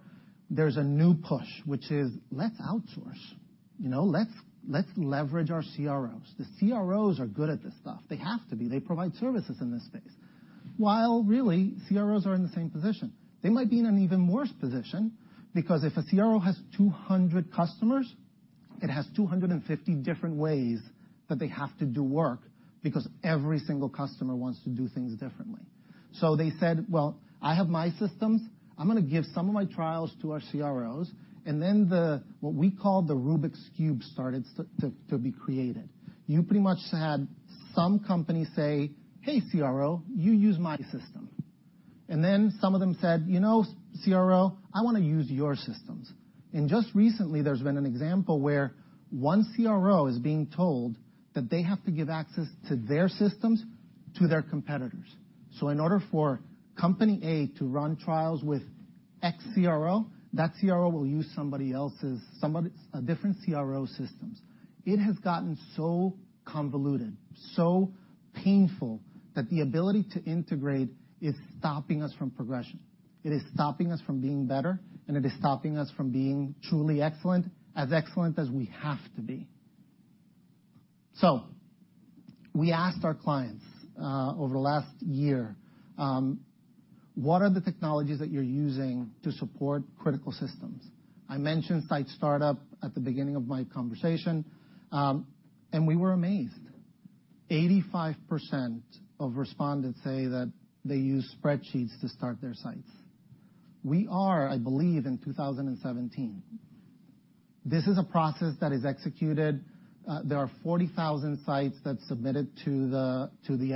there's a new push, which is let's outsource. Let's leverage our CROs. The CROs are good at this stuff. They have to be. They provide services in this space. While really, CROs are in the same position. They might be in an even worse position because if a CRO has 200 customers, it has 250 different ways that they have to do work because every single customer wants to do things differently. They said, "Well, I have my systems. I'm going to give some of my trials to our CROs." Then what we call the Rubik's Cube started to be created. You pretty much had some companies say, "Hey, CRO, you use my system." Then some of them said, "You know, CRO, I want to use your systems." Just recently, there's been an example where one CRO is being told that they have to give access to their systems to their competitors. In order for company A to run trials with X CRO, that CRO will use a different CRO's systems. It has gotten so convoluted, so painful that the ability to integrate is stopping us from progression. It is stopping us from being better, and it is stopping us from being truly excellent, as excellent as we have to be. We asked our clients over the last year, what are the technologies that you're using to support critical systems? I mentioned site startup at the beginning of my conversation. We were amazed. 85% of respondents say that they use spreadsheets to start their sites. We are, I believe, in 2017. This is a process that is executed. There are 40,000 sites that submitted to the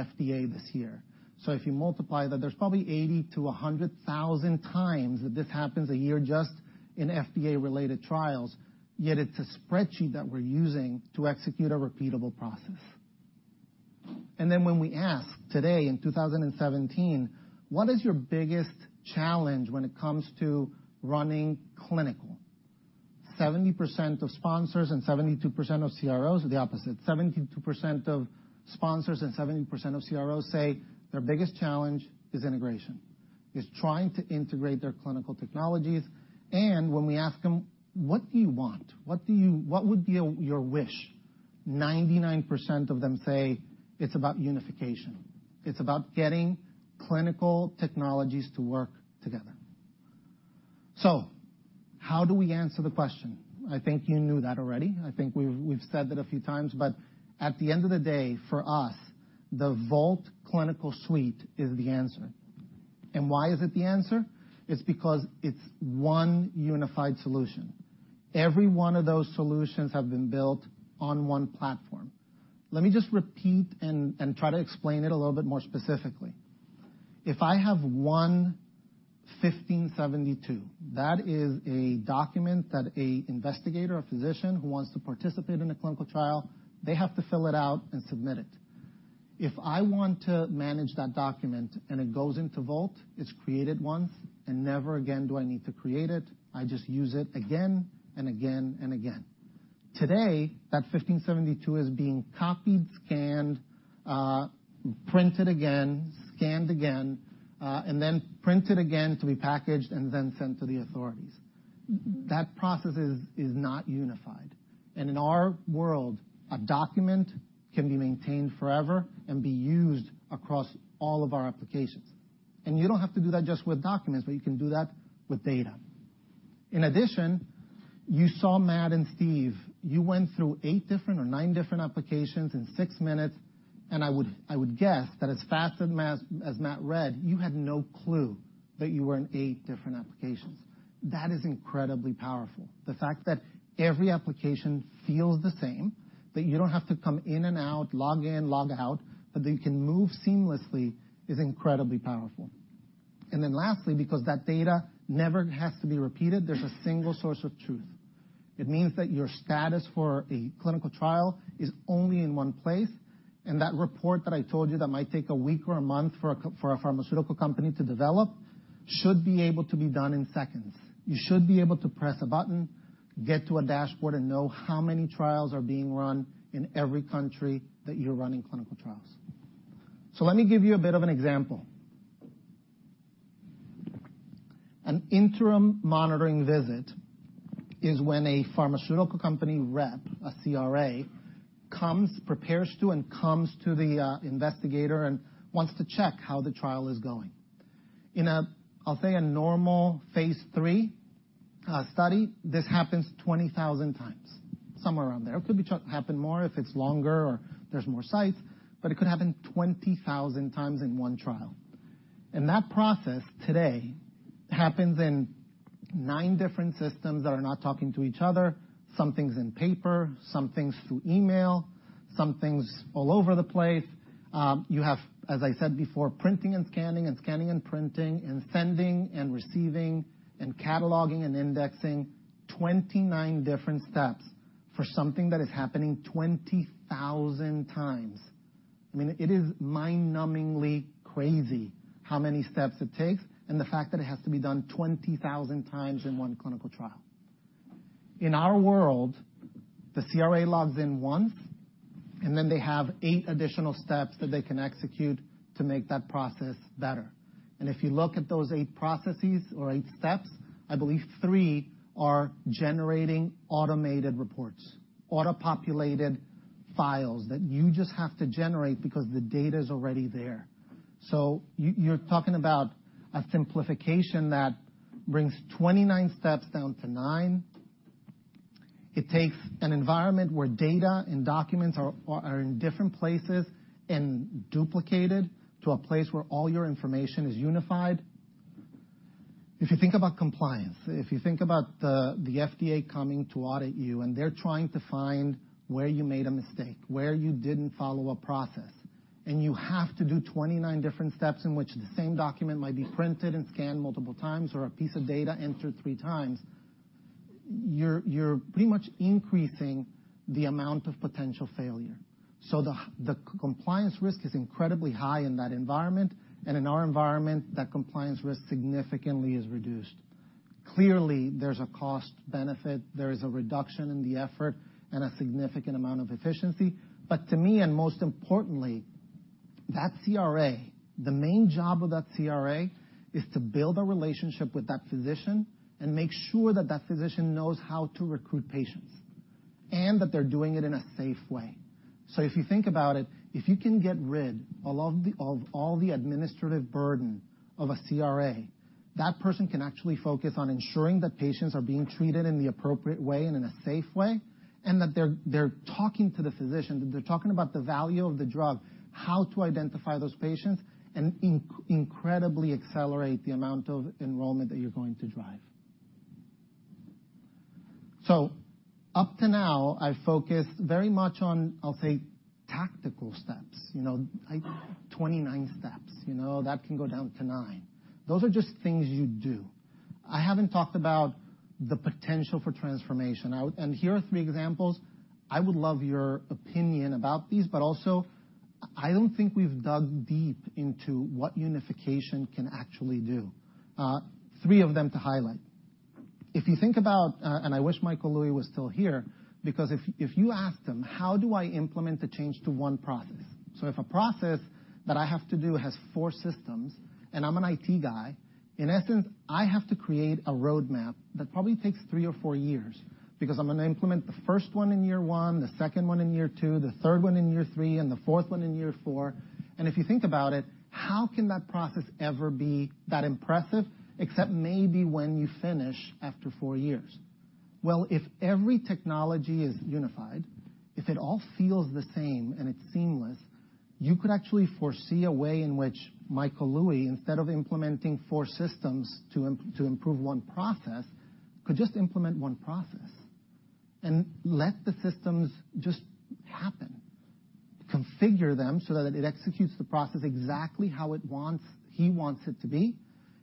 FDA this year. If you multiply that, there's probably 80,000 to 100,000 times that this happens a year just in FDA-related trials, yet it's a spreadsheet that we're using to execute a repeatable process. Then when we ask today in 2017, what is your biggest challenge when it comes to running clinical? 70% of sponsors and 72% of CROs. The opposite. 72% of sponsors and 70% of CROs say their biggest challenge is integration, is trying to integrate their clinical technologies. When we ask them, "What do you want? What would be your wish?" 99% of them say it's about unification. It's about getting clinical technologies to work together. How do we answer the question? I think you knew that already. I think we've said that a few times, but at the end of the day, for us, the Vault Clinical Suite is the answer. Why is it the answer? It's because it's one unified solution. Every one of those solutions have been built on one platform. Let me just repeat and try to explain it a little bit more specifically. If I have one 1572, that is a document that an investigator or physician who wants to participate in a clinical trial, they have to fill it out and submit it. If I want to manage that document and it goes into Vault, it's created once, and never again do I need to create it. I just use it again and again and again. Today, that 1572 is being copied, scanned, printed again, scanned again, and then printed again to be packaged and then sent to the authorities. That process is not unified. In our world, a document can be maintained forever and be used across all of our applications. You don't have to do that just with documents, but you can do that with data. In addition, you saw Matt and Steve. You went through 8 different or 9 different applications in 6 minutes, and I would guess that as fast as Matt read, you had no clue that you were in 8 different applications. That is incredibly powerful. The fact that every application feels the same, that you don't have to come in and out, log in, log out, but that you can move seamlessly is incredibly powerful. Lastly, because that data never has to be repeated, there's a single source of truth. It means that your status for a clinical trial is only in 1 place, and that report that I told you that might take a week or a month for a pharmaceutical company to develop, should be able to be done in seconds. You should be able to press a button, get to a dashboard, and know how many trials are being run in every country that you're running clinical trials. Let me give you a bit of an example. An interim monitoring visit is when a pharmaceutical company rep, a CRA, prepares to and comes to the investigator and wants to check how the trial is going. In a, I'll say a normal phase III study, this happens 20,000 times. Somewhere around there. It could happen more if it's longer or there's more sites, but it could happen 20,000 times in 1 trial. That process, today, happens in 9 different systems that are not talking to each other. Some things in paper, some things through email, some things all over the place. You have, as I said before, printing and scanning and scanning and printing and sending and receiving and cataloging and indexing. 29 different steps for something that is happening 20,000 times. I mean, it is mind-numbingly crazy how many steps it takes and the fact that it has to be done 20,000 times in 1 clinical trial. In our world, the CRA logs in once, and then they have 8 additional steps that they can execute to make that process better. If you look at those 8 processes or 8 steps, I believe 3 are generating automated reports, auto-populated files that you just have to generate because the data's already there. You're talking about a simplification that brings 29 steps down to nine. It takes an environment where data and documents are in different places and duplicated to a place where all your information is unified. If you think about compliance, if you think about the FDA coming to audit you, and they're trying to find where you made a mistake, where you didn't follow a process, and you have to do 29 different steps in which the same document might be printed and scanned multiple times, or a piece of data entered three times, you're pretty much increasing the amount of potential failure. The compliance risk is incredibly high in that environment. In our environment, that compliance risk significantly is reduced. Clearly, there's a cost benefit, there is a reduction in the effort, and a significant amount of efficiency. To me, and most importantly, that CRA, the main job of that CRA is to build a relationship with that physician and make sure that that physician knows how to recruit patients, and that they're doing it in a safe way. If you think about it, if you can get rid of all the administrative burden of a CRA, that person can actually focus on ensuring that patients are being treated in the appropriate way and in a safe way, and that they're talking to the physician, they're talking about the value of the drug, how to identify those patients, and incredibly accelerate the amount of enrollment that you're going to drive. Up to now, I focused very much on, I'll say, tactical steps. 29 steps. That can go down to nine. Those are just things you do. I haven't talked about the potential for transformation. Here are three examples. I would love your opinion about these, but also, I don't think we've dug deep into what unification can actually do. Three of them to highlight If you think about, and I wish Michael Louie was still here, because if you ask him, "How do I implement the change to one process?" If a process that I have to do has four systems and I'm an IT guy, in essence, I have to create a roadmap that probably takes three or four years because I'm going to implement the first one in year one, the second one in year two, the third one in year three, and the fourth one in year four. If you think about it, how can that process ever be that impressive, except maybe when you finish after four years? Well, if every technology is unified, if it all feels the same and it's seamless, you could actually foresee a way in which Michael Louie, instead of implementing four systems to improve one process, could just implement one process and let the systems just happen. Configure them so that it executes the process exactly how he wants it to be,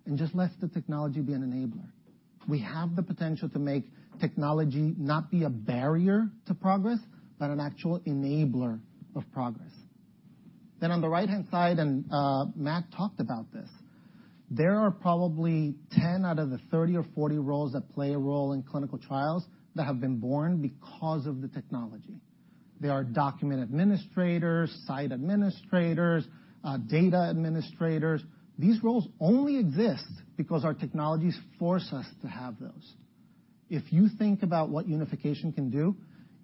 and just lets the technology be an enabler. We have the potential to make technology not be a barrier to progress, but an actual enabler of progress. On the right-hand side, and Matt talked about this, there are probably 10 out of the 30 or 40 roles that play a role in clinical trials that have been born because of the technology. There are document administrators, site administrators, data administrators. These roles only exist because our technologies force us to have those. If you think about what unification can do,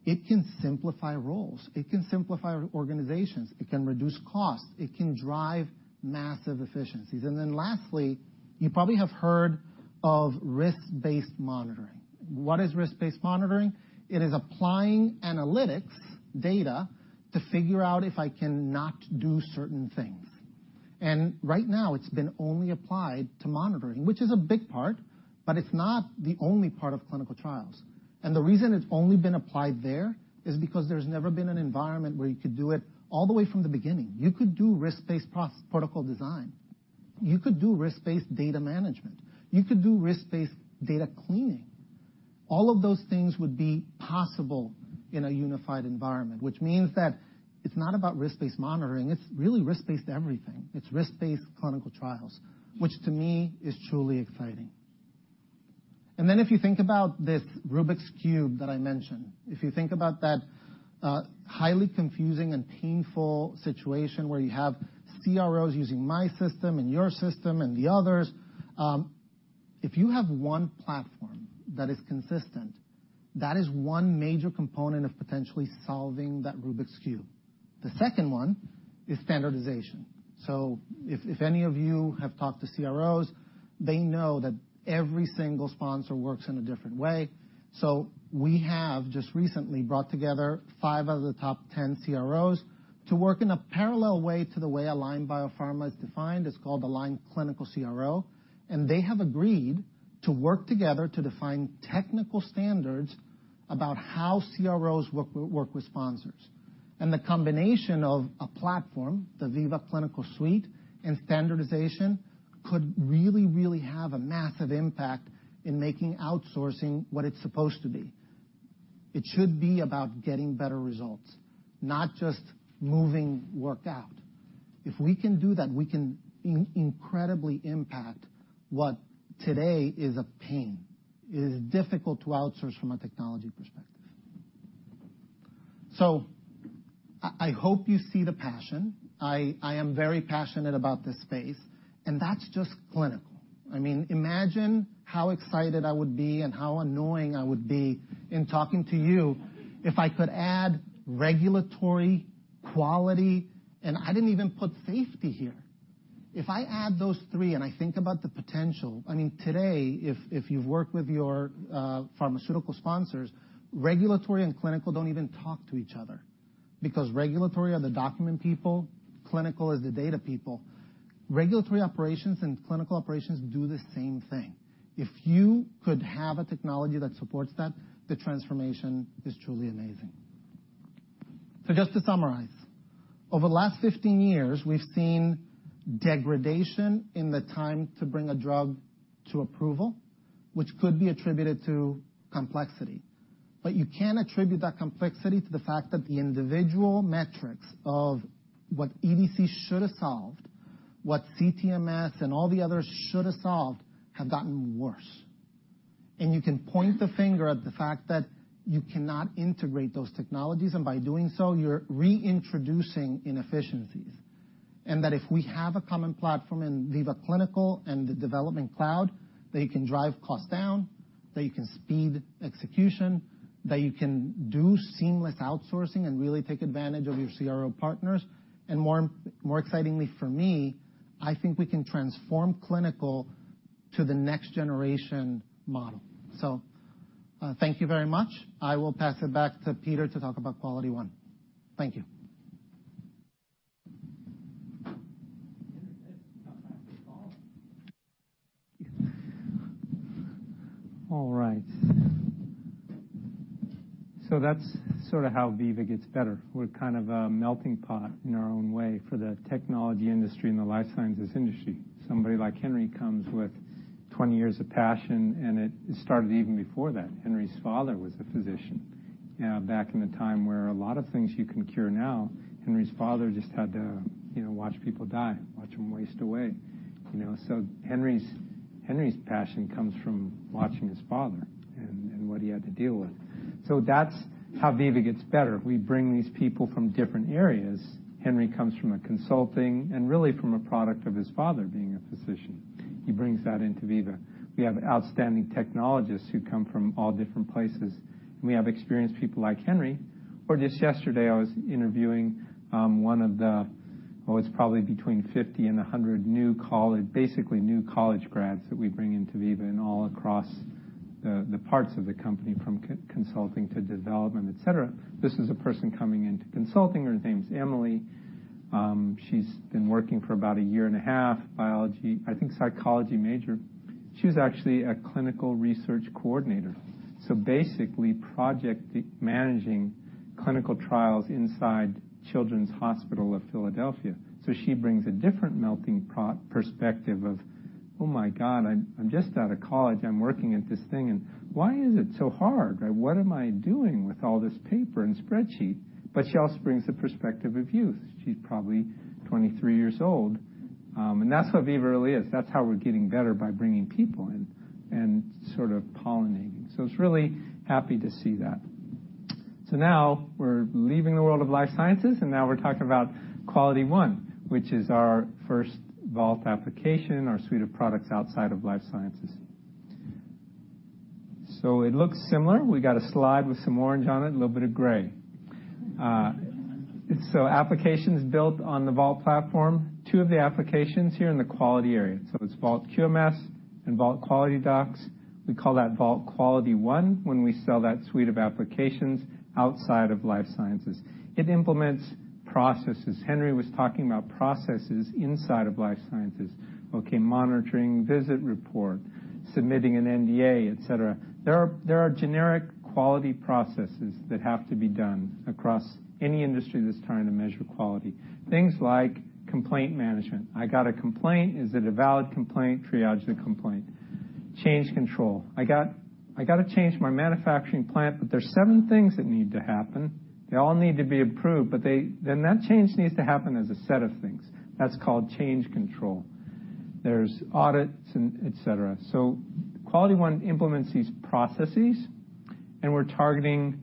it can simplify roles. It can simplify organizations. It can reduce costs. It can drive massive efficiencies. Lastly, you probably have heard of risk-based monitoring. What is risk-based monitoring? It is applying analytics data to figure out if I cannot do certain things. Right now it's been only applied to monitoring, which is a big part, but it's not the only part of clinical trials. The reason it's only been applied there is because there's never been an environment where you could do it all the way from the beginning. You could do risk-based protocol design. You could do risk-based data management. You could do risk-based data cleaning. All of those things would be possible in a unified environment, which means that it's not about risk-based monitoring, it's really risk-based everything. It's risk-based clinical trials, which to me is truly exciting. If you think about this Rubik's Cube that I mentioned, if you think about that highly confusing and painful situation where you have CROs using my system and your system and the others. If you have one platform that is consistent, that is one major component of potentially solving that Rubik's Cube. The second one is standardization. If any of you have talked to CROs, they know that every single sponsor works in a different way. We have just recently brought together five of the top 10 CROs to work in a parallel way to the way Align Biopharma is defined. It's called Align Clinical CRO, and they have agreed to work together to define technical standards about how CROs work with sponsors. The combination of a platform, the Veeva Clinical Suite, and standardization could really, really have a massive impact in making outsourcing what it's supposed to be. It should be about getting better results, not just moving work out. If we can do that, we can incredibly impact what today is a pain. It is difficult to outsource from a technology perspective. I hope you see the passion. I am very passionate about this space, and that's just clinical. Imagine how excited I would be and how annoying I would be in talking to you if I could add regulatory, quality, and I didn't even put Safety here. If I add those three and I think about the potential, today, if you've worked with your pharmaceutical sponsors, regulatory and clinical don't even talk to each other because regulatory are the document people, clinical is the data people. Regulatory operations and clinical operations do the same thing. If you could have a technology that supports that, the transformation is truly amazing. Just to summarize. Over the last 15 years, we've seen degradation in the time to bring a drug to approval, which could be attributed to complexity. You can attribute that complexity to the fact that the individual metrics of what EDC should have solved, what CTMS and all the others should have solved, have gotten worse. You can point the finger at the fact that you cannot integrate those technologies, and by doing so, you're reintroducing inefficiencies. If we have a common platform in Veeva Clinical and the Development Cloud, that you can drive costs down, that you can speed execution, that you can do seamless outsourcing and really take advantage of your CRO partners. More excitingly for me, I think we can transform clinical to the next generation model. Thank you very much. I will pass it back to Peter to talk about QualityOne. Thank you. Henry, come back to the pod. All right. That's sort of how Veeva gets better. We're kind of a melting pot in our own way for the technology industry and the life sciences industry. Somebody like Henry comes with 20 years of passion, and it started even before that. Henry's father was a physician. Back in the time where a lot of things you can cure now, Henry's father just had to watch people die, watch them waste away. Henry's passion comes from watching his father and what he had to deal with. That's how Veeva gets better. We bring these people from different areas. Henry comes from consulting and really from a product of his father being a physician. He brings that into Veeva. We have outstanding technologists who come from all different places, and we have experienced people like Henry. Just yesterday, I was interviewing one of the, it's probably between 50 and 100, basically new college grads that we bring into Veeva and all across the parts of the company, from consulting to development, et cetera. This is a person coming into consulting. Her name's Emily. She's been working for about a year and a half, psychology major. She was actually a clinical research coordinator, so basically project managing clinical trials inside Children's Hospital of Philadelphia. She brings a different melting pot perspective of, "Oh my God, I'm just out of college. I'm working at this thing, and why is it so hard? What am I doing with all this paper and spreadsheets?" She also brings the perspective of youth. She's probably 23 years old. That's what Veeva really is. That's how we're getting better by bringing people in and sort of pollinating. It's really happy to see that. Now we're leaving the world of life sciences, and now we're talking about QualityOne, which is our first Vault application, our suite of products outside of life sciences. It looks similar. We got a slide with some orange on it, a little bit of gray. Applications built on the Vault platform, two of the applications here in the quality area. It's Vault QMS and Vault QualityDocs. We call that Vault QualityOne when we sell that suite of applications outside of life sciences. It implements processes. Henry was talking about processes inside of life sciences. Okay, monitoring, visit report, submitting an NDA, et cetera. There are generic quality processes that have to be done across any industry that's trying to measure quality. Things like complaint management. I got a complaint. Is it a valid complaint? Triage the complaint. Change control. I got to change my manufacturing plant, there's seven things that need to happen. They all need to be approved, that change needs to happen as a set of things. That's called change control. There's audits, et cetera. QualityOne implements these processes, and we're targeting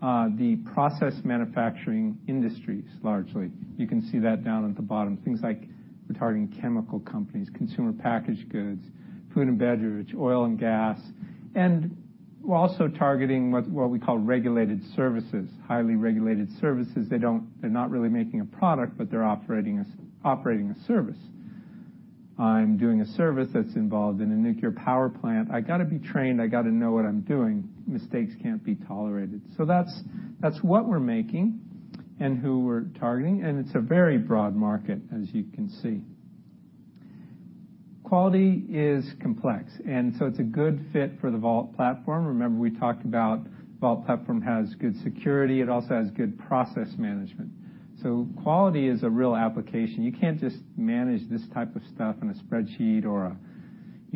the process manufacturing industries largely. You can see that down at the bottom. Things like we're targeting chemical companies, consumer packaged goods, food and beverage, oil and gas, and we're also targeting what we call regulated services, highly regulated services. They're not really making a product, but they're operating a service. I'm doing a service that's involved in a nuclear power plant. I got to be trained. I got to know what I'm doing. Mistakes can't be tolerated. That's what we're making and who we're targeting, it's a very broad market, as you can see. Quality is complex, it's a good fit for the Vault platform. Remember, we talked about Vault platform has good security. It also has good process management. Quality is a real application. You can't just manage this type of stuff in a spreadsheet or a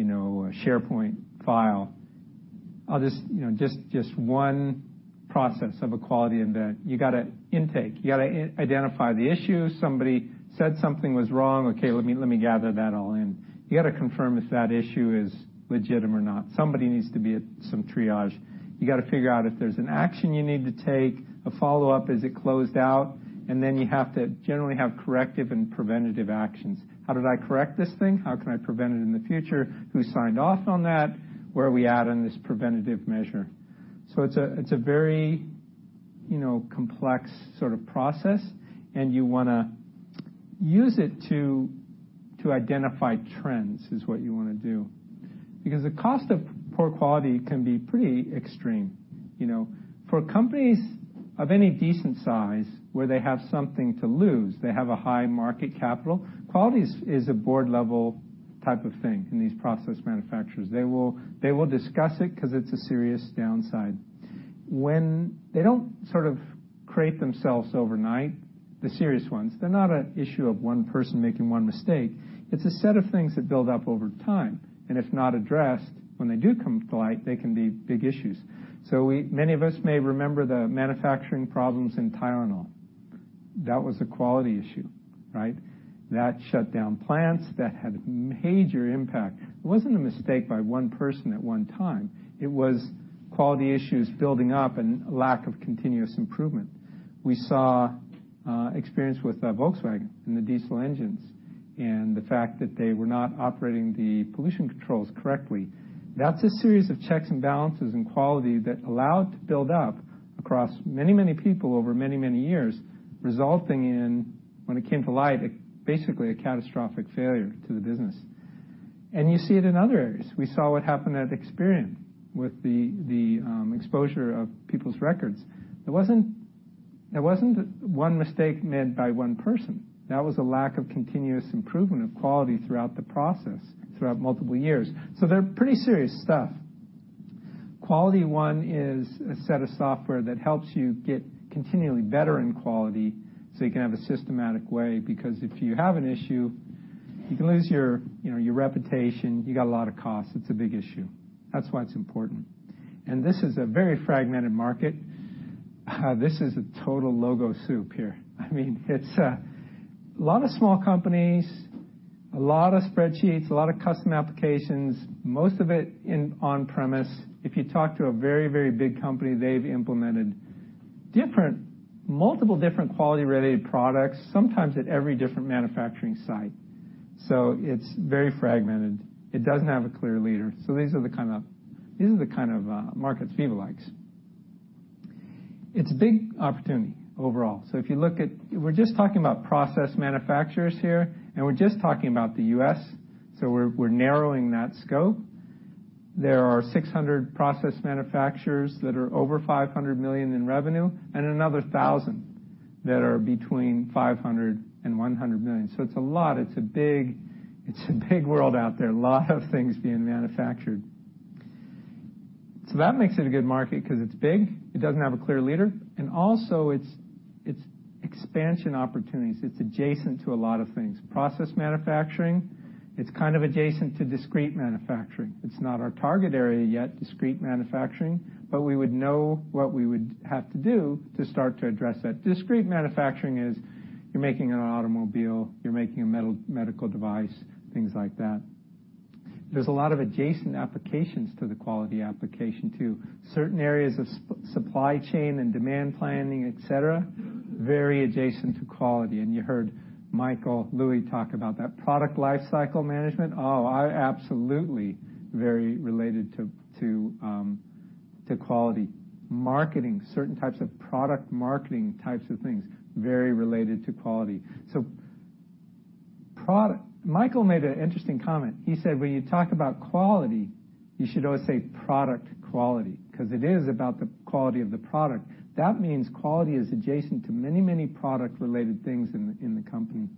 SharePoint file. Just one process of a quality event. You got to intake. You got to identify the issue. Somebody said something was wrong. Let me gather that all in. You got to confirm if that issue is legitimate or not. Somebody needs to be at some triage. You got to figure out if there's an action you need to take, a follow-up, is it closed out? You have to generally have corrective and preventative actions. How did I correct this thing? How can I prevent it in the future? Who signed off on that? Where are we at on this preventative measure? It's a very complex sort of process, you want to use it to identify trends, is what you want to do. The cost of poor quality can be pretty extreme. For companies of any decent size where they have something to lose, they have a high market capital, quality is a board-level type of thing in these process manufacturers. They will discuss it because it's a serious downside. They don't sort of create themselves overnight, the serious ones. They're not an issue of one person making one mistake. It's a set of things that build up over time, if not addressed, when they do come to light, they can be big issues. Many of us may remember the manufacturing problems in Tylenol. That was a quality issue, right? That shut down plants. That had major impact. It wasn't a mistake by one person at one time. It was quality issues building up and lack of continuous improvement. We saw experience with Volkswagen and the diesel engines and the fact that they were not operating the pollution controls correctly. That's a series of checks and balances and quality that allowed to build up across many people over many years, resulting in, when it came to light, basically a catastrophic failure to the business. You see it in other areas. We saw what happened at Experian with the exposure of people's records. It wasn't one mistake made by one person. That was a lack of continuous improvement of quality throughout the process, throughout multiple years. They're pretty serious stuff. QualityOne is a set of software that helps you get continually better in quality you can have a systematic way. If you have an issue, you can lose your reputation. You got a lot of costs. It's a big issue. That's why it's important. This is a very fragmented market. This is a total logo soup here. It's a lot of small companies, a lot of spreadsheets, a lot of custom applications, most of it in on-premise. If you talk to a very big company, they've implemented multiple different quality-related products, sometimes at every different manufacturing site. It's very fragmented. It doesn't have a clear leader. These are the kind of markets Veeva likes. It's a big opportunity overall. If you look at, we're just talking about process manufacturers here, and we're just talking about the U.S., we're narrowing that scope. There are 600 process manufacturers that are over $500 million in revenue, and another 1,000 that are between $500 million and $100 million. It's a lot. It's a big world out there. A lot of things being manufactured. That makes it a good market because it's big, it doesn't have a clear leader, and also its expansion opportunities. It's adjacent to a lot of things. Process manufacturing, it's kind of adjacent to discrete manufacturing. It's not our target area yet, discrete manufacturing, but we would know what we would have to do to start to address that. Discrete manufacturing is you're making an automobile, you're making a medical device, things like that. There's a lot of adjacent applications to the quality application too. Certain areas of supply chain and demand planning, et cetera, very adjacent to quality. You heard Michael Louie talk about that. Product lifecycle management are absolutely very related to quality. Marketing, certain types of product marketing types of things, very related to quality. Michael made an interesting comment. He said, "When you talk about quality, you should always say product quality," because it is about the quality of the product. That means quality is adjacent to many product-related things in the company.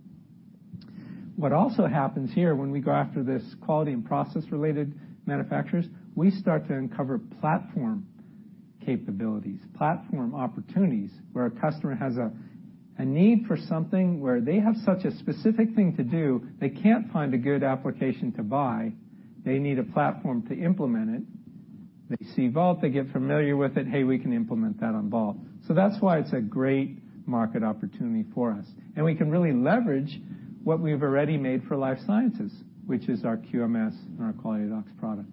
What also happens here when we go after this quality and process-related manufacturers, we start to uncover platform capabilities, platform opportunities, where a customer has a need for something where they have such a specific thing to do, they can't find a good application to buy. They need a platform to implement it. They see Vault, they get familiar with it. "Hey, we can implement that on Vault." That's why it's a great market opportunity for us. We can really leverage what we've already made for life sciences, which is our QMS and our QualityDocs product.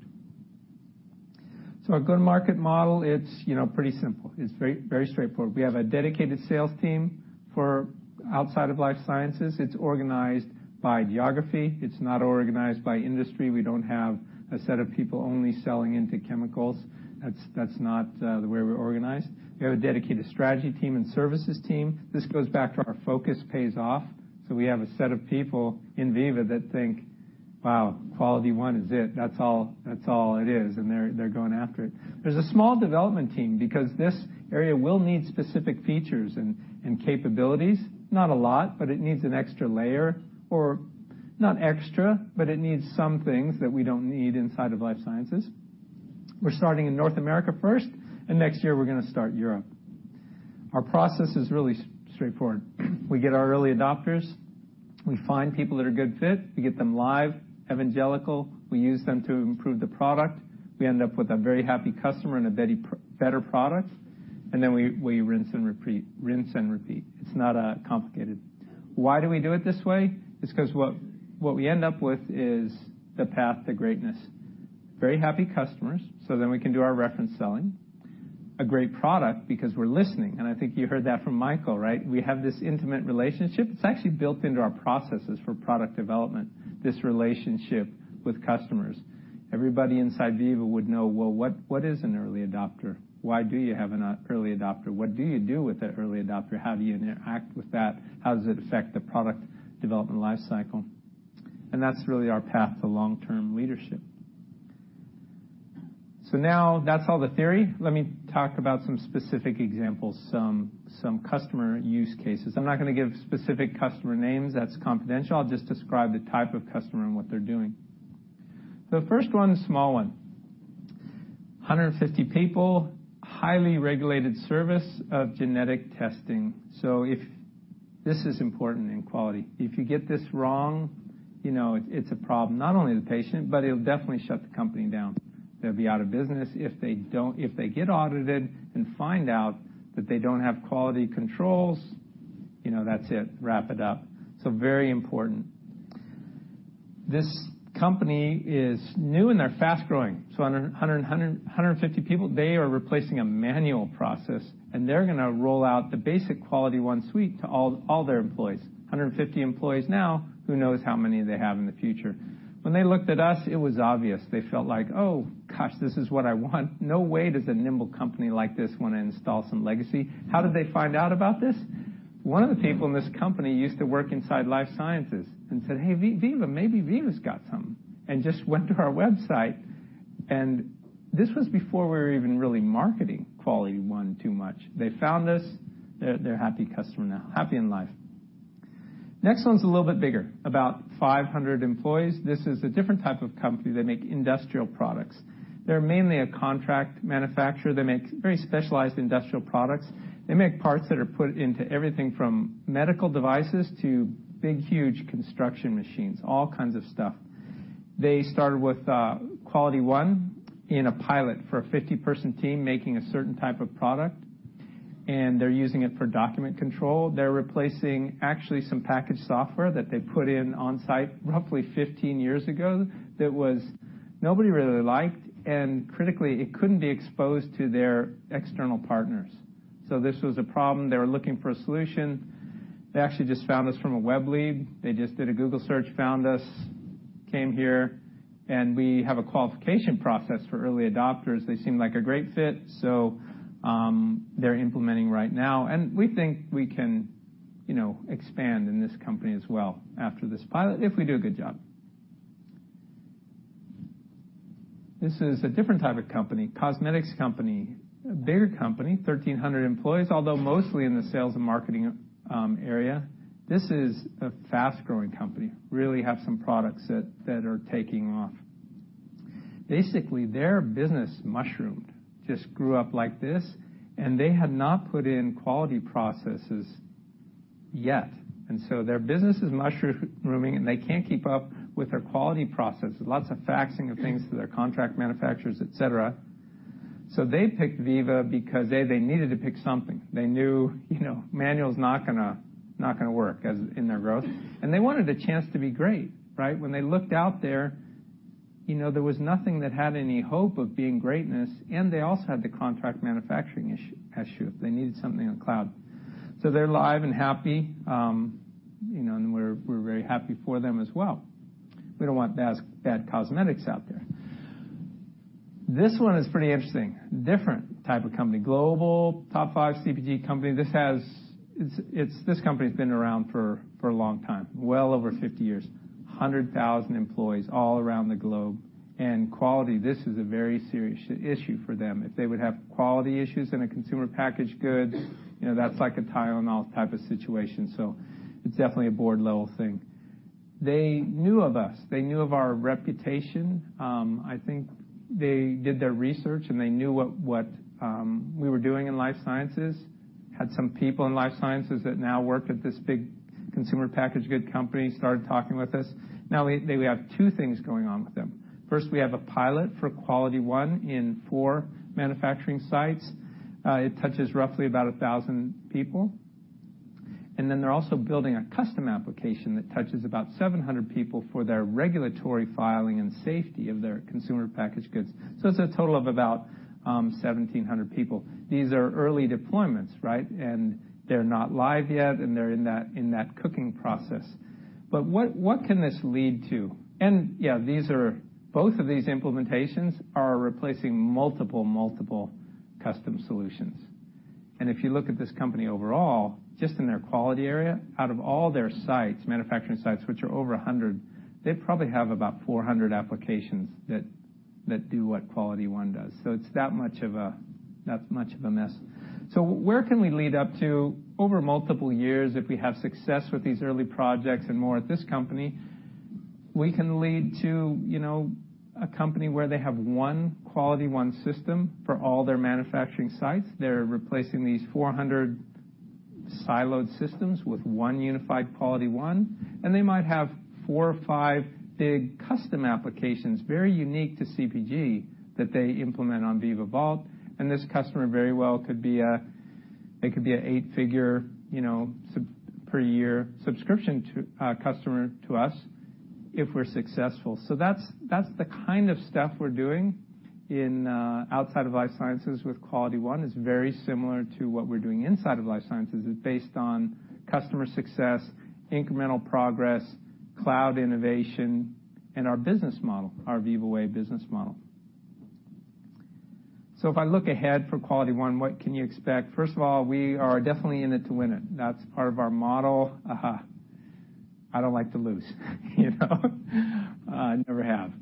A good market model, it's pretty simple. It's very straightforward. We have a dedicated sales team for outside of life sciences. It's organized by geography. It's not organized by industry. We don't have a set of people only selling into chemicals. That's not the way we're organized. We have a dedicated strategy team and services team. This goes back to our focus pays off. We have a set of people in Veeva that think, "Wow, QualityOne is it. That's all it is." They're going after it. There's a small development team because this area will need specific features and capabilities. Not a lot, but it needs an extra layer, or not extra, but it needs some things that we don't need inside of life sciences. We're starting in North America first, and next year we're going to start Europe. Our process is really straightforward. We get our early adopters. We find people that are good fit. We get them live, evangelical. We use them to improve the product. We end up with a very happy customer and a better product. Then we rinse and repeat. It's not complicated. Why do we do it this way? It's because what we end up with is the path to greatness. Very happy customers, then we can do our reference selling. A great product because we're listening, and I think you heard that from Michael, right? We have this intimate relationship. It's actually built into our processes for product development, this relationship with customers. Everybody inside Veeva would know, well, what is an early adopter? Why do you have an early adopter? What do you do with that early adopter? How do you interact with that? How does it affect the product development life cycle? That's really our path to long-term leadership. Now that's all the theory. Let me talk about some specific examples, some customer use cases. I'm not going to give specific customer names. That's confidential. I'll just describe the type of customer and what they're doing. The first one is a small one. 150 people, highly regulated service of genetic testing. This is important in quality. If you get this wrong, it's a problem. Not only the patient, but it'll definitely shut the company down. They'll be out of business if they get audited and find out that they don't have quality controls, that's it. Wrap it up. Very important. This company is new and they're fast-growing. 150 people, they are replacing a manual process, and they're going to roll out the basic QualityOne suite to all their employees. 150 employees now, who knows how many they have in the future. When they looked at us, it was obvious. They felt like, "Oh, gosh, this is what I want." No way does a nimble company like this want to install some legacy. How did they find out about this? One of the people in this company used to work inside life sciences and said, "Hey, Veeva, maybe Veeva's got something," and just went to our website, and this was before we were even really marketing QualityOne too much. They found us. They're a happy customer now. Happy in life. Next one's a little bit bigger, about 500 employees. This is a different type of company. They make industrial products. They're mainly a contract manufacturer. They make very specialized industrial products. They make parts that are put into everything from medical devices to big, huge construction machines, all kinds of stuff. They started with QualityOne in a pilot for a 50-person team making a certain type of product, and they're using it for document control. They're replacing actually some packaged software that they put in on-site roughly 15 years ago that nobody really liked, and critically, it couldn't be exposed to their external partners. This was a problem. They were looking for a solution. They actually just found us from a web lead. They just did a Google search, found us, came here. We have a qualification process for early adopters. They seemed like a great fit. They're implementing right now. We think we can expand in this company as well after this pilot if we do a good job. This is a different type of company, cosmetics company, a bigger company, 1,300 employees, although mostly in the sales and marketing area. This is a fast-growing company, really have some products that are taking off. Basically, their business mushroomed, just grew up like this. They had not put in quality processes yet. Their business is mushrooming, and they can't keep up with their quality process. There's lots of faxing of things to their contract manufacturers, et cetera. They picked Veeva because, A, they needed to pick something. They knew manual's not going to work as in their growth. They wanted a chance to be great, right? When they looked out there was nothing that had any hope of being greatness, and they also had the contract manufacturing issue. They needed something on cloud. They're live and happy. We're very happy for them as well. We don't want bad cosmetics out there. This one is pretty interesting. Different type of company. Global top 5 CPG company. This company's been around for a long time, well over 50 years, 100,000 employees all around the globe. Quality, this is a very serious issue for them. If they would have quality issues in a consumer packaged goods, that's like a Tylenol type of situation. It's definitely a board-level thing. They knew of us. They knew of our reputation. I think they did their research, and they knew what we were doing in life sciences, had some people in life sciences that now work at this big consumer packaged good company, started talking with us. They have two things going on with them. First, we have a pilot for QualityOne in four manufacturing sites. It touches roughly about 1,000 people. They're also building a custom application that touches about 700 people for their regulatory filing and safety of their consumer packaged goods. It's a total of about 1,700 people. These are early deployments, right? They're not live yet, and they're in that cooking process. What can this lead to? Both of these implementations are replacing multiple custom solutions. If you look at this company overall, just in their quality area, out of all their sites, manufacturing sites, which are over 100, they probably have about 400 applications that do what QualityOne does. It's that much of a mess. Where can we lead up to over multiple years if we have success with these early projects and more at this company? We can lead to a company where they have one QualityOne system for all their manufacturing sites. They're replacing these 400 siloed systems with one unified QualityOne, and they might have four or five big custom applications, very unique to CPG, that they implement on Veeva Vault, and this customer very well could be an eight-figure per year subscription customer to us if we're successful. So that's the kind of stuff we're doing outside of life sciences with QualityOne. It's very similar to what we're doing inside of life sciences. It's based on customer success, incremental progress, cloud innovation, and our business model, our Veeva Way business model. So if I look ahead for QualityOne, what can you expect? First of all, we are definitely in it to win it. That's part of our model. I don't like to lose. I never have.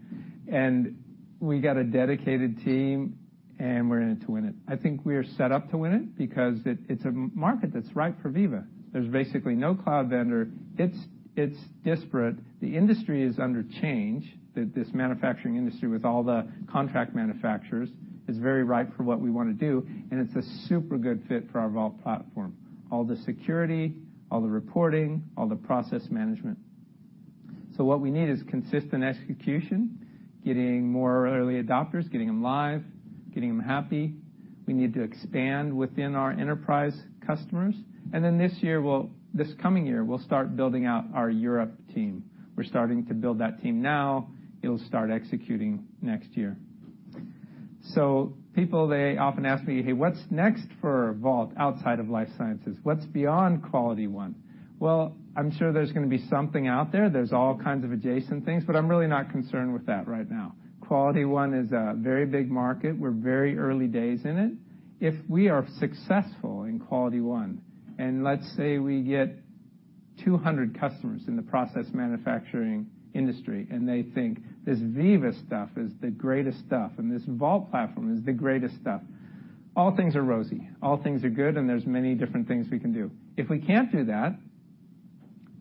We got a dedicated team, and we're in it to win it. I think we are set up to win it because it's a market that's right for Veeva. There's basically no cloud vendor. It's disparate. The industry is under change, this manufacturing industry with all the contract manufacturers is very ripe for what we want to do, and it's a super good fit for our Vault platform. All the security, all the reporting, all the process management. So what we need is consistent execution, getting more early adopters, getting them live, getting them happy. We need to expand within our enterprise customers. This coming year, we'll start building out our Europe team. We're starting to build that team now. It'll start executing next year. So people, they often ask me, "Hey, what's next for Vault outside of life sciences? What's beyond QualityOne?" Well, I'm sure there's going to be something out there. There's all kinds of adjacent things, but I'm really not concerned with that right now. QualityOne is a very big market. We're very early days in it. If we are successful in QualityOne, and let's say we get 200 customers in the process manufacturing industry, and they think this Veeva stuff is the greatest stuff, and this Vault platform is the greatest stuff, all things are rosy. All things are good, and there's many different things we can do. If we can't do that,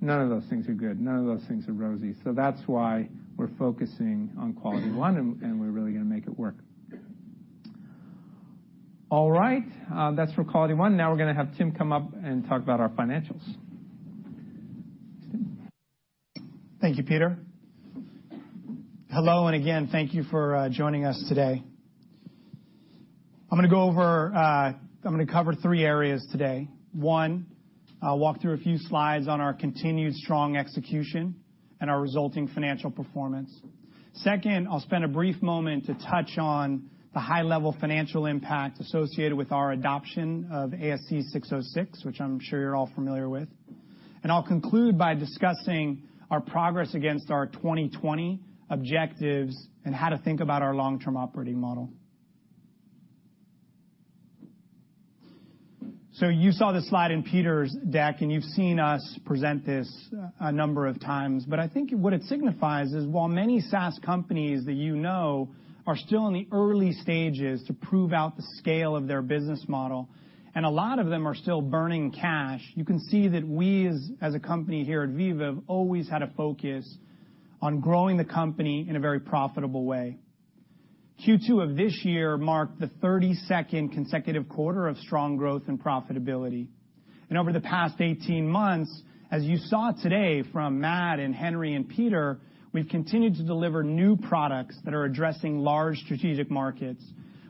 none of those things are good. None of those things are rosy. So that's why we're focusing on QualityOne, and we're really going to make it work. All right. That's for Qualityone. Now we're going to have Tim come up and talk about our financials. Tim? Thank you, Peter. Hello, and again, thank you for joining us today. I'm going to cover three areas today. One, I'll walk through a few slides on our continued strong execution and our resulting financial performance. Second, I'll spend a brief moment to touch on the high-level financial impact associated with our adoption of ASC 606, which I'm sure you're all familiar with. I'll conclude by discussing our progress against our 2020 objectives and how to think about our long-term operating model. So you saw this slide in Peter's deck, and you've seen us present this a number of times. I think what it signifies is while many SaaS companies that you know are still in the early stages to prove out the scale of their business model, and a lot of them are still burning cash, you can see that we, as a company here at Veeva, have always had a focus on growing the company in a very profitable way. Q2 of this year marked the 32nd consecutive quarter of strong growth and profitability. Over the past 18 months, as you saw today from Matt and Henry and Peter, we've continued to deliver new products that are addressing large strategic markets,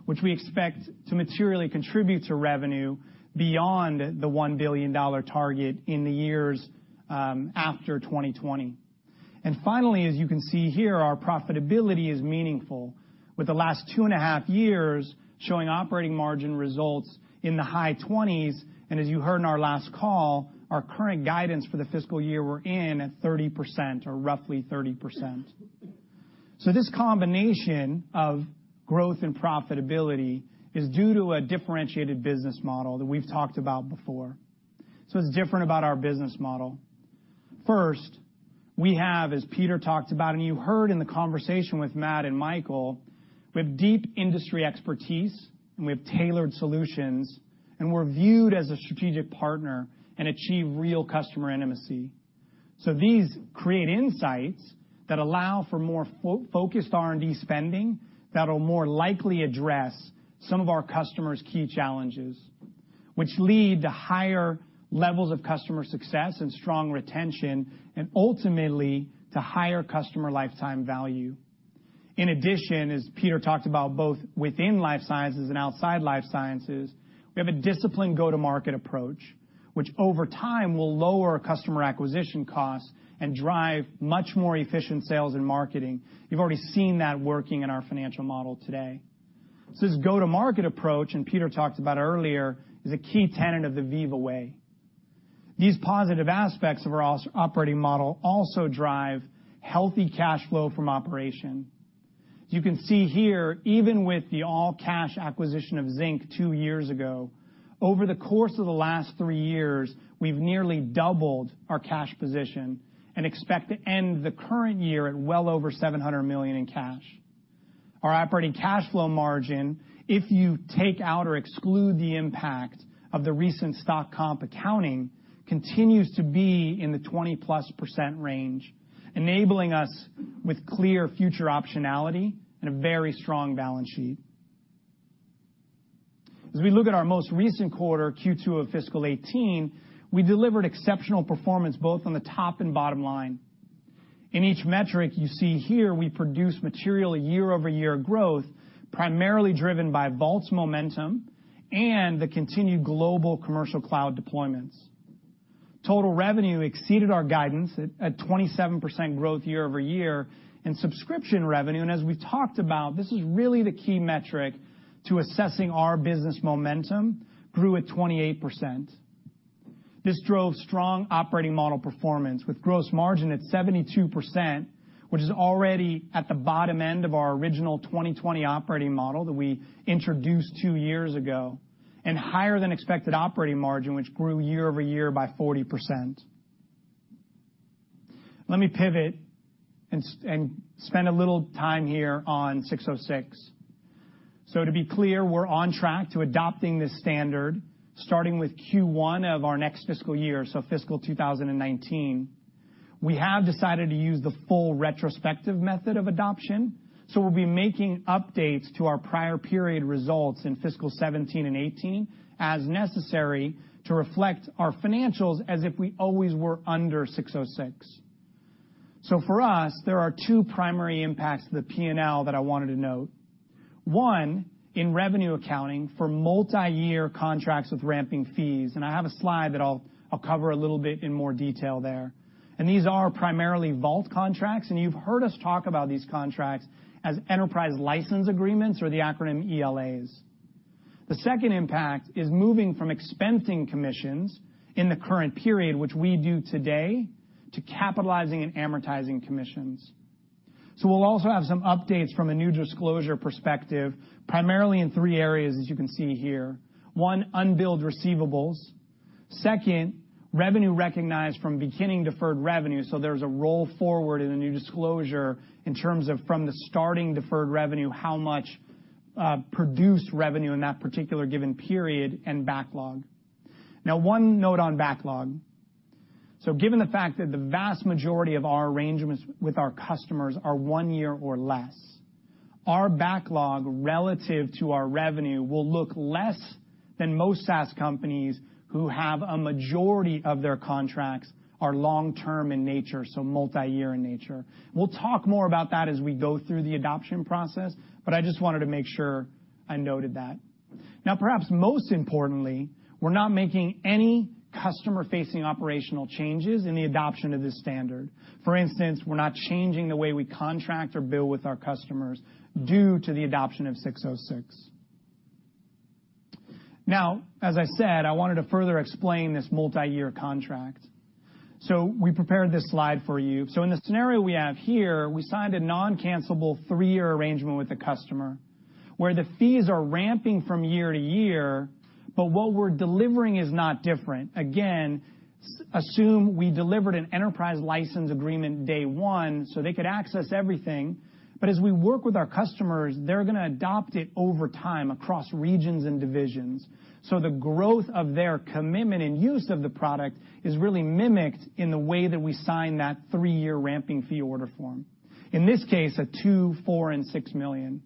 which we expect to materially contribute to revenue beyond the $1 billion target in the years after 2020. Finally, as you can see here, our profitability is meaningful, with the last two and a half years showing operating margin results in the high 20s. As you heard in our last call, our current guidance for the fiscal year we're in at 30%, or roughly 30%. This combination of growth and profitability is due to a differentiated business model that we've talked about before. What's different about our business model? First, we have, as Peter talked about, and you heard in the conversation with Matt and Michael, we have deep industry expertise, and we have tailored solutions, and we're viewed as a strategic partner and achieve real customer intimacy. These create insights that allow for more focused R&D spending that'll more likely address some of our customers' key challenges, which lead to higher levels of customer success and strong retention, and ultimately, to higher customer lifetime value. In addition, as Peter talked about both within life sciences and outside life sciences, we have a disciplined go-to-market approach, which over time will lower customer acquisition costs and drive much more efficient sales and marketing. You've already seen that working in our financial model today. This go-to-market approach, and Peter talked about it earlier, is a key tenet of the Veeva Way. These positive aspects of our operating model also drive healthy cash flow from operation. You can see here, even with the all-cash acquisition of Zinc two years ago, over the course of the last three years, we've nearly doubled our cash position and expect to end the current year at well over $700 million in cash. Our operating cash flow margin, if you take out or exclude the impact of the recent stock comp accounting, continues to be in the 20-plus % range, enabling us with clear future optionality and a very strong balance sheet. As we look at our most recent quarter, Q2 of fiscal 2018, we delivered exceptional performance both on the top and bottom line. In each metric you see here, we produced material year-over-year growth, primarily driven by Vault's momentum and the continued global Commercial Cloud deployments. Total revenue exceeded our guidance at 27% growth year-over-year, and subscription revenue, and as we talked about, this is really the key metric to assessing our business momentum, grew at 28%. This drove strong operating model performance with gross margin at 72%, which is already at the bottom end of our original 2020 operating model that we introduced two years ago, and higher than expected operating margin, which grew year-over-year by 40%. Let me pivot and spend a little time here on ASC 606. To be clear, we're on track to adopting this standard, starting with Q1 of our next fiscal year, so fiscal 2019. We have decided to use the full retrospective method of adoption, so we'll be making updates to our prior period results in fiscal 2017 and 2018 as necessary to reflect our financials as if we always were under ASC 606. For us, there are two primary impacts to the P&L that I wanted to note. One, in revenue accounting for multi-year contracts with ramping fees, I have a slide that I'll cover a little bit in more detail there. These are primarily Vault contracts, and you've heard us talk about these contracts as enterprise license agreements or the acronym ELAs. The second impact is moving from expensing commissions in the current period, which we do today, to capitalizing and amortizing commissions. We'll also have some updates from a new disclosure perspective, primarily in three areas, as you can see here. One, unbilled receivables. Second, revenue recognized from beginning deferred revenue, so there's a roll forward in the new disclosure in terms of from the starting deferred revenue, how much produced revenue in that particular given period and backlog. One note on backlog given the fact that the vast majority of our arrangements with our customers are one year or less, our backlog relative to our revenue will look less than most SaaS companies who have a majority of their contracts are long-term in nature, so multi-year in nature. We'll talk more about that as we go through the adoption process, but I just wanted to make sure I noted that. Perhaps most importantly, we're not making any customer-facing operational changes in the adoption of this standard. For instance, we're not changing the way we contract or bill with our customers due to the adoption of ASC 606. As I said, I wanted to further explain this multi-year contract. We prepared this slide for you. In the scenario we have here, we signed a non-cancelable three-year arrangement with the customer, where the fees are ramping from year to year, but what we're delivering is not different. Again, assume we delivered an enterprise license agreement day one, so they could access everything. As we work with our customers, they're going to adopt it over time across regions and divisions. The growth of their commitment and use of the product is really mimicked in the way that we sign that three-year ramping fee order form. In this case, a $2 million, $4 million, and $6 million.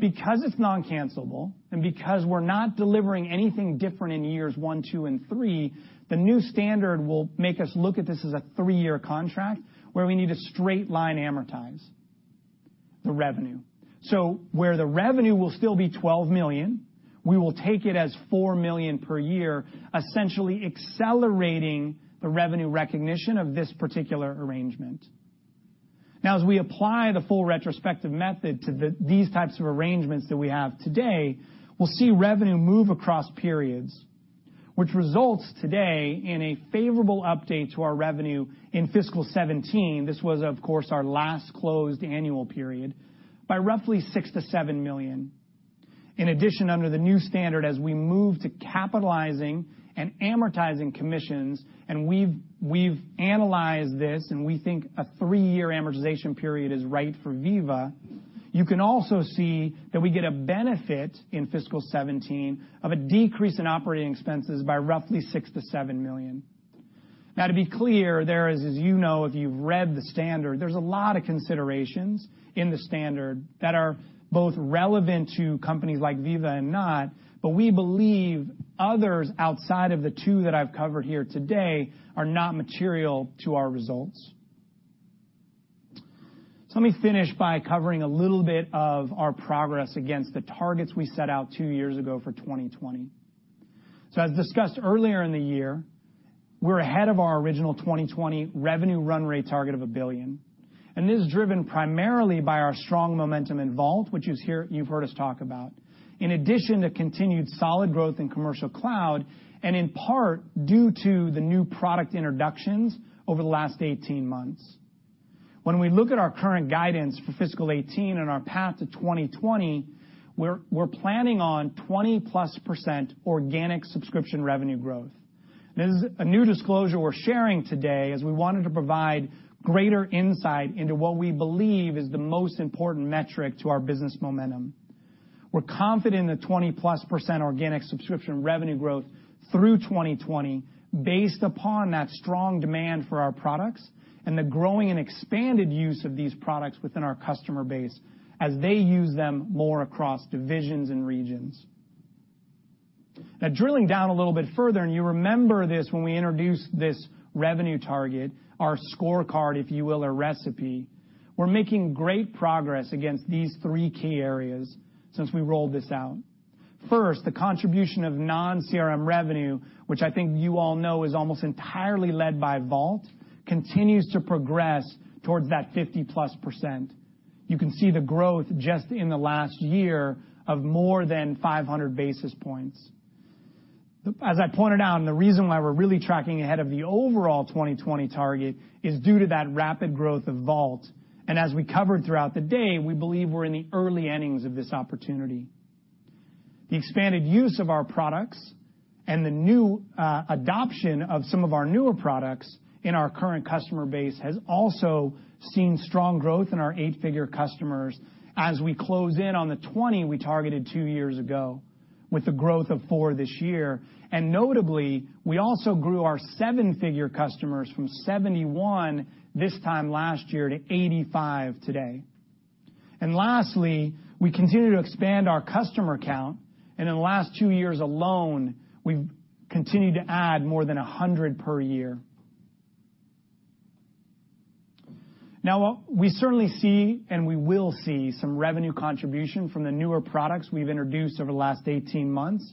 Because it's non-cancelable, and because we're not delivering anything different in years one, two, and three, the new standard will make us look at this as a three-year contract where we need to straight line amortize the revenue. Where the revenue will still be $12 million, we will take it as $4 million per year, essentially accelerating the revenue recognition of this particular arrangement. As we apply the full retrospective method to these types of arrangements that we have today, we'll see revenue move across periods, which results today in a favorable update to our revenue in fiscal 2017, this was, of course, our last closed annual period, by roughly $6 million-$7 million. In addition, under the new standard, as we move to capitalizing and amortizing commissions, and we've analyzed this, and we think a three-year amortization period is right for Veeva, you can also see that we get a benefit in fiscal 2017 of a decrease in operating expenses by roughly $6 million-$7 million. To be clear, there is, as you know if you've read the standard, there's a lot of considerations in the standard that are both relevant to companies like Veeva and not, but we believe others outside of the two that I've covered here today are not material to our results. Let me finish by covering a little bit of our progress against the targets we set out two years ago for 2020. This is driven primarily by our strong momentum in Vault, which you've heard us talk about, in addition to continued solid growth in Commercial Cloud, and in part, due to the new product introductions over the last 18 months. When we look at our current guidance for fiscal 2018 and our path to 2020, we're planning on 20+% organic subscription revenue growth. This is a new disclosure we're sharing today, as we wanted to provide greater insight into what we believe is the most important metric to our business momentum. We're confident in the 20+% organic subscription revenue growth through 2020 based upon that strong demand for our products and the growing and expanded use of these products within our customer base as they use them more across divisions and regions. Drilling down a little bit further, and you remember this when we introduced this revenue target, our scorecard, if you will, or recipe, we're making great progress against these three key areas since we rolled this out. First, the contribution of non-CRM revenue, which I think you all know is almost entirely led by Vault, continues to progress towards that 50+%. You can see the growth just in the last year of more than 500 basis points. As I pointed out, and the reason why we're really tracking ahead of the overall 2020 target is due to that rapid growth of Vault. As we covered throughout the day, we believe we're in the early innings of this opportunity. The expanded use of our products and the new adoption of some of our newer products in our current customer base has also seen strong growth in our eight-figure customers as we close in on the 20 we targeted two years ago with the growth of four this year. Notably, we also grew our seven-figure customers from 71 this time last year to 85 today. Lastly, we continue to expand our customer count, and in the last 2 years alone, we've continued to add more than 100 per year. We certainly see, and we will see some revenue contribution from the newer products we've introduced over the last 18 months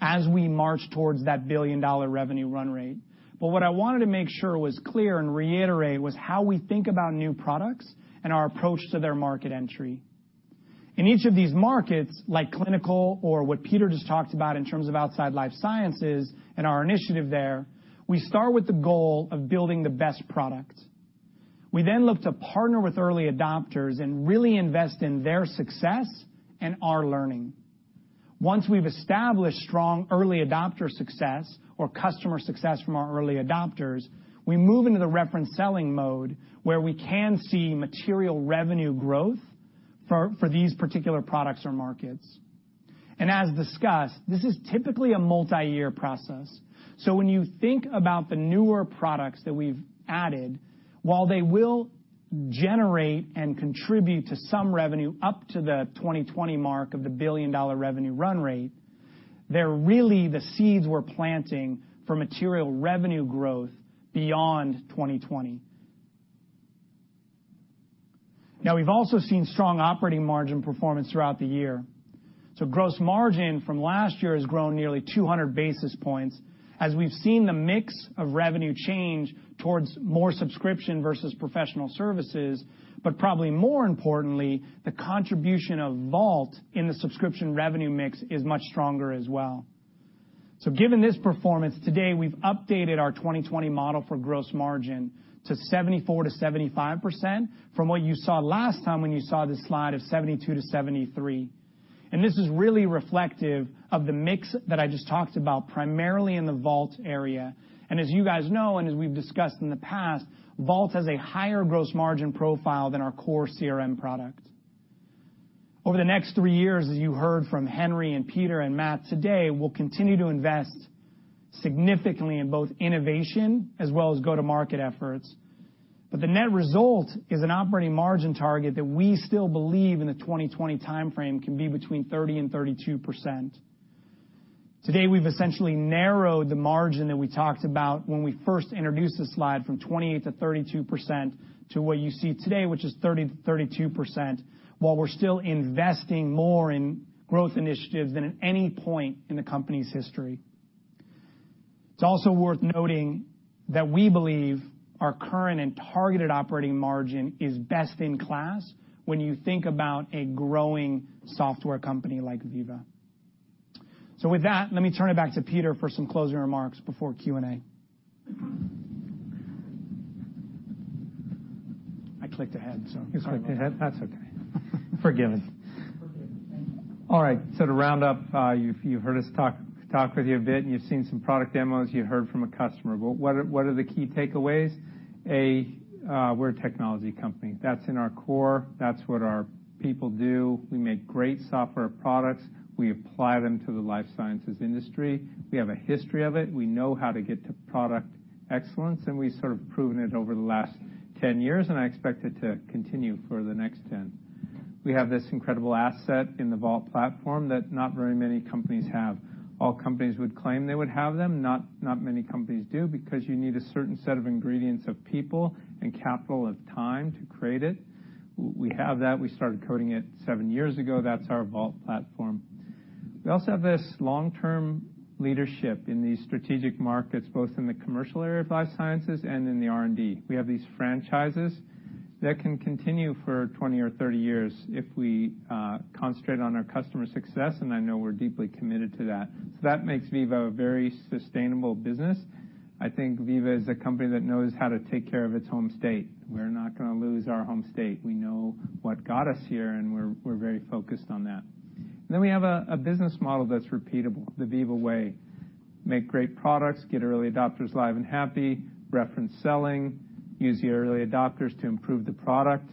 as we march towards that billion-dollar revenue run rate. What I wanted to make sure was clear and reiterate was how we think about new products and our approach to their market entry. In each of these markets, like clinical or what Peter just talked about in terms of outside life sciences and our initiative there, we start with the goal of building the best product. We then look to partner with early adopters and really invest in their success and our learning. Once we've established strong early adopter success or customer success from our early adopters, we move into the reference selling mode, where we can see material revenue growth for these particular products or markets. As discussed, this is typically a multi-year process. When you think about the newer products that we've added, while they will generate and contribute to some revenue up to the 2020 mark of the billion-dollar revenue run rate, they're really the seeds we're planting for material revenue growth beyond 2020. We've also seen strong operating margin performance throughout the year. Gross margin from last year has grown nearly 200 basis points as we've seen the mix of revenue change towards more subscription versus professional services, but probably more importantly, the contribution of Vault in the subscription revenue mix is much stronger as well. Given this performance, today we've updated our 2020 model for gross margin to 74%-75% from what you saw last time when you saw this slide of 72%-73%. This is really reflective of the mix that I just talked about, primarily in the Vault area. As you guys know, and as we've discussed in the past, Vault has a higher gross margin profile than our core CRM product. Over the next 3 years, as you heard from Henry and Peter and Matt today, we'll continue to invest significantly in both innovation as well as go-to-market efforts. The net result is an operating margin target that we still believe in the 2020 timeframe can be between 30% and 32%. Today, we've essentially narrowed the margin that we talked about when we first introduced this slide from 28%-32% to what you see today, which is 30%-32%, while we're still investing more in growth initiatives than at any point in the company's history. It's also worth noting that we believe our current and targeted operating margin is best in class when you think about a growing software company like Veeva. With that, let me turn it back to Peter for some closing remarks before Q&A. I clicked ahead. You clicked ahead? That's okay. Forgiven. Forgiven. Thank you. To round up, you've heard us talk with you a bit, and you've seen some product demos, you heard from a customer. What are the key takeaways? A, we're a technology company. That's in our core. That's what our people do. We make great software products. We apply them to the life sciences industry. We have a history of it. We know how to get to product excellence, and we sort of proven it over the last 10 years, and I expect it to continue for the next 10. We have this incredible asset in the Vault platform that not very many companies have. All companies would claim they would have them. Not many companies do because you need a certain set of ingredients of people and capital and time to create it. We have that. We started coding it seven years ago. That's our Vault platform. We also have this long-term leadership in these strategic markets, both in the commercial area of life sciences and in the R&D. We have these franchises that can continue for 20 or 30 years if we concentrate on our customer success, and I know we're deeply committed to that. That makes Veeva a very sustainable business. I think Veeva is a company that knows how to take care of its home state. We're not going to lose our home state. We know what got us here, and we're very focused on that. We have a business model that's repeatable, the Veeva Way. Make great products, get early adopters live and happy, reference selling, use the early adopters to improve the product,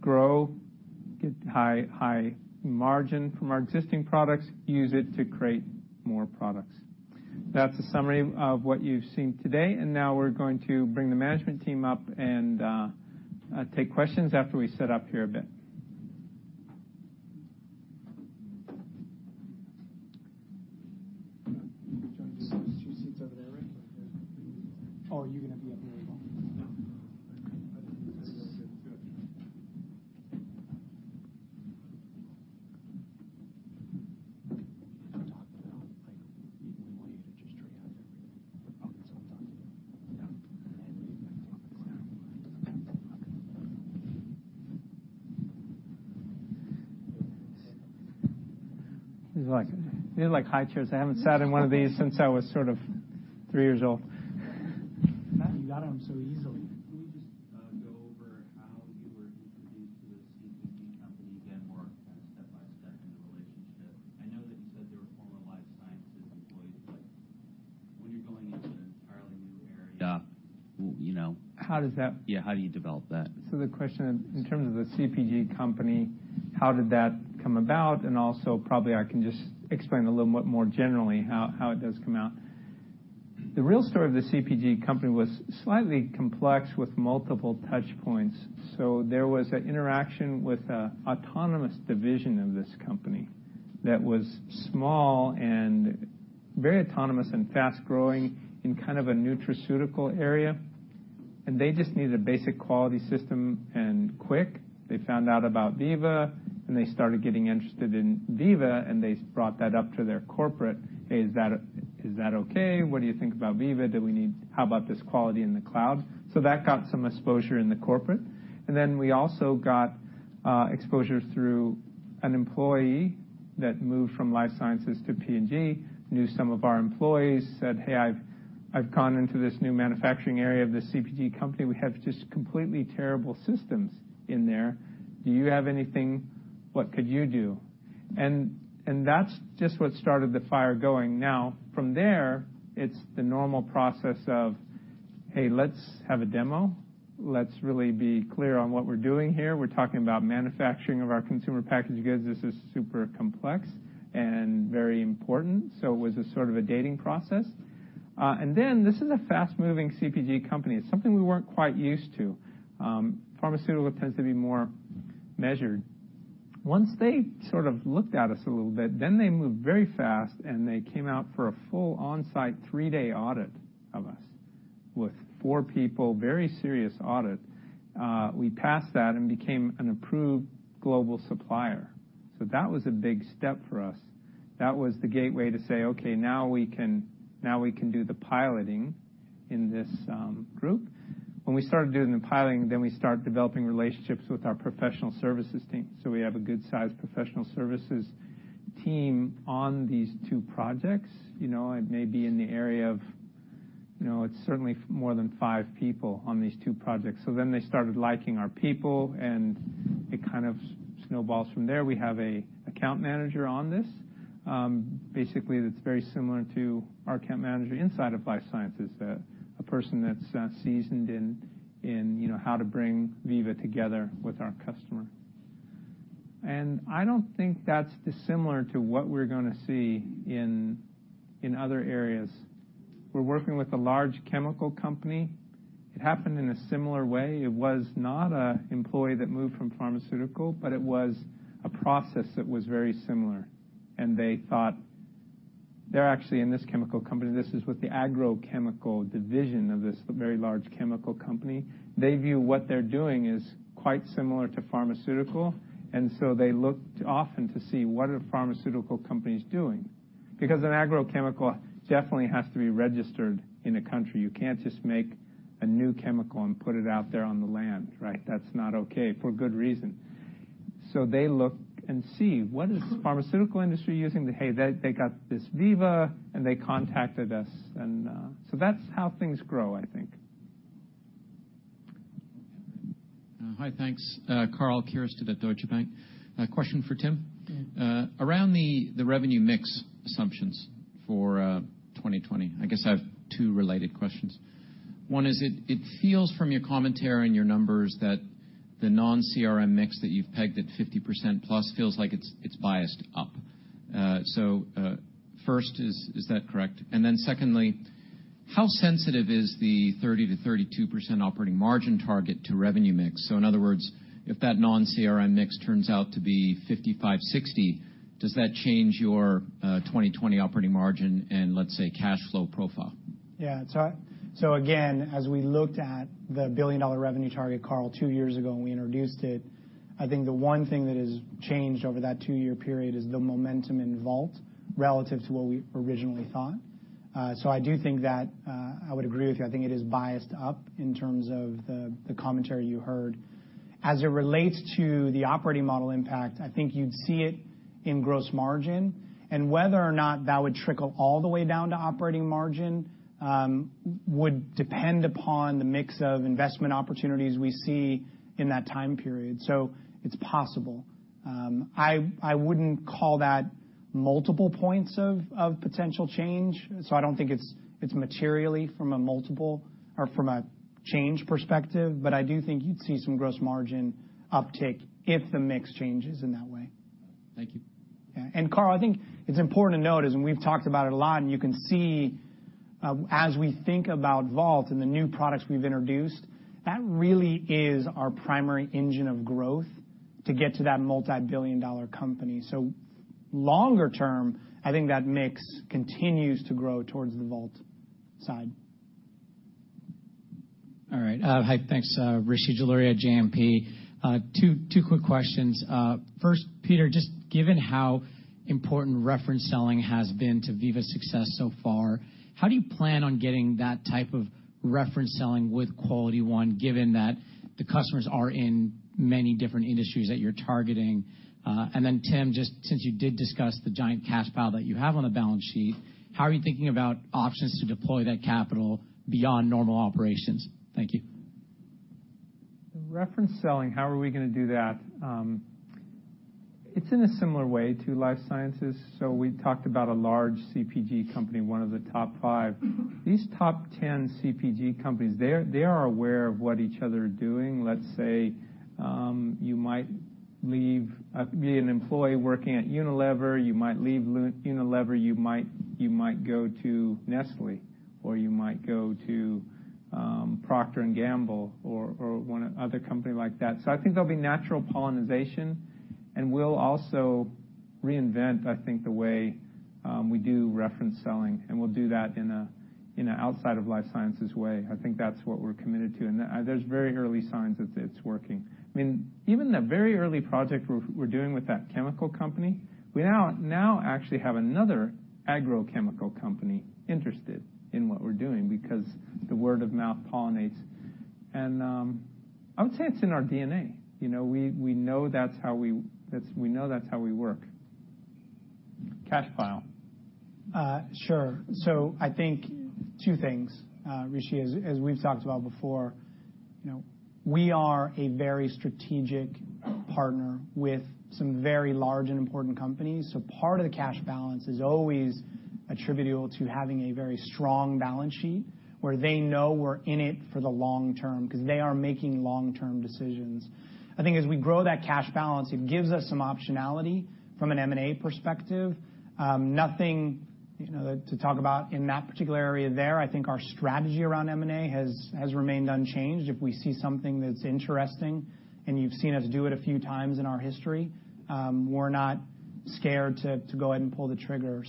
grow, get high margin from our existing products, use it to create more products. That's a summary of what you've seen today. Now we're going to bring the management team up and take questions after we set up here a bit. Do you want to do those two seats over there, Rick? Are you going to be up here as well? No. Okay. I didn't think You're good. These are like high chairs. I haven't sat in one of these since I was sort of three years old. Matt, you got on them so easily. Can we just go over how you were introduced to this CPG company again, more kind of step-by-step in the relationship? I know that you said they were former life sciences employees, when you're going into an entirely new area. Yeah How does that? Yeah, how do you develop that? The question, in terms of the CPG company, how did that come about, also probably I can just explain a little bit more generally how it does come out. The real story of the CPG company was slightly complex with multiple touchpoints. There was an interaction with an autonomous division of this company that was small and very autonomous and fast-growing in kind of a nutraceutical area, and they just needed a basic quality system and quick. They found out about Veeva, and they started getting interested in Veeva, and they brought that up to their corporate. "Hey, is that okay? What do you think about Veeva? How about this quality in the cloud?" That got some exposure in the corporate. We also got exposure through an employee that moved from Life Sciences to P&G, knew some of our employees, said, "Hey, I've gone into this new manufacturing area of this CPG company. We have just completely terrible systems in there. Do you have anything? What could you do?" That's just what started the fire going. From there, it's the normal process of "Hey, let's have a demo. Let's really be clear on what we're doing here." We're talking about manufacturing of our consumer packaged goods. This is super complex and very important. It was a sort of a dating process. This is a fast-moving CPG company. It's something we weren't quite used to. Pharmaceutical tends to be more measured. Once they sort of looked at us a little bit, they moved very fast and they came out for a full on-site three-day audit of us with four people, very serious audit. We passed that and became an approved global supplier. That was a big step for us. That was the gateway to say, "Okay, now we can do the piloting in this group." When we started doing the piloting, we start developing relationships with our professional services team. We have a good-sized professional services team on these two projects. It may be in the area of, it's certainly more than five people on these two projects. They started liking our people, and it kind of snowballs from there. We have a account manager on this. Basically, that's very similar to our account manager inside of Life Sciences, a person that's seasoned in how to bring Veeva together with our customer. I don't think that's dissimilar to what we're going to see in other areas. We're working with a large chemical company. It happened in a similar way. It was not an employee that moved from pharmaceutical, it was a process that was very similar, and they're actually in this chemical company, this is with the agrochemical division of this very large chemical company. They view what they're doing is quite similar to pharmaceutical, they looked often to see what are pharmaceutical companies doing. An agrochemical definitely has to be registered in a country. You can't just make a new chemical and put it out there on the land, right? That's not okay for good reason. They look and see what is pharmaceutical industry using? Hey, they got this Veeva, and they contacted us. That's how things grow, I think. Hi, thanks. Karl Keirstead at Deutsche Bank. A question for Tim. Around the revenue mix assumptions for 2020, I guess I have two related questions. One is it feels from your commentary and your numbers that the non-CRM mix that you've pegged at 50%+ feels like it's biased up. First, is that correct? Secondly, how sensitive is the 30%-32% operating margin target to revenue mix? In other words, if that non-CRM mix turns out to be 55%/60%, does that change your 2020 operating margin and let's say, cash flow profile? Yeah. Again, as we looked at the billion-dollar revenue target, Karl, two years ago when we introduced it, I think the one thing that has changed over that two-year period is the momentum in Vault relative to what we originally thought. I do think that, I would agree with you. I think it is biased up in terms of the commentary you heard. As it relates to the operating model impact, I think you'd see it in gross margin, and whether or not that would trickle all the way down to operating margin, would depend upon the mix of investment opportunities we see in that time period. It's possible. I wouldn't call that multiple points of potential change, so I don't think it's materially from a multiple or from a change perspective, but I do think you'd see some gross margin uptick if the mix changes in that way. Thank you. Yeah. Karl, I think it's important to note, as we've talked about it a lot, and you can see as we think about Vault and the new products we've introduced, that really is our primary engine of growth to get to that multibillion-dollar company. Longer term, I think that mix continues to grow towards the Vault side. All right. Hi, thanks. Rishi Jaluria, JMP. Two quick questions. First, Peter, just given how important reference selling has been to Veeva's success so far, how do you plan on getting that type of reference selling with QualityOne, given that the customers are in many different industries that you're targeting? Tim, just since you did discuss the giant cash pile that you have on the balance sheet, how are you thinking about options to deploy that capital beyond normal operations? Thank you. The reference selling, how are we going to do that? It's in a similar way to Life Sciences. We talked about a large CPG company, one of the top 5. These top 10 CPG companies, they are aware of what each other are doing. Let's say, you might leave, be an employee working at Unilever. You might leave Unilever. You might go to Nestlé, or you might go to Procter & Gamble or one other company like that. I think there'll be natural pollination, and we'll also reinvent, I think, the way we do reference selling, and we'll do that in an outside of Life Sciences way. I think that's what we're committed to, and there's very early signs that it's working. Even the very early project we're doing with that chemical company, we now actually have another agrochemical company interested in what we're doing because the word of mouth pollinates. I would say it's in our DNA. We know that's how we work. Cash pile. Sure. I think two things, Rishi. As we've talked about before- We are a very strategic partner with some very large and important companies. Part of the cash balance is always attributable to having a very strong balance sheet where they know we're in it for the long term because they are making long-term decisions. I think as we grow that cash balance, it gives us some optionality from an M&A perspective. Nothing to talk about in that particular area there. I think our strategy around M&A has remained unchanged. If we see something that's interesting, and you've seen us do it a few times in our history, we're not scared to go ahead and pull the trigger.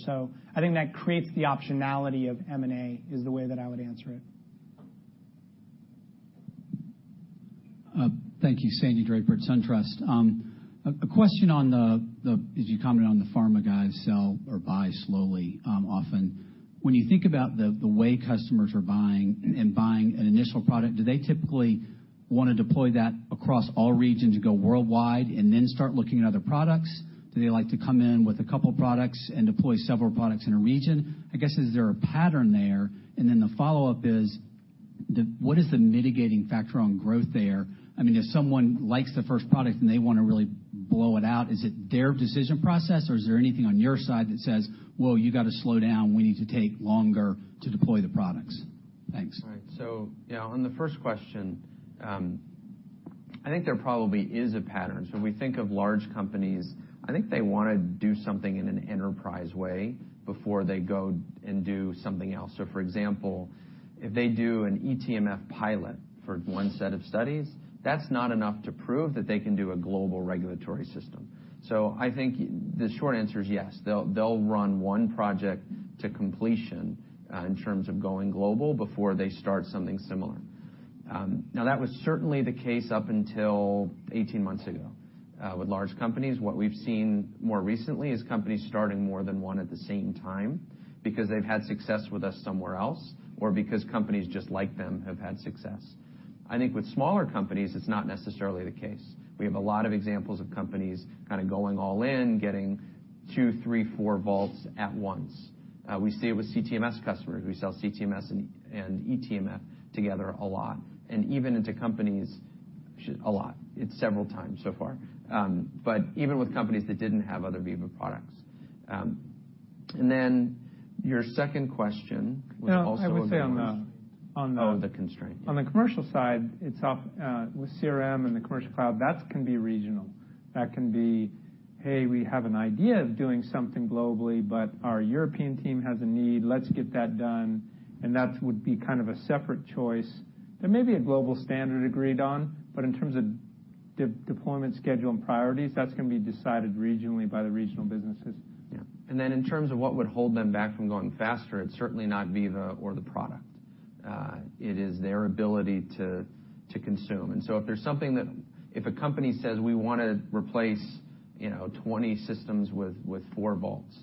I think that creates the optionality of M&A is the way that I would answer it. Thank you. Sandy Draper at SunTrust. A question on the, as you commented on the pharma guys sell or buy slowly, often. When you think about the way customers are buying and buying an initial product, do they typically want to deploy that across all regions, go worldwide, and then start looking at other products? Do they like to come in with a couple products and deploy several products in a region? I guess, is there a pattern there? The follow-up is, what is the mitigating factor on growth there? If someone likes the first product and they want to really blow it out, is it their decision process, or is there anything on your side that says, "Whoa, you got to slow down. We need to take longer to deploy the products." Thanks. Right. On the first question, I think there probably is a pattern. When we think of large companies, I think they want to do something in an enterprise way before they go and do something else. For example, if they do an eTMF pilot for one set of studies, that's not enough to prove that they can do a global regulatory system. I think the short answer is yes, they'll run one project to completion in terms of going global before they start something similar. Now, that was certainly the case up until 18 months ago. With large companies, what we've seen more recently is companies starting more than one at the same time because they've had success with us somewhere else, or because companies just like them have had success. I think with smaller companies, it's not necessarily the case. We have a lot of examples of companies kind of going all in, getting two, three, four Vaults at once. We see it with CTMS customers. We sell CTMS and eTMF together a lot. Even into companies-- A lot. It's several times so far. Even with companies that didn't have other Veeva products. Your second question was also on those- No, I would say on the- Oh, the constraint. Yeah. On the Commercial side, with CRM and the Commercial Cloud, that can be regional. That can be, "Hey, we have an idea of doing something globally, but our European team has a need. Let's get that done." That would be kind of a separate choice. There may be a global standard agreed on, in terms of deployment schedule and priorities, that's going to be decided regionally by the regional businesses. Yeah. Then in terms of what would hold them back from going faster, it's certainly not Veeva or the product. It is their ability to consume. If a company says, "We want to replace 20 systems with four Vaults,"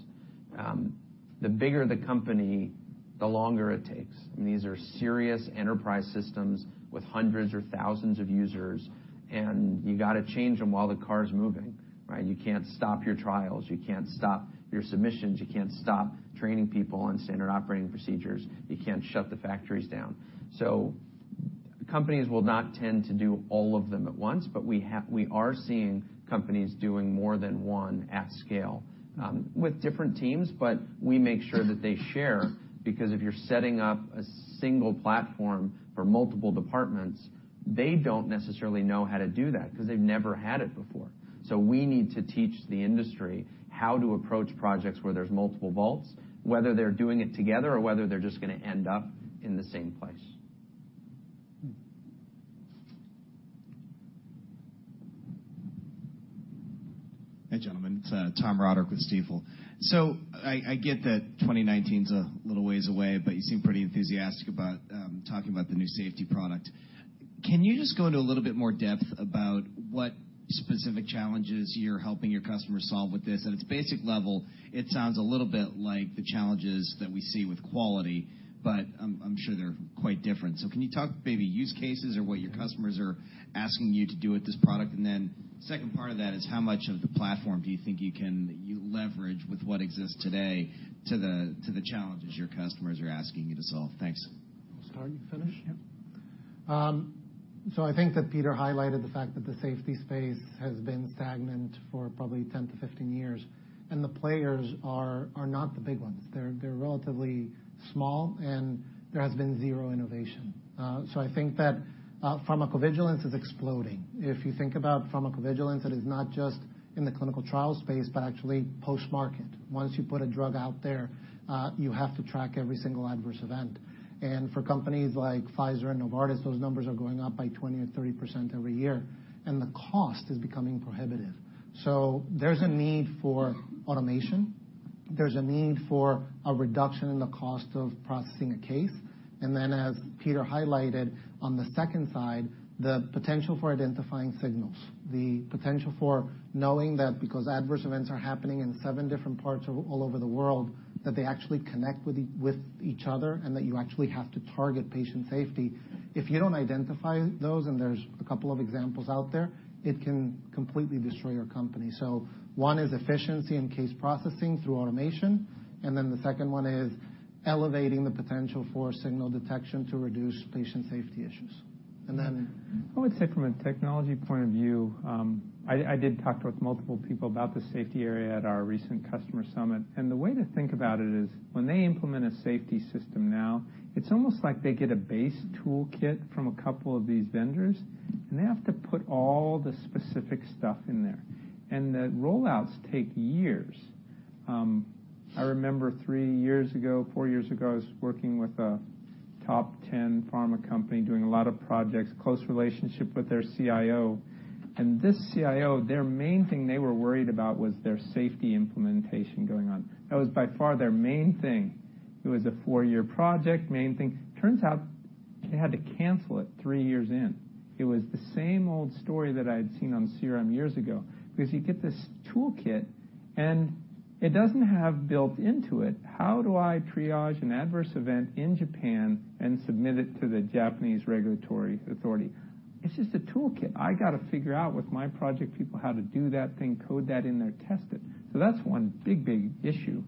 the bigger the company, the longer it takes. These are serious enterprise systems with hundreds or thousands of users, and you got to change them while the car's moving, right? You can't stop your trials. You can't stop your submissions. You can't stop training people on Standard Operating Procedures. You can't shut the factories down. Companies will not tend to do all of them at once, but we are seeing companies doing more than one at scale, with different teams, but we make sure that they share, because if you're setting up a single platform for multiple departments, they don't necessarily know how to do that because they've never had it before. We need to teach the industry how to approach projects where there's multiple Vaults, whether they're doing it together or whether they're just going to end up in the same place. Hey, gentlemen. It's Tom Roderick with Stifel. I get that 2019's a little ways away, but you seem pretty enthusiastic about talking about the new safety product. Can you just go into a little bit more depth about what specific challenges you're helping your customers solve with this? At its basic level, it sounds a little bit like the challenges that we see with quality, but I'm sure they're quite different. Can you talk maybe use cases or what your customers are asking you to do with this product? Second part of that is how much of the platform do you think you leverage with what exists today to the challenges your customers are asking you to solve? Thanks. I'll start. You finish? Yeah. I think that Peter highlighted the fact that the safety space has been stagnant for probably 10-15 years, and the players are not the big ones. They're relatively small, and there has been zero innovation. I think that pharmacovigilance is exploding. If you think about pharmacovigilance, it is not just in the clinical trial space but actually post-market. Once you put a drug out there, you have to track every single adverse event. For companies like Pfizer and Novartis, those numbers are going up by 20%-30% every year, and the cost is becoming prohibitive. There's a need for automation. There's a need for a reduction in the cost of processing a case. As Peter highlighted on the second side, the potential for identifying signals, the potential for knowing that because adverse events are happening in seven different parts all over the world, that they actually connect with each other, and that you actually have to target patient safety. If you don't identify those, and there's a couple of examples out there, it can completely destroy your company. One is efficiency in case processing through automation, and then the second one is elevating the potential for signal detection to reduce patient safety issues. I would say from a technology point of view, I did talk with multiple people about the safety area at our recent customer summit, and the way to think about it is when they implement a safety system now, it's almost like they get a base toolkit from a couple of these vendors, and they have to put all the specific stuff in there, and the roll-outs take years. I remember three years ago, four years ago, I was working with a top 10 pharma company, doing a lot of projects, close relationship with their CIO. This CIO, their main thing they were worried about was their safety implementation going on. That was by far their main thing. It was a four-year project, main thing. Turns out they had to cancel it three years in. It was the same old story that I'd seen on CRM years ago, because you get this toolkit and it doesn't have built into it, how do I triage an adverse event in Japan and submit it to the Japanese regulatory authority? It's just a toolkit. I got to figure out with my project people how to do that thing, code that in there, test it. That's one big issue.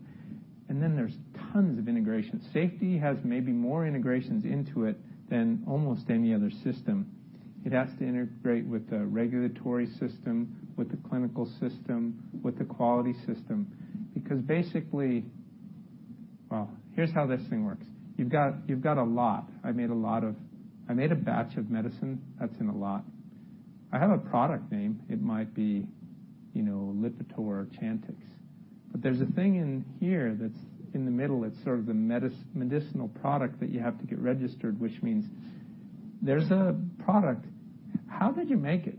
There's tons of integration. Safety has maybe more integrations into it than almost any other system. It has to integrate with the regulatory system, with the clinical system, with the quality system. Here's how this thing works. You've got a lot. I made a batch of medicine. That's in a lot. I have a product name. It might be Lipitor or Chantix. There's a thing in here that's in the middle that's sort of the medicinal product that you have to get registered, which means there's a product. How did you make it?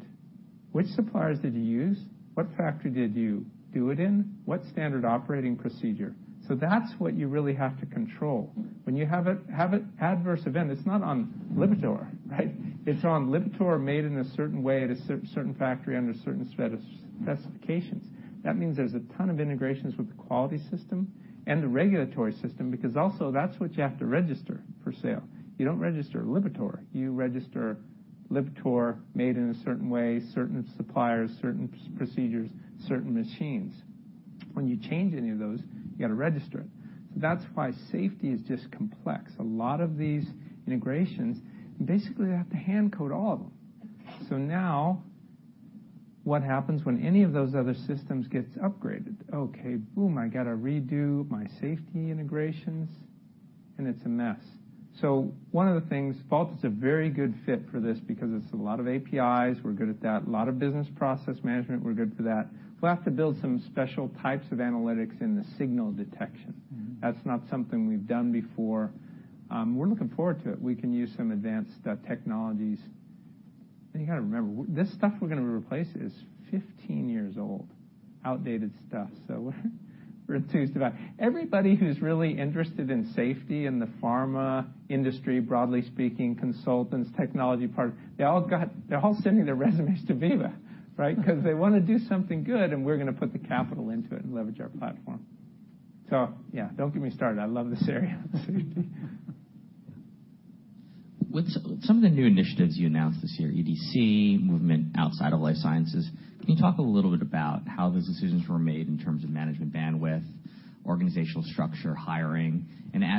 Which suppliers did you use? What factory did you do it in? What standard operating procedure? That's what you really have to control. When you have an adverse event, it's not on Lipitor, right? It's on Lipitor made in a certain way at a certain factory under certain specifications. That means there's a ton of integrations with the quality system and the regulatory system, because also that's what you have to register for sale. You don't register Lipitor. You register Lipitor made in a certain way, certain suppliers, certain procedures, certain machines. When you change any of those, you got to register it. That's why safety is just complex. A lot of these integrations, basically they have to hand-code all of them. Now, what happens when any of those other systems gets upgraded? I got to redo my safety integrations, and it's a mess. One of the things, Vault is a very good fit for this because it's a lot of APIs. We're good at that. A lot of business process management, we're good for that. We'll have to build some special types of analytics in the signal detection. That's not something we've done before. We're looking forward to it. We can use some advanced technologies. You got to remember, this stuff we're going to replace is 15 years old, outdated stuff. We're enthused about everybody who's really interested in safety in the pharma industry, broadly speaking, consultants, technology partners, they're all sending their resumes to Veeva, right? Because they want to do something good, and we're going to put the capital into it and leverage our platform. Yeah, don't get me started. I love this area of safety. With some of the new initiatives you announced this year, EDC, movement outside of life sciences, can you talk a little bit about how those decisions were made in terms of management bandwidth, organizational structure, hiring?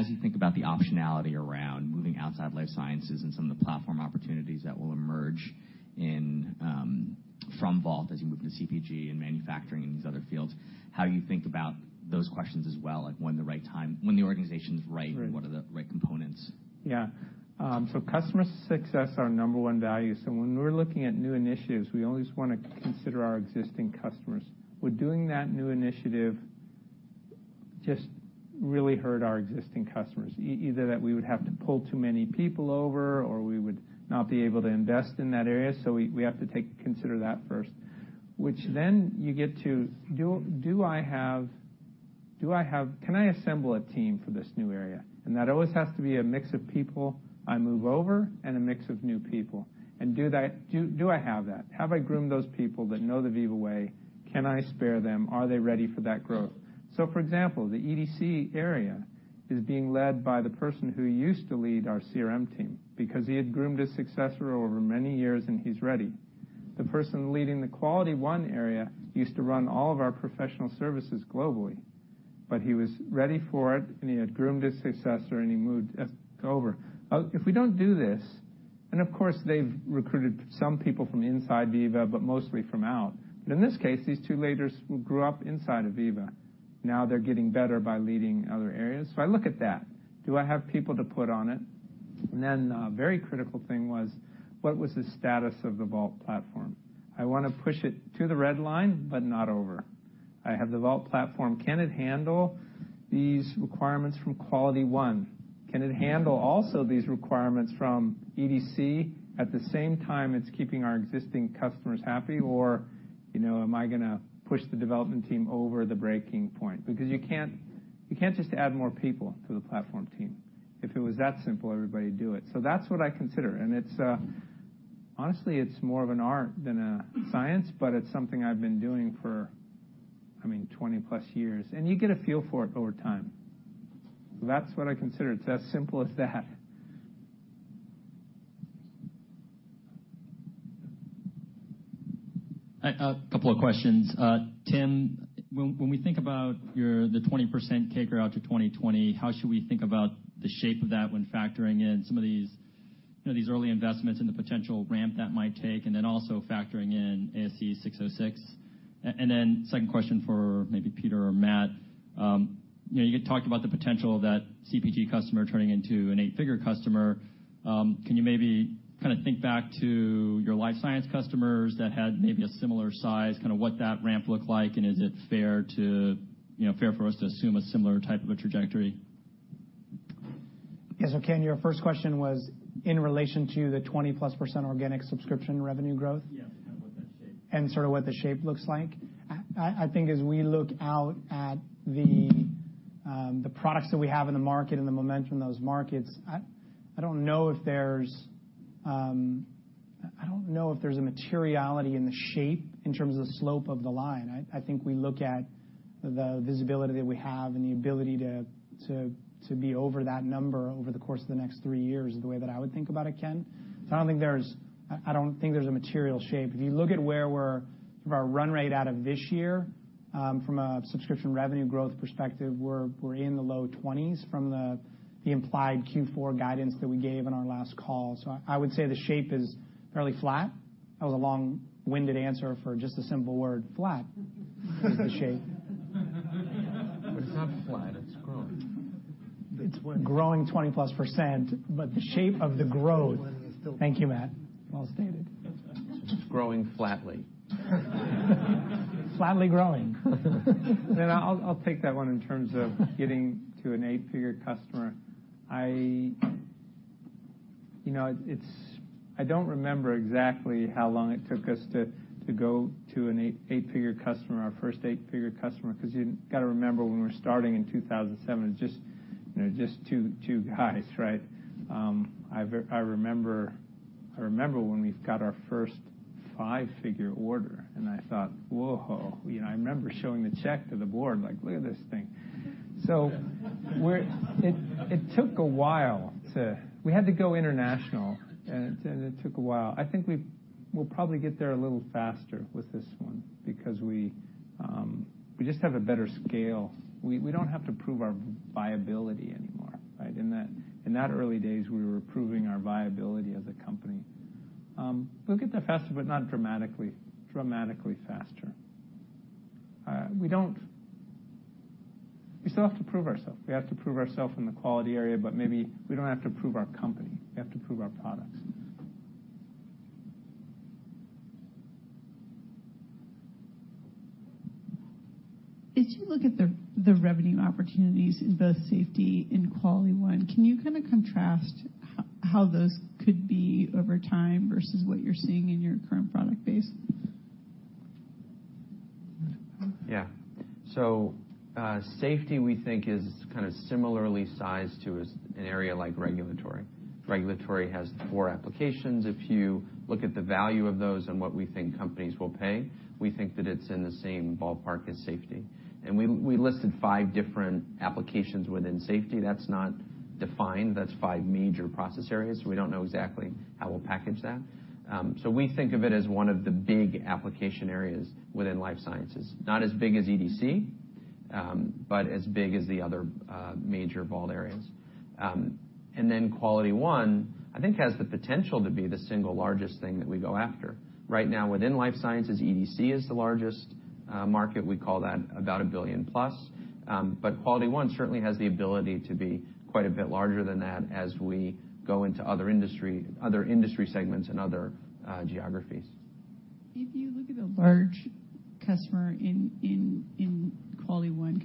As you think about the optionality around moving outside life sciences and some of the platform opportunities that will emerge from Vault as you move into CPG and manufacturing and these other fields, how you think about those questions as well, like when the organization's right- Right What are the right components? Yeah. Customer success, our number one value. When we're looking at new initiatives, we always want to consider our existing customers. Would doing that new initiative just really hurt our existing customers? Either that we would have to pull too many people over or we would not be able to invest in that area. We have to consider that first, which then you get to, can I assemble a team for this new area? That always has to be a mix of people I move over and a mix of new people. Do I have that? Have I groomed those people that know the Veeva Way? Can I spare them? Are they ready for that growth? For example, the EDC area is being led by the person who used to lead our CRM team because he had groomed his successor over many years and he's ready. The person leading the QualityOne area used to run all of our professional services globally. He was ready for it, and he had groomed his successor, and he moved over. If we don't do this, and of course, they've recruited some people from inside Veeva, but mostly from out. In this case, these two leaders grew up inside of Veeva. Now they're getting better by leading other areas. I look at that. Do I have people to put on it? And then a very critical thing was, what was the status of the Vault platform? I want to push it to the red line, but not over. I have the Vault platform. Can it handle these requirements from QualityOne? Can it handle also these requirements from EDC at the same time it's keeping our existing customers happy? Am I going to push the development team over the breaking point? Because you can't just add more people to the platform team. If it was that simple, everybody'd do it. That's what I consider, and honestly, it's more of an art than a science, but it's something I've been doing for 20+ years, and you get a feel for it over time. That's what I consider. It's as simple as that. A couple of questions. Tim, when we think about the 20% kicker out to 2020, how should we think about the shape of that when factoring in some of these early investments and the potential ramp that might take, and then also factoring in ASC 606? Second question for maybe Peter or Matt. You had talked about the potential of that CPG customer turning into an 8-figure customer. Can you maybe think back to your life science customers that had maybe a similar size, what that ramp looked like, and is it fair for us to assume a similar type of a trajectory? Yes. Ken, your first question was in relation to the 20+% organic subscription revenue growth? Yes, kind of what that shape is. Sort of what the shape looks like? I think as we look out at the products that we have in the market and the momentum in those markets, I don't know if there's a materiality in the shape in terms of the slope of the line. I think we look at the visibility that we have and the ability to be over that number over the course of the next three years is the way that I would think about it, Ken. I don't think there's a material shape. If you look at where we're, sort of our run rate out of this year, from a subscription revenue growth perspective, we're in the low 20s from the implied Q4 guidance that we gave in our last call. I would say the shape is fairly flat. That was a long-winded answer for just a simple word, flat is the shape. It's not flat, it's growing. It's growing 20%+ but the shape of the growth. Thank you, Matt. Well stated. It's growing flatly. Flatly growing. I'll take that one in terms of getting to an eight-figure customer. I don't remember exactly how long it took us to go to an eight-figure customer, our first eight-figure customer, because you got to remember when we were starting in 2007, it was just two guys, right? I remember when we got our first five-figure order, and I thought, "Whoa." I remember showing the check to the board, like, "Look at this thing." It took a while. We had to go international, and it took a while. I think we'll probably get there a little faster with this one because we just have a better scale. We don't have to prove our viability anymore, right? In that early days, we were proving our viability as a company. We'll get there faster, but not dramatically faster. We still have to prove ourselves. We have to prove ourselves in the Quality area, but maybe we don't have to prove our company. We have to prove our products. As you look at the revenue opportunities in both Safety and QualityOne, can you kind of contrast how those could be over time versus what you're seeing in your current product base? Yeah. Safety we think is kind of similarly sized to an area like Regulatory. Regulatory has four applications. If you look at the value of those and what we think companies will pay, we think that it's in the same ballpark as Safety. We listed five different applications within Safety. That's not defined. That's five major process areas. We don't know exactly how we'll package that. We think of it as one of the big application areas within life sciences. Not as big as EDC, but as big as the other major Vault areas. QualityOne, I think has the potential to be the single largest thing that we go after. Right now within life sciences, EDC is the largest market. We call that about $1 billion+. QualityOne certainly has the ability to be quite a bit larger than that as we go into other industry segments and other geographies. If you look at a large customer in QualityOne,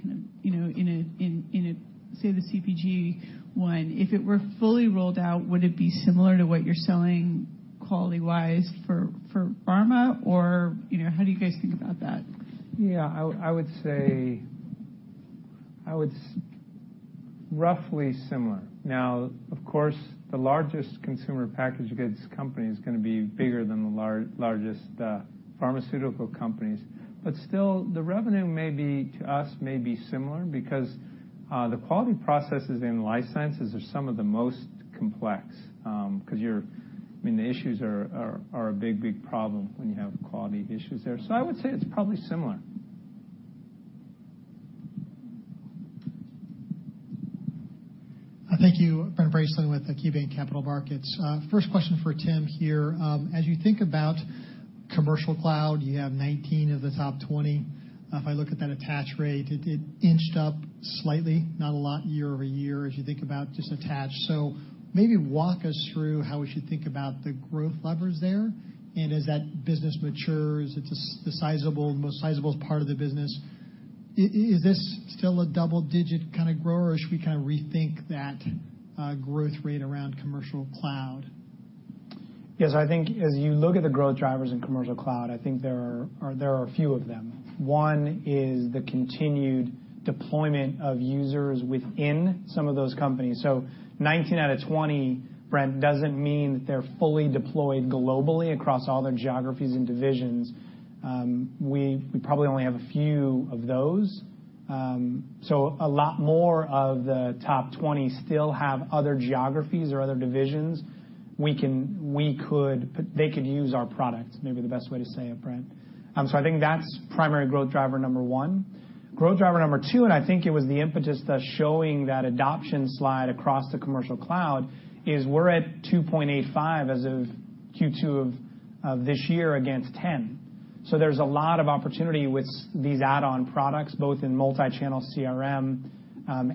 say the CPG one, if it were fully rolled out, would it be similar to what you're selling quality-wise for pharma, or how do you guys think about that? Yeah, I would say roughly similar. Now, of course, the largest consumer packaged goods company is going to be bigger than the largest pharmaceutical companies. Still, the revenue to us may be similar because the quality processes in life sciences are some of the most complex, because the issues are a big problem when you have quality issues there. I would say it's probably similar. Thank you. Brent Bracelin with KeyBanc Capital Markets. First question for Tim here. As you think about Commercial Cloud, you have 19 of the top 20. If I look at that attach rate, it inched up slightly, not a lot year-over-year as you think about just attach. Maybe walk us through how we should think about the growth levers there. As that business matures, it's the most sizable part of the business. Is this still a double-digit kind of grower, or should we kind of rethink that growth rate around Commercial Cloud? Yes, I think as you look at the growth drivers in Commercial Cloud, I think there are a few of them. One is the continued deployment of users within some of those companies. 19 out of 20, Brent, doesn't mean that they're fully deployed globally across all their geographies and divisions. We probably only have a few of those. A lot more of the top 20 still have other geographies or other divisions. They could use our product, maybe the best way to say it, Brent. I think that's primary growth driver number one. Growth driver number two, and I think it was the impetus that's showing that adoption slide across the Commercial Cloud, is we're at 2.85 as of Q2 of this year against 10. There's a lot of opportunity with these add-on products, both in multi-channel CRM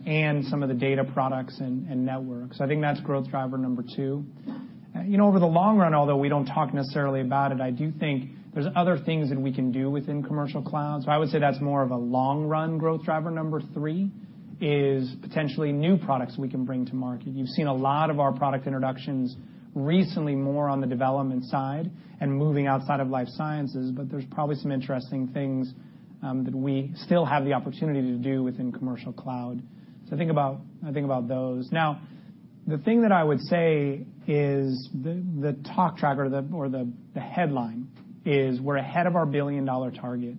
and some of the data products and networks. I think that's growth driver number two. Over the long run, although we don't talk necessarily about it, I do think there's other things that we can do within Commercial Cloud. I would say that's more of a long run growth driver number three, is potentially new products we can bring to market. You've seen a lot of our product introductions recently, more on the development side and moving outside of life sciences, but there's probably some interesting things that we still have the opportunity to do within Commercial Cloud. I think about those. The thing that I would say is the top tracker or the headline is we're ahead of our $1 billion target.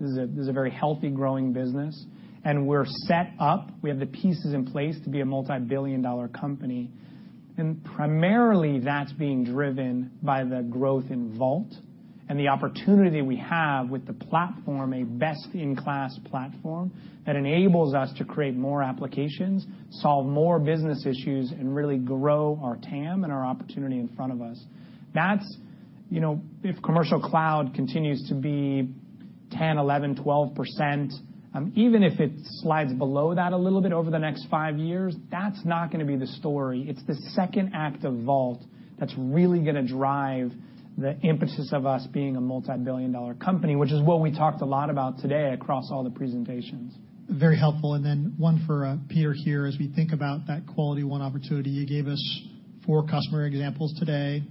This is a very healthy, growing business. We're set up. We have the pieces in place to be a multi-billion-dollar company. Primarily that's being driven by the growth in Vault and the opportunity we have with the platform, a best-in-class platform that enables us to create more applications, solve more business issues, and really grow our TAM and our opportunity in front of us. If Commercial Cloud continues to be 10%, 11%, 12%, even if it slides below that a little bit over the next 5 years, that's not going to be the story. It's the second act of Vault that's really going to drive the impetus of us being a multi-billion-dollar company, which is what we talked a lot about today across all the presentations. Very helpful. Then one for Peter here. As we think about that QualityOne opportunity, you gave us 4 customer examples today.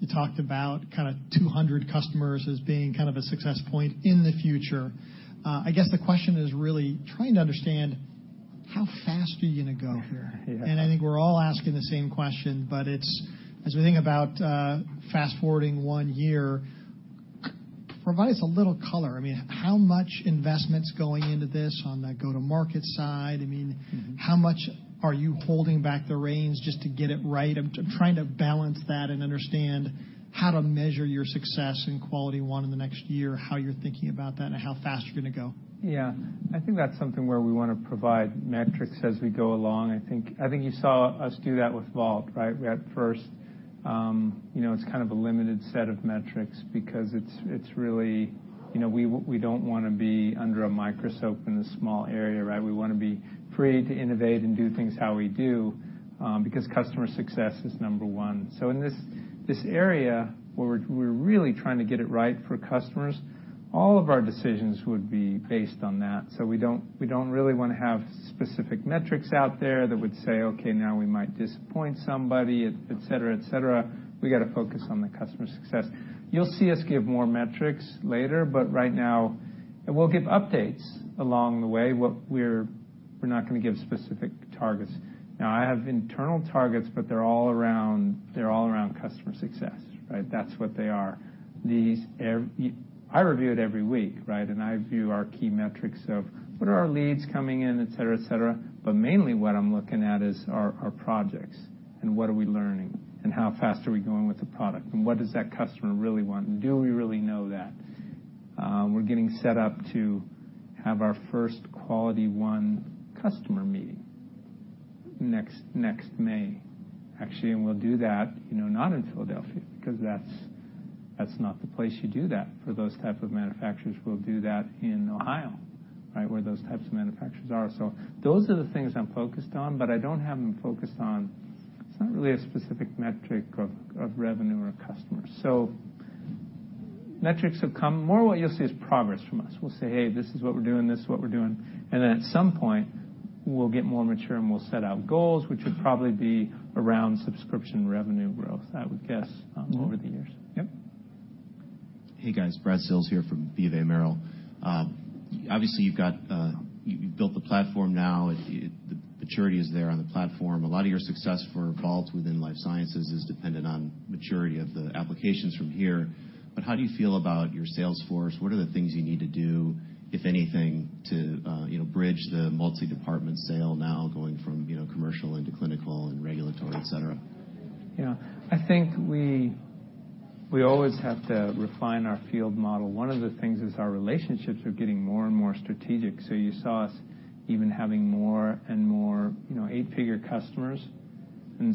You talked about 200 customers as being a success point in the future. I guess the question is really trying to understand how fast are you going to go here? Yeah. I think we're all asking the same question. As we think about fast-forwarding 1 year, provide us a little color. How much investment's going into this on the go-to-market side? How much are you holding back the reins just to get it right? I'm trying to balance that and understand how to measure your success in QualityOne in the next year, how you're thinking about that, and how fast you're going to go. Yeah. I think that's something where we want to provide metrics as we go along. I think you saw us do that with Vault, right? We had first-- it's a limited set of metrics because we don't want to be under a microscope in a small area, right? We want to be free to innovate and do things how we do, because customer success is number 1. In this area where we're really trying to get it right for customers, all of our decisions would be based on that. We don't really want to have specific metrics out there that would say, okay, now we might disappoint somebody, et cetera. We got to focus on the customer success. You'll see us give more metrics later, but right now-- and we'll give updates along the way, but we're not going to give specific targets. I have internal targets, they're all around customer success, right? That's what they are. I review it every week, right? I view our key metrics of what are our leads coming in, et cetera. Mainly what I'm looking at is our projects and what are we learning and how fast are we going with the product, and what does that customer really want, and do we really know that? We're getting set up to have our first QualityOne customer meeting next May, actually, and we'll do that not in Philadelphia, because that's not the place you do that for those type of manufacturers. We'll do that in Ohio, right, where those types of manufacturers are. Those are the things I'm focused on, but I don't have them focused on-- it's not really a specific metric of revenue or customers. Metrics have come. More what you'll see is progress from us. We'll say, "Hey, this is what we're doing." At some point, we'll get more mature, and we'll set out goals, which would probably be around subscription revenue growth, I would guess, over the years. Yep. Hey, guys. Brad Sills here from BofA Merrill. Obviously, you've built the platform now. The maturity is there on the platform. A lot of your success for Vault within life sciences is dependent on maturity of the applications from here. How do you feel about your sales force? What are the things you need to do, if anything, to bridge the multi-department sale now going from commercial into clinical and regulatory, et cetera? I think we always have to refine our field model. One of the things is our relationships are getting more and more strategic. You saw us even having more and more eight-figure customers, and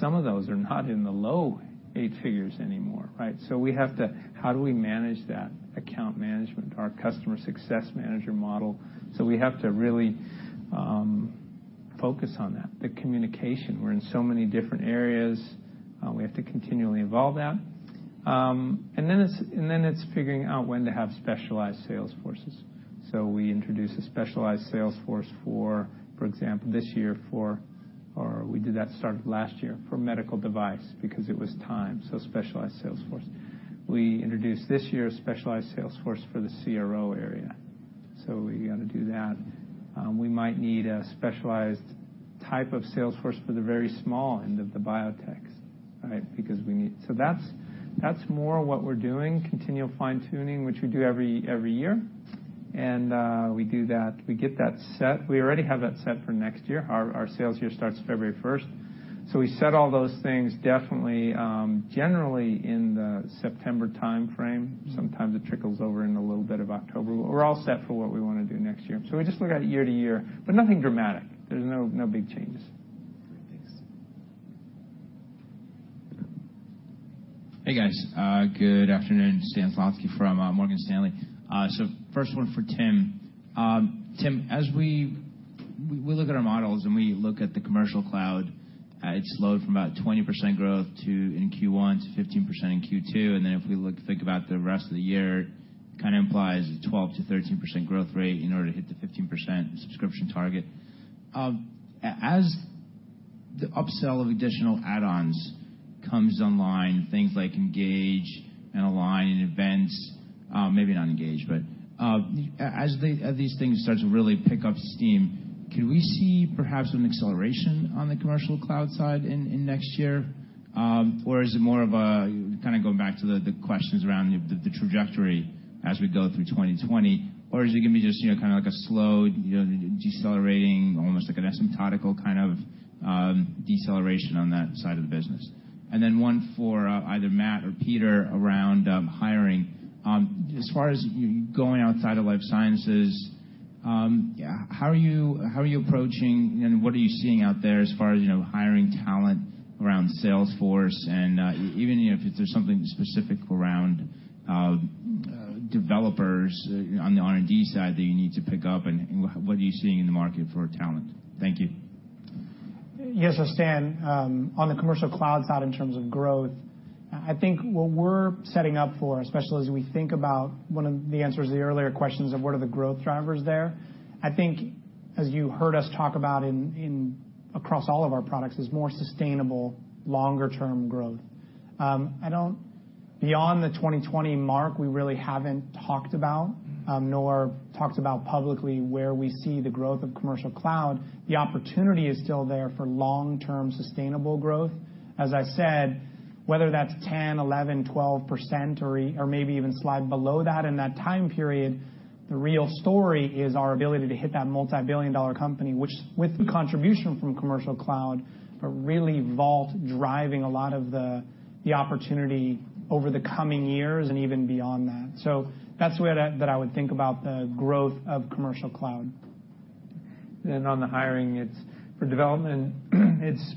some of those are not in the low eight figures anymore, right? How do we manage that account management, our customer success manager model? We have to really focus on that, the communication. We're in so many different areas. We have to continually evolve that. It's figuring out when to have specialized sales forces. We introduced a specialized sales force for example, this year, or we did that last year for medical device because it was time, specialized sales force. We introduced this year a specialized sales force for the CRO area. We got to do that We might need a specialized type of sales force for the very small end of the biotech, right? That's more what we're doing, continual fine-tuning, which we do every year. We do that. We get that set. We already have that set for next year. Our sales year starts February 1st. We set all those things definitely, generally in the September timeframe. Sometimes it trickles over into a little bit of October. We're all set for what we want to do next year. We just look at it year-to-year, but nothing dramatic. There's no big changes. Great. Thanks. Hey, guys. Good afternoon. Stan Zlotsky from Morgan Stanley. First one for Tim. Tim, as we look at our models and we look at the Commercial Cloud, it slowed from about 20% growth in Q1 to 15% in Q2. If we think about the rest of the year, kind of implies a 12%-13% growth rate in order to hit the 15% subscription target. As the upsell of additional add-ons comes online, things like Engage and Align and Events, maybe not Engage. As these things start to really pick up steam, could we see perhaps an acceleration on the Commercial Cloud side in next year? Is it more of a kind of going back to the questions around the trajectory as we go through 2020, or is it going to be just kind of like a slow, decelerating, almost like an asymptotical kind of deceleration on that side of the business? Then one for either Matt or Peter around hiring. As far as going outside of life sciences, how are you approaching and what are you seeing out there as far as hiring talent around Salesforce? Even if there's something specific around developers on the R&D side that you need to pick up, and what are you seeing in the market for talent? Thank you. Yes. Stan, on the Commercial Cloud side, in terms of growth, I think what we're setting up for, especially as we think about one of the answers to the earlier questions of what are the growth drivers there, I think as you heard us talk about across all of our products, is more sustainable, longer term growth. Beyond the 2020 mark, we really haven't talked about, nor talked about publicly where we see the growth of Commercial Cloud. The opportunity is still there for long-term sustainable growth. As I said, whether that's 10%, 11%, 12%, or maybe even slide below that in that time period, the real story is our ability to hit that multibillion-dollar company, which with the contribution from Commercial Cloud, but really Vault driving a lot of the opportunity over the coming years and even beyond that. That's the way that I would think about the growth of Commercial Cloud. On the hiring, for development, it's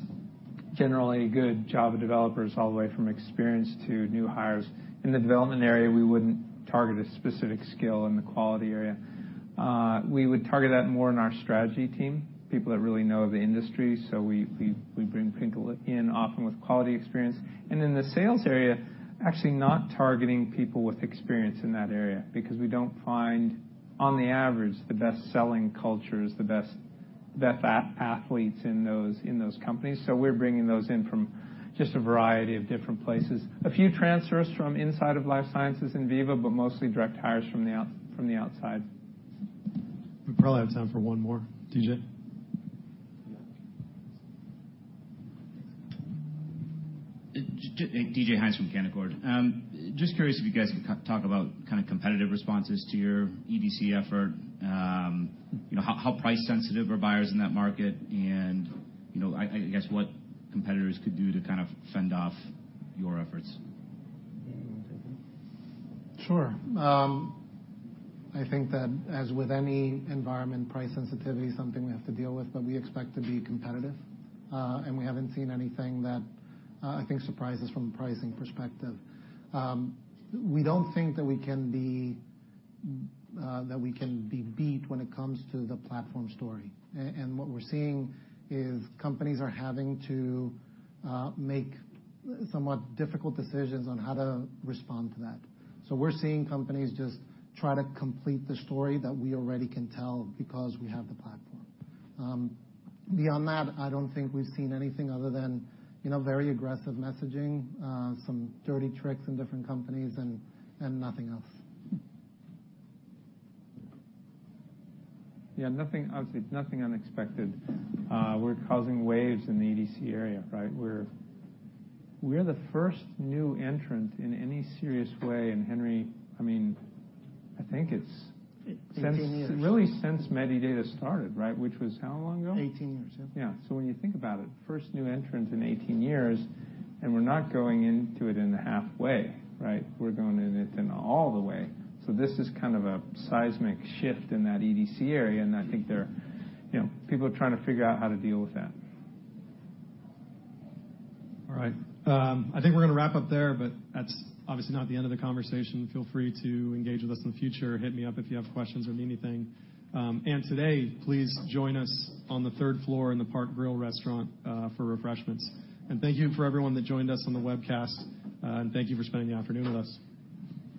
generally good Java developers all the way from experienced to new hires. In the development area, we wouldn't target a specific skill in the quality area. We would target that more in our strategy team, people that really know the industry. We bring people in often with quality experience. In the sales area, actually not targeting people with experience in that area, because we don't find, on the average, the best selling cultures, the best athletes in those companies. We're bringing those in from just a variety of different places. A few transfers from inside of life sciences in Veeva, but mostly direct hires from the outside. We probably have time for one more. DJ? Yeah. DJ Hynes from Canaccord. Just curious if you guys can talk about competitive responses to your EDC effort. How price sensitive are buyers in that market? I guess what competitors could do to kind of fend off your efforts. Dan, you want to take this? Sure. I think that as with any environment, price sensitivity is something we have to deal with, but we expect to be competitive. We haven't seen anything that I think surprises from a pricing perspective. We don't think that we can be beat when it comes to the platform story. What we're seeing is companies are having to make somewhat difficult decisions on how to respond to that. We're seeing companies just try to complete the story that we already can tell because we have the platform. Beyond that, I don't think we've seen anything other than very aggressive messaging, some dirty tricks in different companies, and nothing else. Yeah, nothing unexpected. We're causing waves in the EDC area, right? We're the first new entrant in any serious way. 18 years really since Medidata started, right? Which was how long ago? 18 years, yeah. Yeah. When you think about it, first new entrant in 18 years, we're not going into it in a halfway, right? We're going in it in all the way. This is kind of a seismic shift in that EDC area, I think people are trying to figure out how to deal with that. All right. I think we're going to wrap up there. That's obviously not the end of the conversation. Feel free to engage with us in the future. Hit me up if you have questions or need anything. Today, please join us on the third floor in the Park Grill restaurant for refreshments. Thank you for everyone that joined us on the webcast, and thank you for spending the afternoon with us.